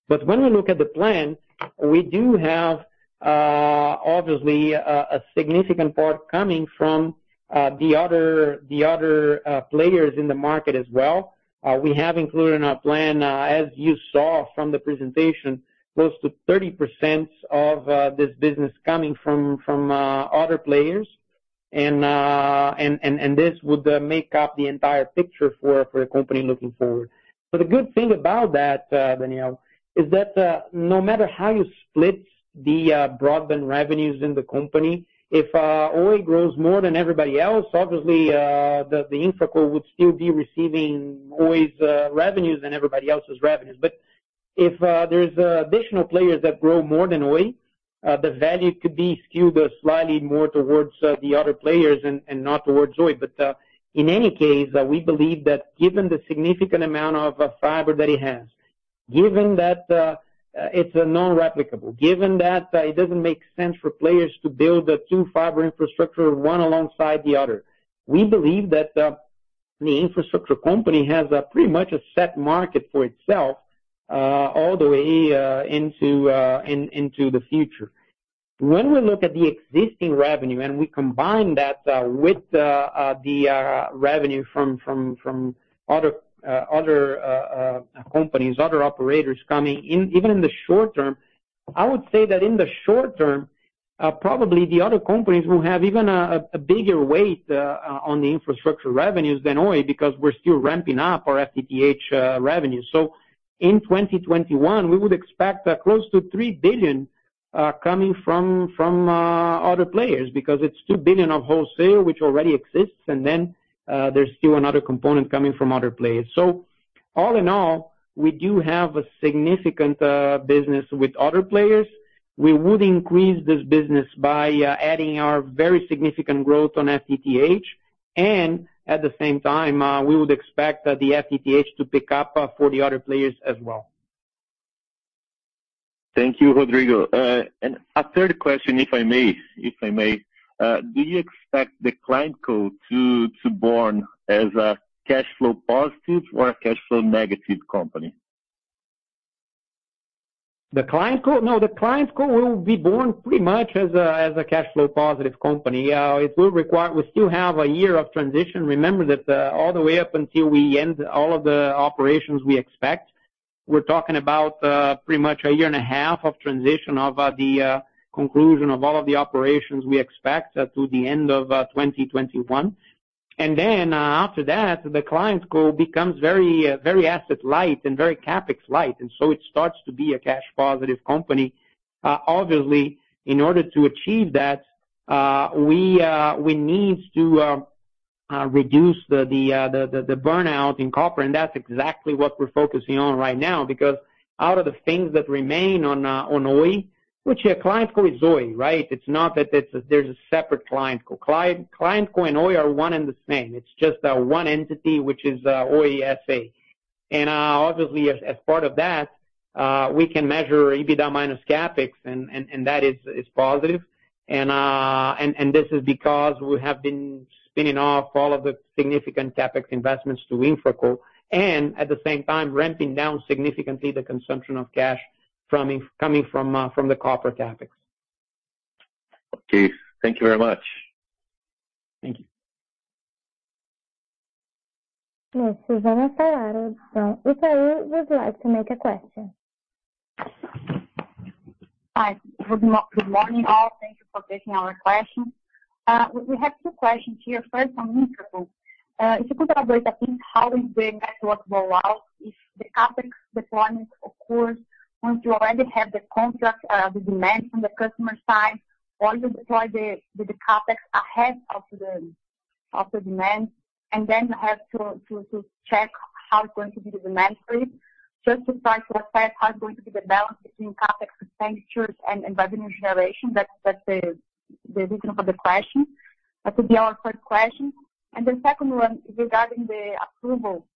When we look at the plan, we do have obviously, a significant part coming from the other players in the market as well. We have included in our plan, as you saw from the presentation, close to 30% of this business coming from other players. This would make up the entire picture for a company looking forward. The good thing about that, Daniel, is that no matter how you split the broadband revenues in the company, if Oi grows more than everybody else, obviously, the InfraCo would still be receiving Oi's revenues and everybody else's revenues. If there's additional players that grow more than Oi, the value could be skewed slightly more towards the other players and not towards Oi. In any case, we believe that given the significant amount of fiber that it has, given that it's non-replicable, given that it doesn't make sense for players to build two fiber infrastructure, one alongside the other, we believe that the infrastructure company has pretty much a set market for itself, all the way into the future. When we look at the existing revenue and we combine that with the revenue from other companies, other operators coming in, even in the short term, I would say that in the short term, probably the other companies will have even a bigger weight on the infrastructure revenues than Oi because we're still ramping up our FTTH revenues. In 2021, we would expect close to 3 billion coming from other players because it's 2 billion of wholesale, which already exists, and then there's still another component coming from other players. All in all, we do have a significant business with other players. We would increase this business by adding our very significant growth on FTTH, and at the same time, we would expect the FTTH to pick up for the other players as well. Thank you, Rodrigo. A third question, if I may. Do you expect the ClientCo to be born as a cash flow positive or a cash flow negative company? The ClientCo? No, the ClientCo will be born pretty much as a cash flow positive company. We still have a year of transition. Remember that all the way up until we end all of the operations we expect, we're talking about pretty much a year and a half of transition of the conclusion of all of the operations we expect through the end of 2021. After that, the ClientCo becomes very asset light and very CapEx light, it starts to be a cash positive company. Obviously, in order to achieve that, we need to reduce the burnout in copper, and that's exactly what we're focusing on right now. Out of the things that remain on Oi, which a ClientCo is Oi, right? It's not that there's a separate ClientCo. ClientCo and Oi are one and the same. It's just one entity, which is Oi S.A. Obviously, as part of that, we can measure EBITDA minus CapEx, and that is positive. This is because we have been spinning off all of the significant CapEx investments to InfraCo, and at the same time, ramping down significantly the consumption of cash coming from the copper CapEx. Okay. Thank you very much. Thank you. Yes. Susana Salaru from Itaú would like to make a question. Hi. Good morning, all. Thank you for taking our question. We have two questions here. First, on InfraCo. If you could elaborate a bit, how is the network rollout? If the CapEx deployment occurs once you already have the contract, the demand from the customer side, or you deploy the CapEx ahead of the demand, and then have to check how it's going to be the demand for it. Just to try to assess how it's going to be the balance between CapEx expenditures and revenue generation. That's the reason for the question. That would be our first question. The second one is regarding the approval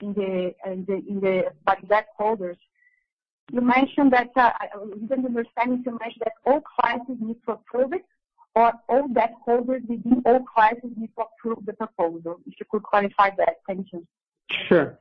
by stakeholders. You mentioned that, I didn't understand if you mentioned that all clients will need to approve it, or all stakeholders within all clients need to approve the proposal. If you could clarify that. Thank you. Sure.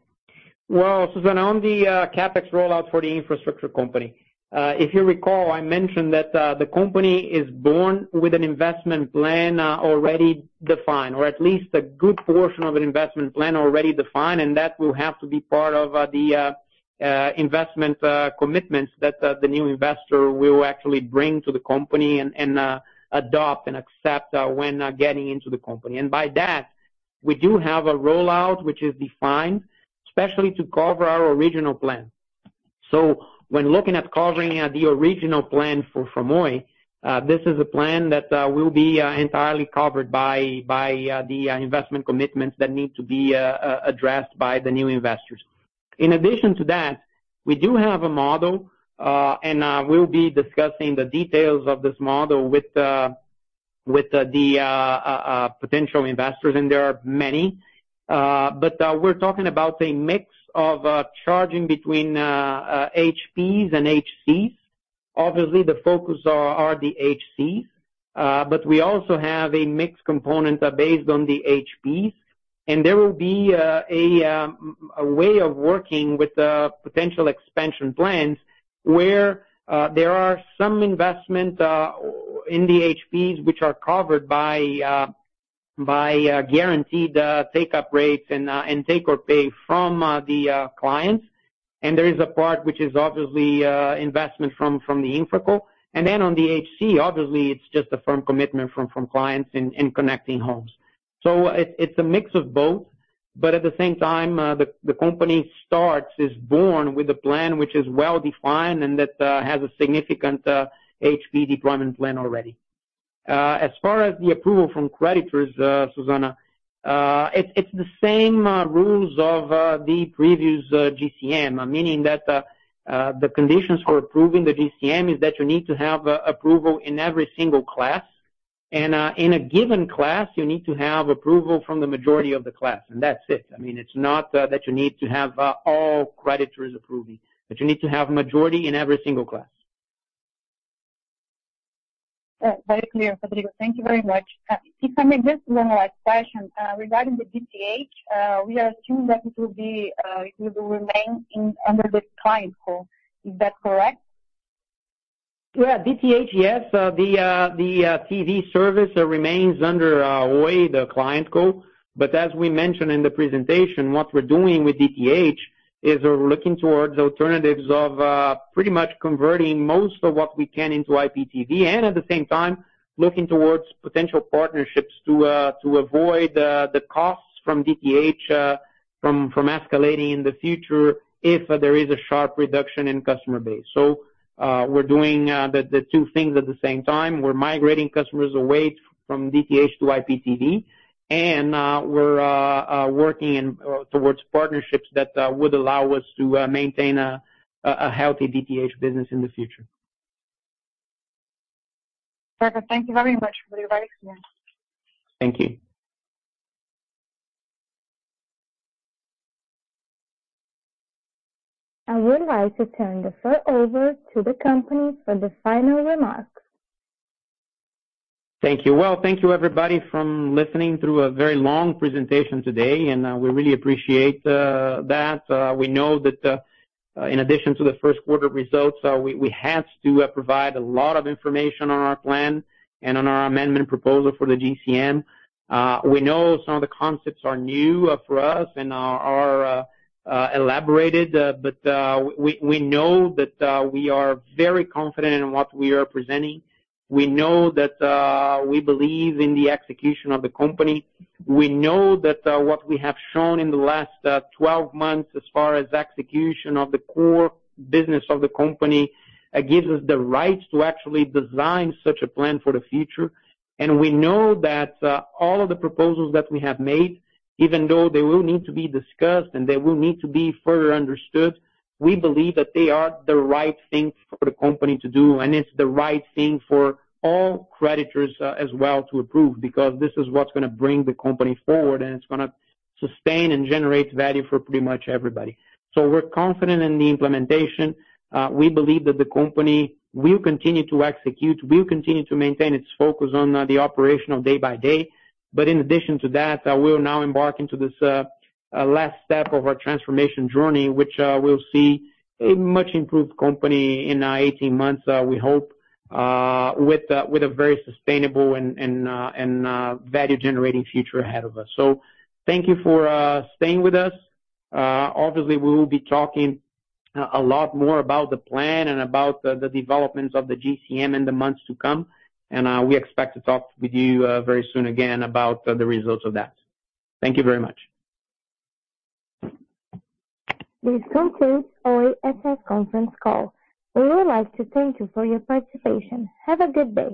Well, Susana, on the CapEx rollout for the infrastructure company, if you recall, I mentioned that the company is born with an investment plan already defined, or at least a good portion of an investment plan already defined, that will have to be part of the investment commitments that the new investor will actually bring to the company and adopt and accept when getting into the company. By that, we do have a rollout which is defined, especially to cover our original plan. When looking at covering the original plan for Oi, this is a plan that will be entirely covered by the investment commitments that need to be addressed by the new investors. In addition to that, we do have a model, and we'll be discussing the details of this model with the potential investors, and there are many. We're talking about a mix of charging between HPs and HCs. Obviously, the focus are the HCs, but we also have a mixed component based on the HPs, and there will be a way of working with potential expansion plans, where there are some investment in the HPs which are covered by guaranteed take-up rates and take or pay from the clients. There is a part which is obviously investment from the InfraCo. On the HC, obviously, it's just a firm commitment from clients in connecting homes. It's a mix of both. At the same time, the company is born with a plan which is well-defined, and that has a significant HP deployment plan already. As far as the approval from creditors, Susana, it's the same rules of the previous GCM. Meaning that the conditions for approving the GCM is that you need to have approval in every single class. In a given class, you need to have approval from the majority of the class, and that's it. I mean, it's not that you need to have all creditors approving, but you need to have majority in every single class. Yeah. Very clear, Rodrigo. Thank you very much. If I may just one last question. Regarding the DTH, we are assuming that it will remain under the ClientCo. Is that correct? DTH, yes. The TV service remains under Oi, the ClientCo. As we mentioned in the presentation, what we're doing with DTH is we're looking towards alternatives of pretty much converting most of what we can into IPTV, and at the same time, looking towards potential partnerships to avoid the costs from DTH from escalating in the future if there is a sharp reduction in customer base. We're doing the two things at the same time. We're migrating customers away from DTH to IPTV, and we're working towards partnerships that would allow us to maintain a healthy DTH business in the future. Perfect. Thank you very much, Rodrigo. Very clear. Thank you. I would like to turn the floor over to the company for the final remarks. Thank you. Well, thank you everybody for listening through a very long presentation today. We really appreciate that. We know that in addition to the first quarter results, we had to provide a lot of information on our plan and on our amendment proposal for the GCM. We know some of the concepts are new for us and are elaborated. We know that we are very confident in what we are presenting. We know that we believe in the execution of the company. We know that what we have shown in the last 12 months as far as execution of the core business of the company, gives us the rights to actually design such a plan for the future. We know that all of the proposals that we have made, even though they will need to be discussed, and they will need to be further understood, we believe that they are the right thing for the company to do. It's the right thing for all creditors as well to approve, because this is what's going to bring the company forward, and it's going to sustain and generate value for pretty much everybody. We're confident in the implementation. We believe that the company will continue to execute, will continue to maintain its focus on the operational day-by-day. In addition to that, we'll now embark into this last step of our transformation journey, which we'll see a much improved company in 18 months, we hope, with a very sustainable and value-generating future ahead of us. Thank you for staying with us. Obviously, we will be talking a lot more about the plan and about the developments of the GCM in the months to come. We expect to talk with you very soon again about the results of that. Thank you very much. This concludes Oi S.A.'s conference call. We would like to thank you for your participation. Have a good day.